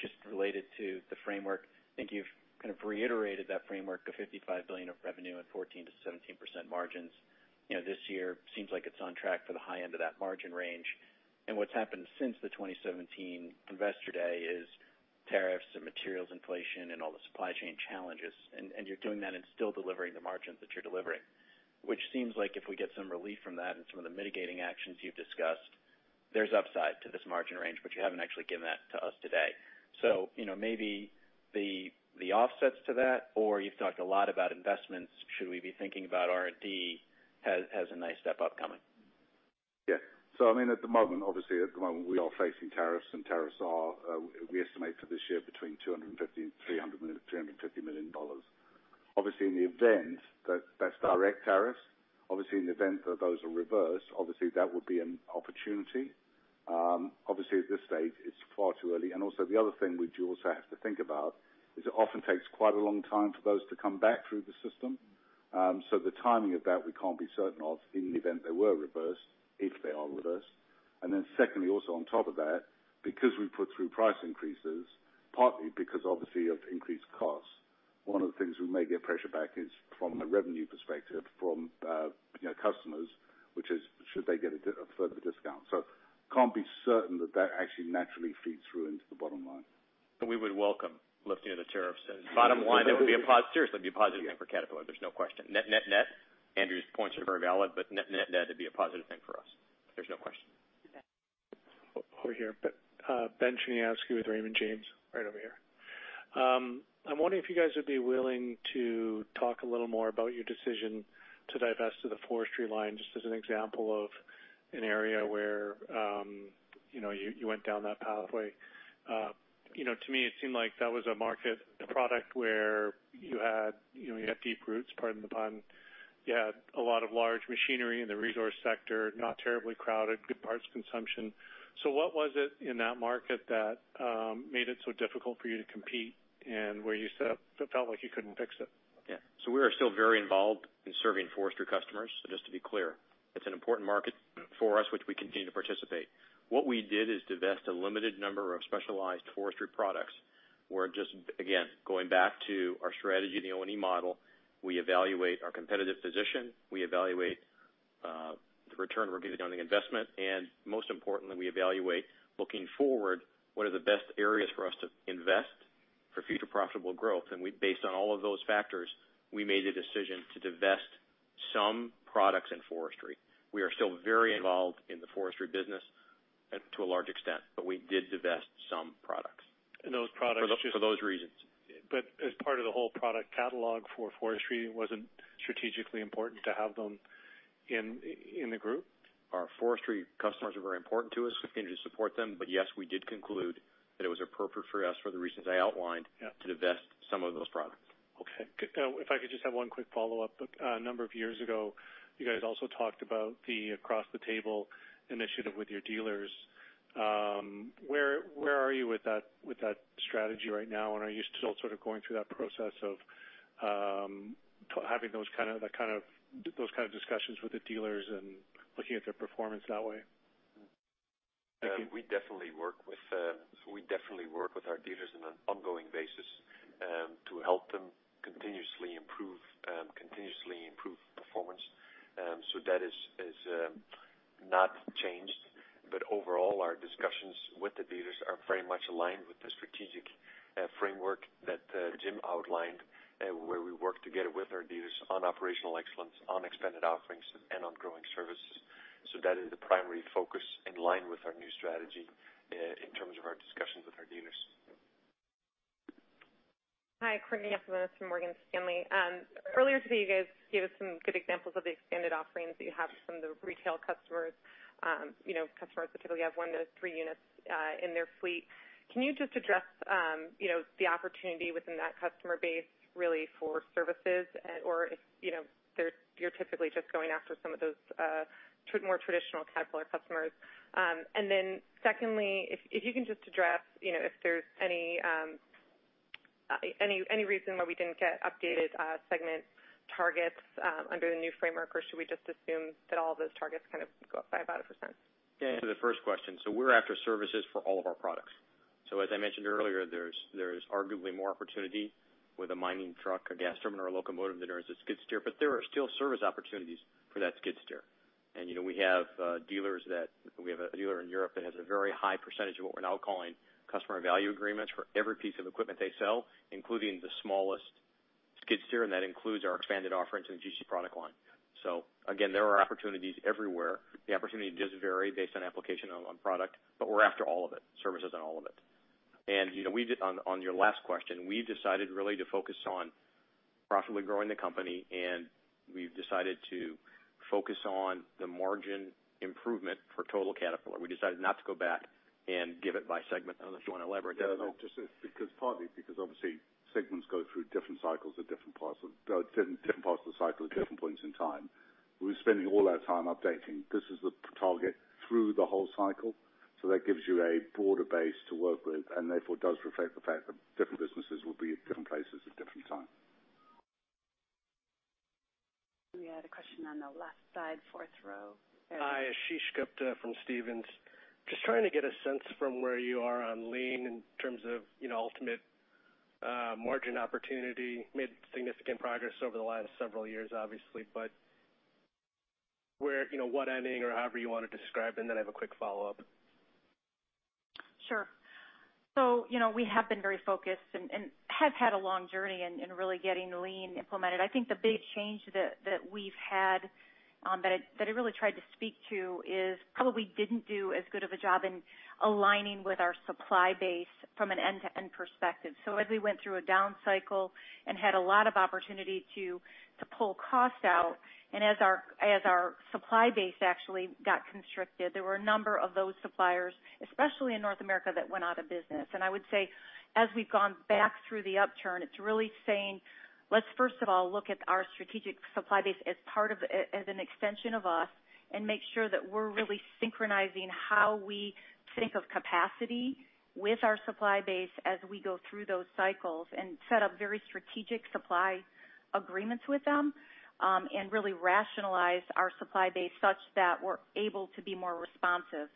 just related to the framework. I think you've kind of reiterated that framework of $55 billion of revenue and 14%-17% margins. You know, this year seems like it's on track for the high end of that margin range. What's happened since the 2017 Investor Day is tariffs and materials inflation and all the supply chain challenges. You're doing that and still delivering the margins that you're delivering, which seems like if we get some relief from that and some of the mitigating actions you've discussed, there's upside to this margin range, but you haven't actually given that to us today. You know, maybe the offsets to that, or you've talked a lot about investments, should we be thinking about R&D has a nice step up coming? Yeah. I mean, at the moment, obviously, we are facing tariffs, and tariffs are, we estimate for this year between $250 million and $300 million, $350 million. Obviously, in the event that that's direct tariffs, obviously, in the event that those are reversed, obviously, that would be an opportunity. Obviously, at this stage, it's far too early. Also, the other thing which you also have to think about is it often takes quite a long time for those to come back through the system. The timing of that we can't be certain of in the event they were reversed, if they are reversed. Secondly, also on top of that, because we put through price increases, partly because obviously of increased costs, one of the things we may get pressure back is from a revenue perspective from, you know, customers, which is should they get a further discount. Can't be certain that that actually naturally feeds through into the bottom line. We would welcome lifting of the tariffs. Bottom line, it'd be a positive thing for Caterpillar. There's no question. Net, net, Andrew's points are very valid, but net, net, it'd be a positive thing for us. There's no question. Okay. Over here. Ben Cherniavsky with Raymond James right over here. I'm wondering if you guys would be willing to talk a little more about your decision to divest to the forestry line, just as an example of an area where, you know, you went down that pathway. You know, to me, it seemed like that was a market, a product where you had, you know, you had deep roots, pardon the pun. You had a lot of large machinery in the resource sector, not terribly crowded, good parts consumption. What was it in that market that made it so difficult for you to compete and where you set up, it felt like you couldn't fix it? We are still very involved in serving forestry customers, so just to be clear. It's an important market for us, which we continue to participate. What we did is divest a limited number of specialized forestry products. We're again going back to our strategy, the O&E Model. We evaluate our competitive position, we evaluate the return on our given investment, and most importantly, we evaluate looking forward, what are the best areas for us to invest for future profitable growth. Based on all of those factors, we made a decision to divest some products in forestry. We are still very involved in the forestry business and to a large extent, but we did divest some products. Those products just. For those reasons. As part of the whole product catalog for forestry, it wasn't strategically important to have them in the group? Our forestry customers are very important to us. We continue to support them. Yes, we did conclude that it was appropriate for us for the reasons I outlined to divest some of those products. Okay. If I could just have one quick follow-up. A number of years ago, you guys also talked about the Across the Table initiative with your dealers. Where are you with that strategy right now? Are you still sort of going through that process of to having those kind of discussions with the dealers and looking at their performance that way. We definitely work with our dealers on an ongoing basis to help them continuously improve performance. That is not changed. Overall, our discussions with the dealers are very much aligned with the strategic framework that Jim outlined, where we work together with our dealers on operational excellence, on expanded offerings and on growing services. That is the primary focus in line with our new strategy in terms of our discussions with our dealers. Hi, Courtney Yakavonis from Morgan Stanley. Earlier today, you guys gave us some good examples of the expanded offerings that you have from the retail customers, you know, customers that typically have 1-3 units in their fleet. Can you just address, you know, the opportunity within that customer base really for services or if, you know, you're typically just going after some of those more traditional Caterpillar customers? Secondly, if you can just address, you know, if there's any reason why we didn't get updated segment targets under the new framework, or should we just assume that all of those targets kind of grew up by 1%? Yeah, to the first question, we're after services for all of our products. As I mentioned earlier, there's arguably more opportunity with a mining truck, a gas turbine, or a locomotive than there is a skid steer, but there are still service opportunities for that skid steer. You know, we have a dealer in Europe that has a very high percentage of what we're now calling Customer Value Agreements for every piece of equipment they sell, including the smallest skid steer, and that includes our expanded offerings in the GC product line. Again, there are opportunities everywhere. The opportunity does vary based on application and on product, but we're after all of it, services on all of it. You know, on your last question, we've decided really to focus on profitably growing the company, and we've decided to focus on the margin improvement for total Caterpillar. We decided not to go back and give it by segment, unless you want to elaborate. Yeah, no, just because partly because obviously segments go through different cycles at different parts of different parts of the cycle at different points in time. We're spending all our time updating. This is the target through the whole cycle, so that gives you a broader base to work with, and therefore it does reflect the fact that different businesses will be at different places at different times. We had a question on the left side, fourth row. Hi, Ashish Gupta from Stephens. Just trying to get a sense from where you are on lean in terms of, you know, ultimate margin opportunity. Made significant progress over the last several years, obviously, but where, you know, what ending or however you want to describe it, and then I have a quick follow-up. Sure. You know, we have been very focused and have had a long journey in really getting lean implemented. I think the big change that we've had, that I really tried to speak to is probably didn't do as good of a job in aligning with our supply base from an end-to-end perspective. As we went through a down cycle and had a lot of opportunity to pull costs out, and as our supply base actually got constricted, there were a number of those suppliers, especially in North America, that went out of business. I would say as we've gone back through the upturn, it's really saying, let's first of all look at our strategic supply base as part of, as an extension of us and make sure that we're really synchronizing how we think of capacity with our supply base as we go through those cycles and set up very strategic supply agreements with them, and really rationalize our supply base such that we're able to be more responsive.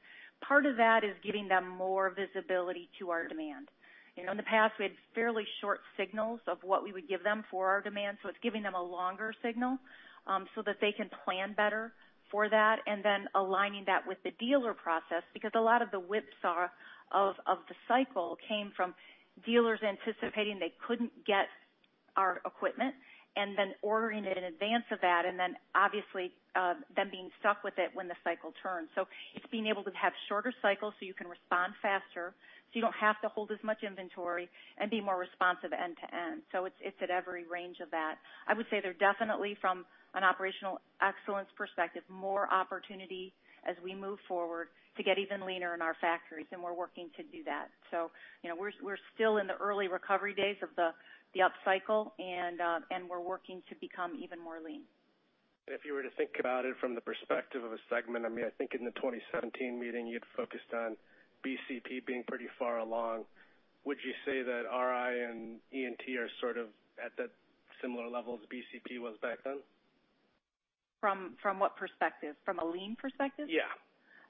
Part of that is giving them more visibility to our demand. You know, in the past, we had fairly short signals of what we would give them for our demand. It's giving them a longer signal that they can plan better for that. Aligning that with the dealer process, because a lot of the whipsaw of the cycle came from dealers anticipating they couldn't get our equipment and then ordering it in advance of that, obviously, them being stuck with it when the cycle turns. It's being able to have shorter cycles so you can respond faster, so you don't have to hold as much inventory and be more responsive end to end. It's at every range of that. I would say there are definitely, from an operational excellence perspective, more opportunity as we move forward to get even leaner in our factories, and we're working to do that you know, we're still in the early recovery days of the upcycle and we're working to become even more lean. If you were to think about it from the perspective of a segment, I mean, I think in the 2017 meeting, you'd focused on BCP being pretty far along. Would you say that RI and E&T are sort of at that similar level as BCP was back then? From what perspective? From a lean perspective? Yeah.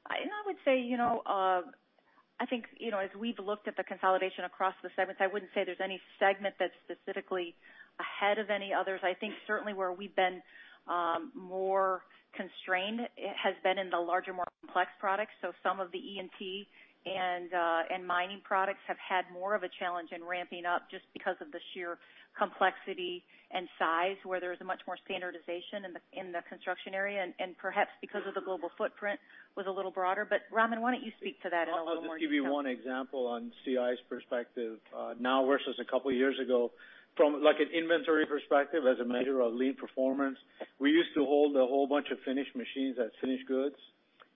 I would say, you know, I think, you know, as we've looked at the consolidation across the segments, I wouldn't say there's any segment that's specifically ahead of any others. I think certainly where we've been more constrained has been in the larger, more complex products. Some of the E&T and mining products have had more of a challenge in ramping up just because of the sheer complexity and size, where there is a much more standardization in the construction area and perhaps because of the global footprint was a little broader. Ramin, why don't you speak to that in a little more detail? I'll just give you one example on CI's perspective, now versus a couple of years ago. From like an inventory perspective, as a measure of lean performance, we used to hold a whole bunch of finished machines as finished goods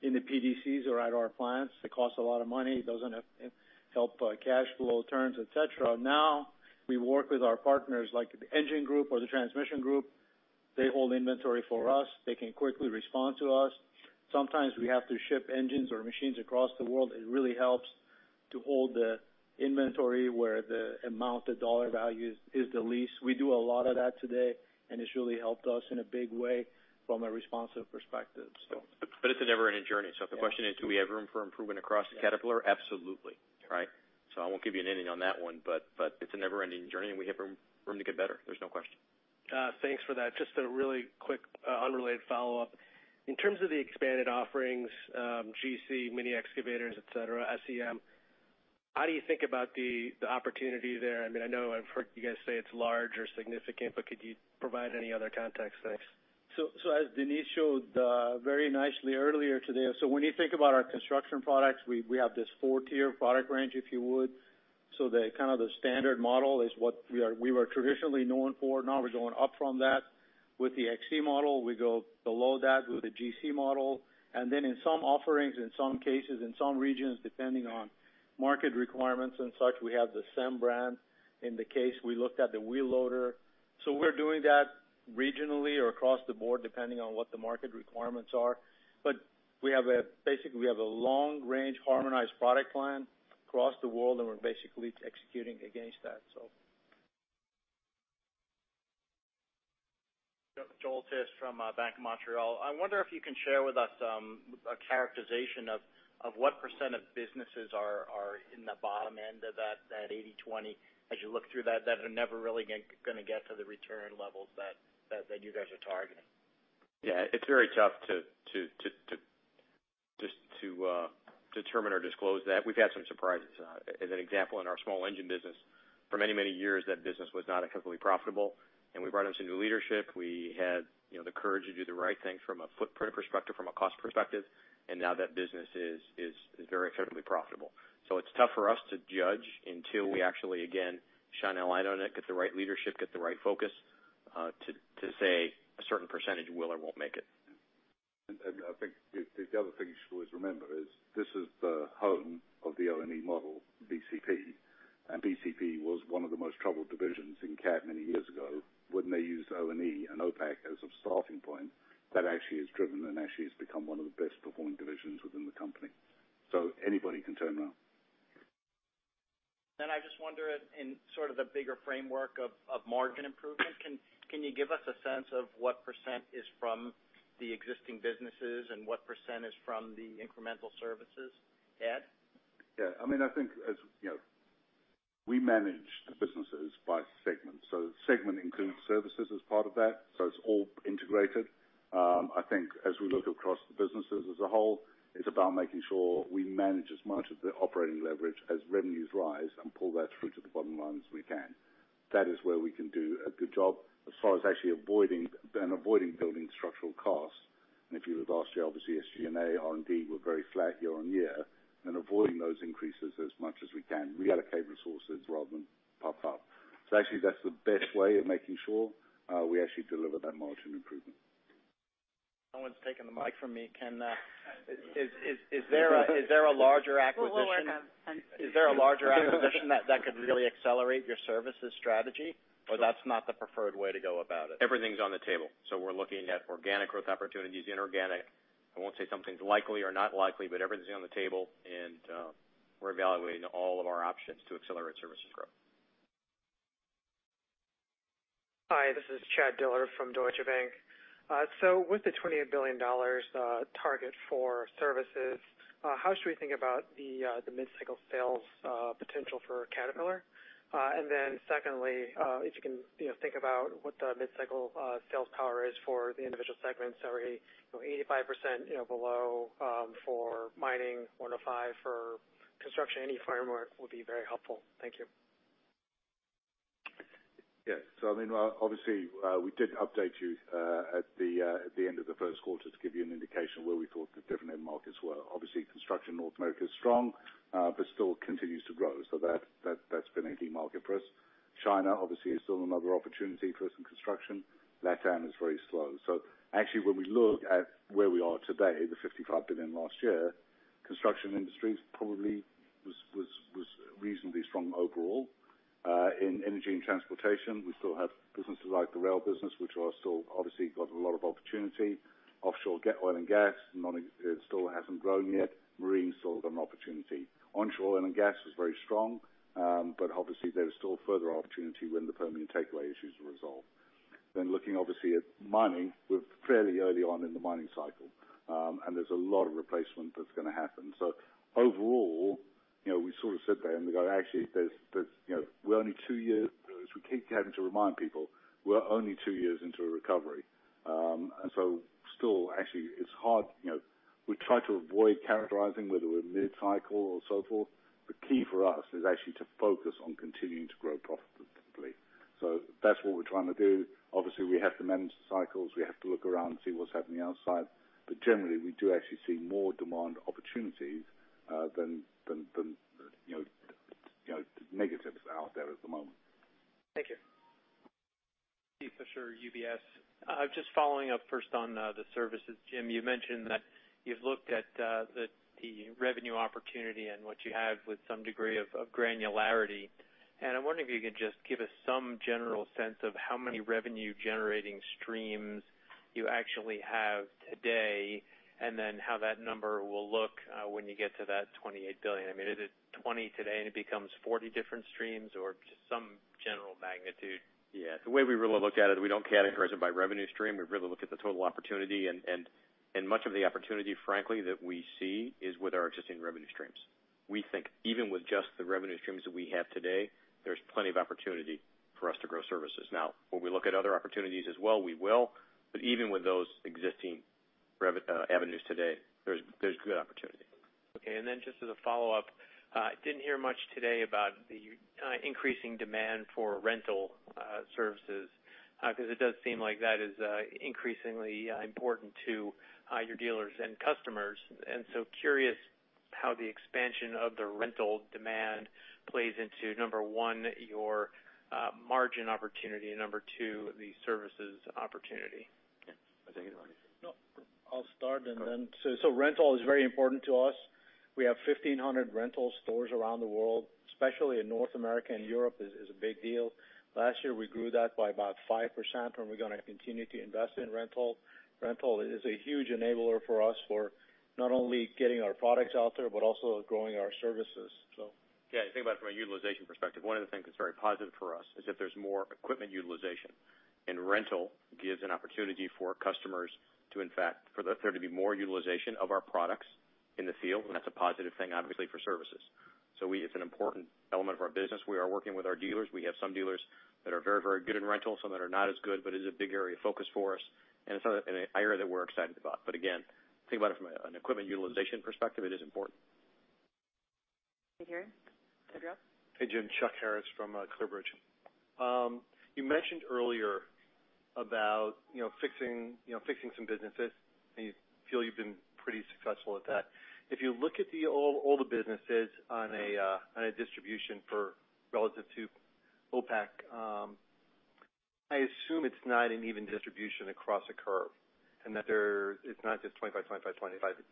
in the PDC or at our plants. It costs a lot of money. It doesn't help cash flow turns, et cetera. Now, we work with our partners, like the engine group or the transmission group. They hold inventory for us. They can quickly respond to us. Sometimes we have to ship engines or machines across the world. It really helps to hold the inventory where the amount, the dollar value is the least. We do a lot of that today, and it's really helped us in a big way from a responsive perspective, so. It's a never-ending journey. If the question is, do we have room for improvement across Caterpillar? Absolutely, right. I won't give you an ending on that one, but it's a never-ending journey, and we have room to get better. There's no question. Thanks for that. Just a really quick, unrelated follow-up. In terms of the expanded offerings, GC, mini excavators, et cetera, SEM, how do you think about the opportunity there? I mean, I know I've heard you guys say it's large or significant, but could you provide any other context? Thanks. As Denise showed, very nicely earlier today, when you think about our construction products, we have this four tier product range, if you would. The kind of the standard model is what we were traditionally known for. Now we're going up from that. With the XE model, we go below that with the GC model. In some offerings, in some cases, in some regions, depending on market requirements and such, we have the SEM brand. In the case we looked at the wheel loader. We're doing that regionally or across the board, depending on what the market requirements are. We basically have a long range harmonized product line across the world, and we're basically executing against that. Joel Tiss from Bank of Montreal. I wonder if you can share with us a characterization of what percent of businesses are in the bottom end of that 80/20, as you look through that are never really gonna get to the return levels that you guys are targeting. It's very tough to determine or disclose that. We've had some surprises. As an example, in our small engine business, for many, many years, that business was not adequately profitable, and we brought in some new leadership. We had, you know, the courage to do the right thing from a footprint perspective, from a cost perspective, and now that business is very effectively profitable. It's tough for us to judge until we actually again shine a light on it, get the right leadership, get the right focus, to say a certain percentage will or won't make it. I think the other thing you should always remember is this is the home of the O&E Model, BCP. BCP was one of the most troubled divisions in Cat many years ago when they used O&E and OPACC as a starting point. That actually has driven and actually has become one of the best performing divisions within the company. Anybody can turn around. I just wonder in sort of the bigger framework of margin improvement, can you give us a sense of what percent is from the existing businesses and what percent is from the incremental services add? Yeah. I mean, I think as, you know, we manage the businesses by segment. Segment includes services as part of that, so it's all integrated. I think as we look across the businesses as a whole, it's about making sure we manage as much of the operating leverage as revenues rise and pull that through to the bottom line as we can. That is where we can do a good job as far as actually avoiding, and avoiding building structural costs. If you would've asked me, obviously, SG&A, R&D were very flat year-over-year, and avoiding those increases as much as we can, reallocate resources rather than pop up. Actually that's the best way of making sure we actually deliver that margin improvement. No one's taken the mic from me. Is there a larger acquisition? We'll work on. Is there a larger acquisition that could really accelerate your services strategy? That's not the preferred way to go about it. Everything's on the table. We're looking at organic growth opportunities, inorganic. I won't say something's likely or not likely, everything's on the table and we're evaluating all of our options to accelerate services growth. Hi, this is Chad Dillard from Deutsche Bank. With the $28 billion target for services, how should we think about the mid-cycle sales potential for Caterpillar? Secondly, if you can, you know, think about what the mid-cycle sales power is for the individual segments that are, you know, 85%, you know, below, for mining, 105% for construction, any framework would be very helpful. Thank you. I mean, obviously, we did update you at the end of the first quarter to give you an indication where we thought the different end markets were. Obviously, construction in North America is strong, still continues to grow. That's been a key market for us. China obviously is still another opportunity for us in construction. Lat Am is very slow. Actually, when we look at where we are today, the $55 billion last year, construction industry probably was reasonably strong overall. In Energy & Transportation, we still have businesses like the rail business, which are still obviously got a lot of opportunity. Offshore oil and gas, still hasn't grown yet. Marine, still got an opportunity. Onshore oil and gas was very strong, obviously there is still further opportunity when the Permian takeaway issues are resolved. Looking obviously at mining, we're fairly early on in the mining cycle, and there's a lot of replacement that's gonna happen. Overall, you know, we sort of sit there and we go, actually, there's, you know, we're only two years, as we keep having to remind people, we're only two years into a recovery. Still, actually it's hard, you know, we try to avoid characterizing whether we're mid-cycle or so forth. The key for us is actually to focus on continuing to grow profitably. That's what we're trying to do. Obviously, we have to manage the cycles. We have to look around and see what's happening outside. Generally, we do actually see more demand opportunities than, you know, negatives out there at the moment. Thank you. Steve Fisher, UBS. I'm just following up first on the services. Jim, you mentioned that you've looked at the revenue opportunity and what you have with some degree of granularity. I'm wondering if you could just give us some general sense of how many revenue-generating streams you actually have today, then how that number will look when you get to that $28 billion. I mean, is it 20 today and it becomes 40 different streams, or just some general magnitude? Yeah. The way we really look at it, we don't categorize it by revenue stream. We really look at the total opportunity and much of the opportunity, frankly, that we see is with our existing revenue streams. We think even with just the revenue streams that we have today, there's plenty of opportunity for us to grow services. When we look at other opportunities as well, we will, but even with those existing avenues today, there's good opportunity. Okay. Just as a follow-up, didn't hear much today about the increasing demand for rental services, 'cause it does seem like that is increasingly important to your dealers and customers. Curious how the expansion of the rental demand plays into, number one, your margin opportunity, and number two, the services opportunity. Yeah. I think No, I'll start. Rental is very important to us. We have 1,500 rental stores around the world, especially in North America and Europe is a big deal. Last year, we grew that by about 5%, we're gonna continue to invest in rental. Rental is a huge enabler for us for not only getting our products out there, but also growing our services. Yeah, you think about it from a utilization perspective, one of the things that's very positive for us is that there's more equipment utilization. Rental gives an opportunity for customers to in fact, for there to be more utilization of our products in the field, and that's a positive thing, obviously, for services. It's an important element of our business. We are working with our dealers. We have some dealers that are very good in rental, some that are not as good, but is a big area of focus for us, and it's an area that we're excited about. Again, think about it from an equipment utilization perspective, it is important. Here. Hey, Jim, Chuck Harris from ClearBridge. You mentioned earlier about, you know, fixing some businesses, and you feel you've been pretty successful at that. If you look at the older businesses on a on a distribution for relative to OPACC, I assume it's not an even distribution across a curve, and that it's not just 25, 25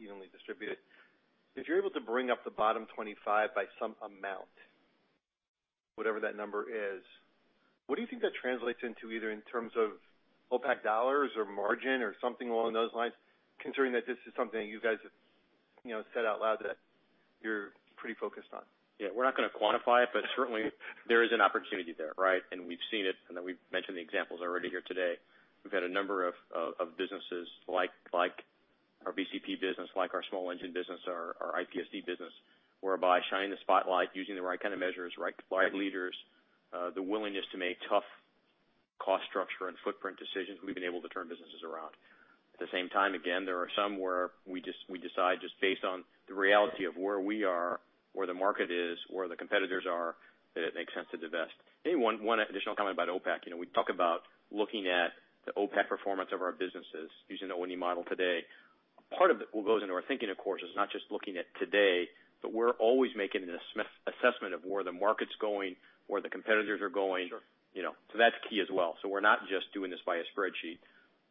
evenly distributed. If you're able to bring up the bottom 25 by some amount, whatever that number is, what do you think that translates into either in terms of OPACC dollars or margin or something along those lines, considering that this is something you guys have, you know, said out loud that you're pretty focused on? Yeah, we're not gonna quantify it, but certainly there is an opportunity there, right. We've seen it, and then we've mentioned the examples already here today. We've had a number of businesses like our BCP business, like our small engine business, our IPSD business, whereby shining the spotlight using the right kind of measures, right leaders, the willingness to make tough cost structure and footprint decisions, we've been able to turn businesses around. At the same time, again, there are some where we decide just based on the reality of where we are, where the market is, where the competitors are, that it makes sense to divest. One additional comment about OPACC. You know, we talk about looking at the OPACC performance of our businesses using the O&E Model today. Part of what goes into our thinking, of course, is not just looking at today, but we're always making an assessment of where the market's going, where the competitors are going. Sure. You know, that's key as well. We're not just doing this by a spreadsheet.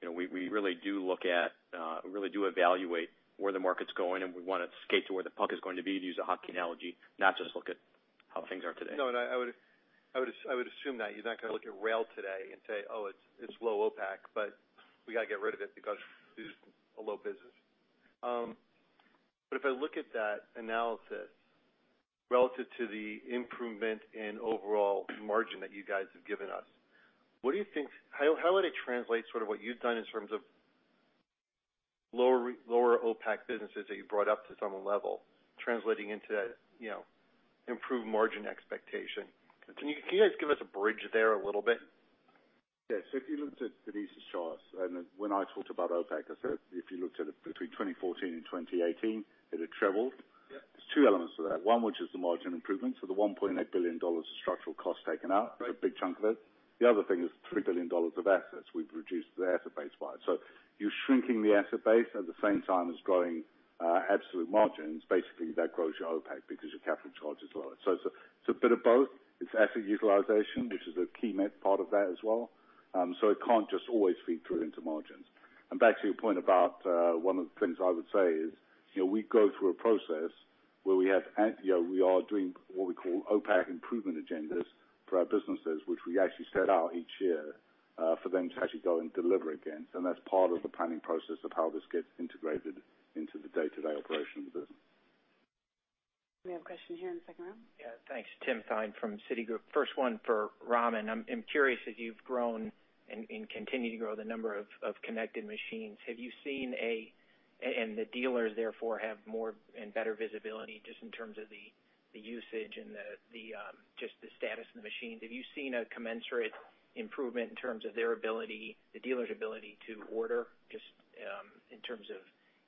You know, we really do look at, really do evaluate where the market's going, and we wanna skate to where the puck is going to be, to use a hockey analogy, not just look at how things are today. No, I would assume that you're not gonna look at rail today and say, "Oh, it's low OPACC, but we gotta get rid of it because it's a low business." If I look at that analysis relative to the improvement in overall margin that you guys have given us, what do you think, how would it translate sort of what you've done in terms of lower OPACC businesses that you've brought up to some level translating into that, you know, improved margin expectation? Can you guys give us a bridge there a little bit? If you looked at Lisa's charts, and when I talked about OPACC, I said if you looked at it between 2014 and 2018, it had trebled. Yeah. There's two elements to that. One, which is the margin improvement, so the $1.8 billion of structural costs taken out. Right. A big chunk of it. The other thing is $3 billion of assets we've reduced the asset base by. You're shrinking the asset base at the same time as growing absolute margins. Basically, that grows your OPACC because your capital charge is lower. It's a, it's a bit of both. It's asset utilization, which is a key part of that as well. It can't just always feed through into margins. Back to your point about, one of the things I would say is, you know, we go through a process where we are doing what we call OPACC improvement agendas for our businesses, which we actually set out each year for them to actually go and deliver against. That's part of the planning process of how this gets integrated into the day-to-day operations of the business. We have a question here in the second row. Yeah. Thanks. Tim Thein from Citigroup. First one for Ramin. I'm curious as you've grown and continue to grow the number of connected machines, have you seen and the dealers therefore have more and better visibility just in terms of the usage and the status of the machines. Have you seen a commensurate improvement in terms of their ability, the dealer's ability to order, just in terms of,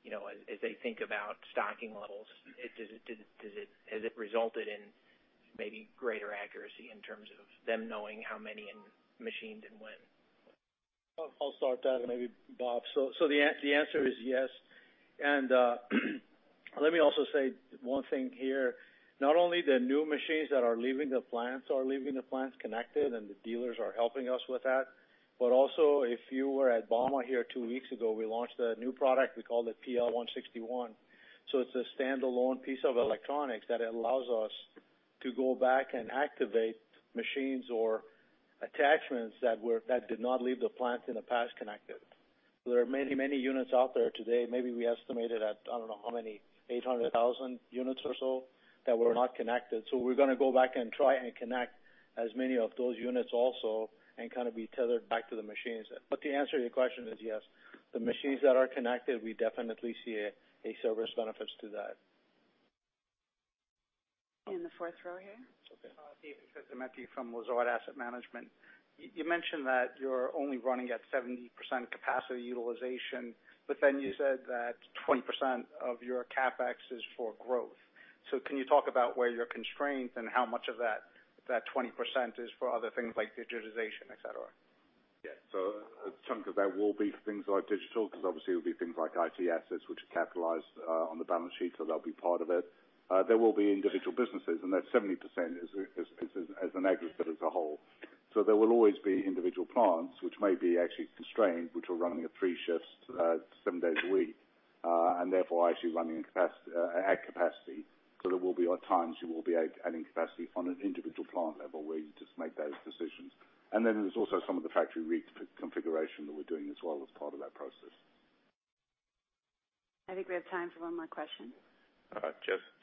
you know, as they think about stocking levels? Has it resulted in maybe greater accuracy in terms of them knowing how many machines and when? I'll start that and maybe Bob. The answer is yes. Let me also say one thing here. Not only the new machines that are leaving the plants are leaving the plants connected, and the dealers are helping us with that, but also if you were at Bauma here two weeks ago, we launched a new product, we called it PL161. It's a standalone piece of electronics that allows us to go back and activate machines or attachments that did not leave the plant in the past connected. There are many units out there today, maybe we estimated at, I don't know how many, 800,000 units or so, that were not connected. We're gonna go back and try and connect as many of those units also and kinda be tethered back to the machines. The answer to your question is yes. The machines that are connected, we definitely see a service benefits to that. In the fourth row here. Okay. This is [Matthew] from Lazard Asset Management. You mentioned that you're only running at 70% capacity utilization. You said that 20% of your CapEx is for growth. Can you talk about where you're constrained and how much of that 20% is for other things like digitization, et cetera? Yeah. A chunk of that will be for things like digital, because obviously it'll be things like IT assets which are capitalized on the balance sheet, so they'll be part of it. There will be individual businesses, and that 70% is as an aggregate, but as a whole. There will always be individual plants which may be actually constrained, which are running at three shifts, seven days a week, and therefore actually running at capacity. There will be odd times you will be adding capacity on an individual plant level where you just make those decisions. Then there's also some of the factory reconfiguration that we're doing as well as part of that process. I think we have time for one more question.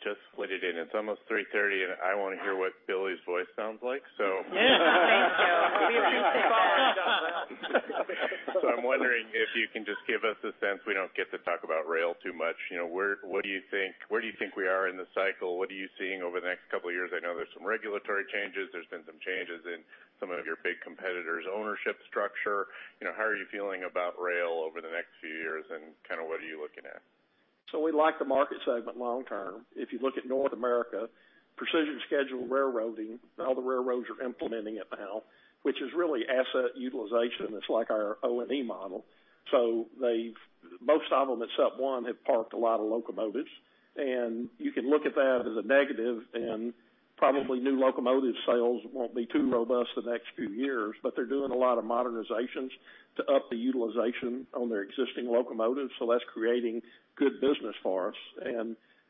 Just slid it in. It's almost 3:30, and I wanna hear what Billy's voice sounds like. Thank you. We appreciate that. I'm wondering if you can just give us a sense, we don't get to talk about rail too much. You know, where do you think we are in the cycle? What are you seeing over the next couple of years? I know there's some regulatory changes. There's been some changes in some of your big competitors' ownership structure. You know, how are you feeling about rail over the next few years, and kinda what are you looking at? We like the market segment long term. If you look at North America, Precision Scheduled Railroading, all the railroads are implementing it now, which is really asset utilization. It's like our O&E Model. They've Most of them except one have parked a lot of locomotives. You can look at that as a negative, and probably new locomotive sales won't be too robust the next few years, but they're doing a lot of modernizations to up the utilization on their existing locomotives, so that's creating good business for us.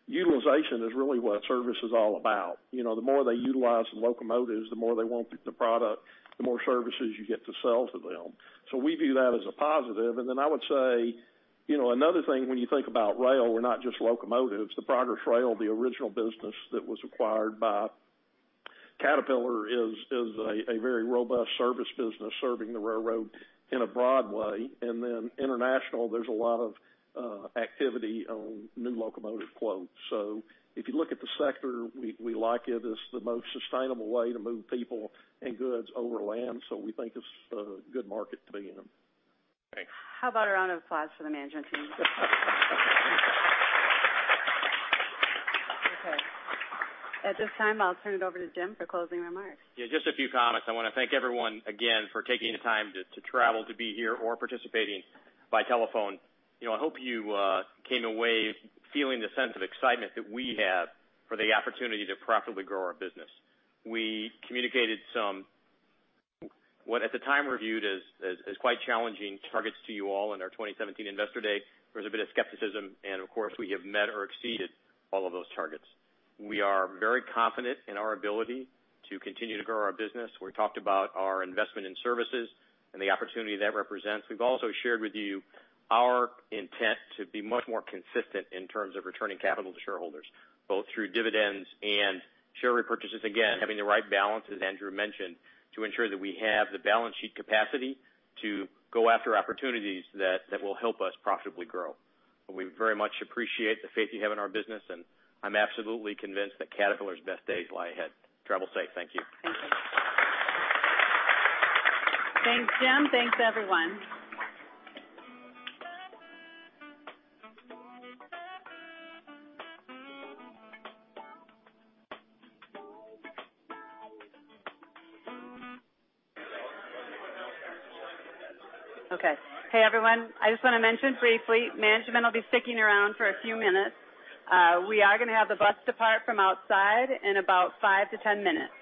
Utilization is really what service is all about. You know, the more they utilize the locomotives, the more they want the product, the more services you get to sell to them. We view that as a positive. I would say, you know, another thing when you think about rail, we're not just locomotives. The Progress Rail, the original business that was acquired by Caterpillar is a very robust service business serving the railroad in a broad way. International, there's a lot of activity on new locomotive quotes. If you look at the sector, we like it. It's the most sustainable way to move people and goods over land, we think it's a good market to be in. Thanks. How about a round of applause for the management team? Okay. At this time, I'll turn it over to Jim for closing remarks. Yeah, just a few comments. I wanna thank everyone again for taking the time to travel to be here or participating by telephone. You know, I hope you came away feeling the sense of excitement that we have for the opportunity to profitably grow our business. We communicated some, what at the time reviewed as quite challenging targets to you all in our 2017 Investor Day. There was a bit of skepticism, and of course, we have met or exceeded all of those targets. We are very confident in our ability to continue to grow our business. We talked about our investment in services and the opportunity that represents. We've also shared with you our intent to be much more consistent in terms of returning capital to shareholders, both through dividends and share repurchases, again, having the right balance, as Andrew mentioned, to ensure that we have the balance sheet capacity to go after opportunities that will help us profitably grow. We very much appreciate the faith you have in our business, and I'm absolutely convinced that Caterpillar's best days lie ahead. Travel safe. Thank you. Thank you. Thanks, Jim. Thanks, everyone. Okay. Hey, everyone. I just wanna mention briefly, management will be sticking around for a few minutes. We are gonna have the bus depart from outside in about 5 to 10 minutes.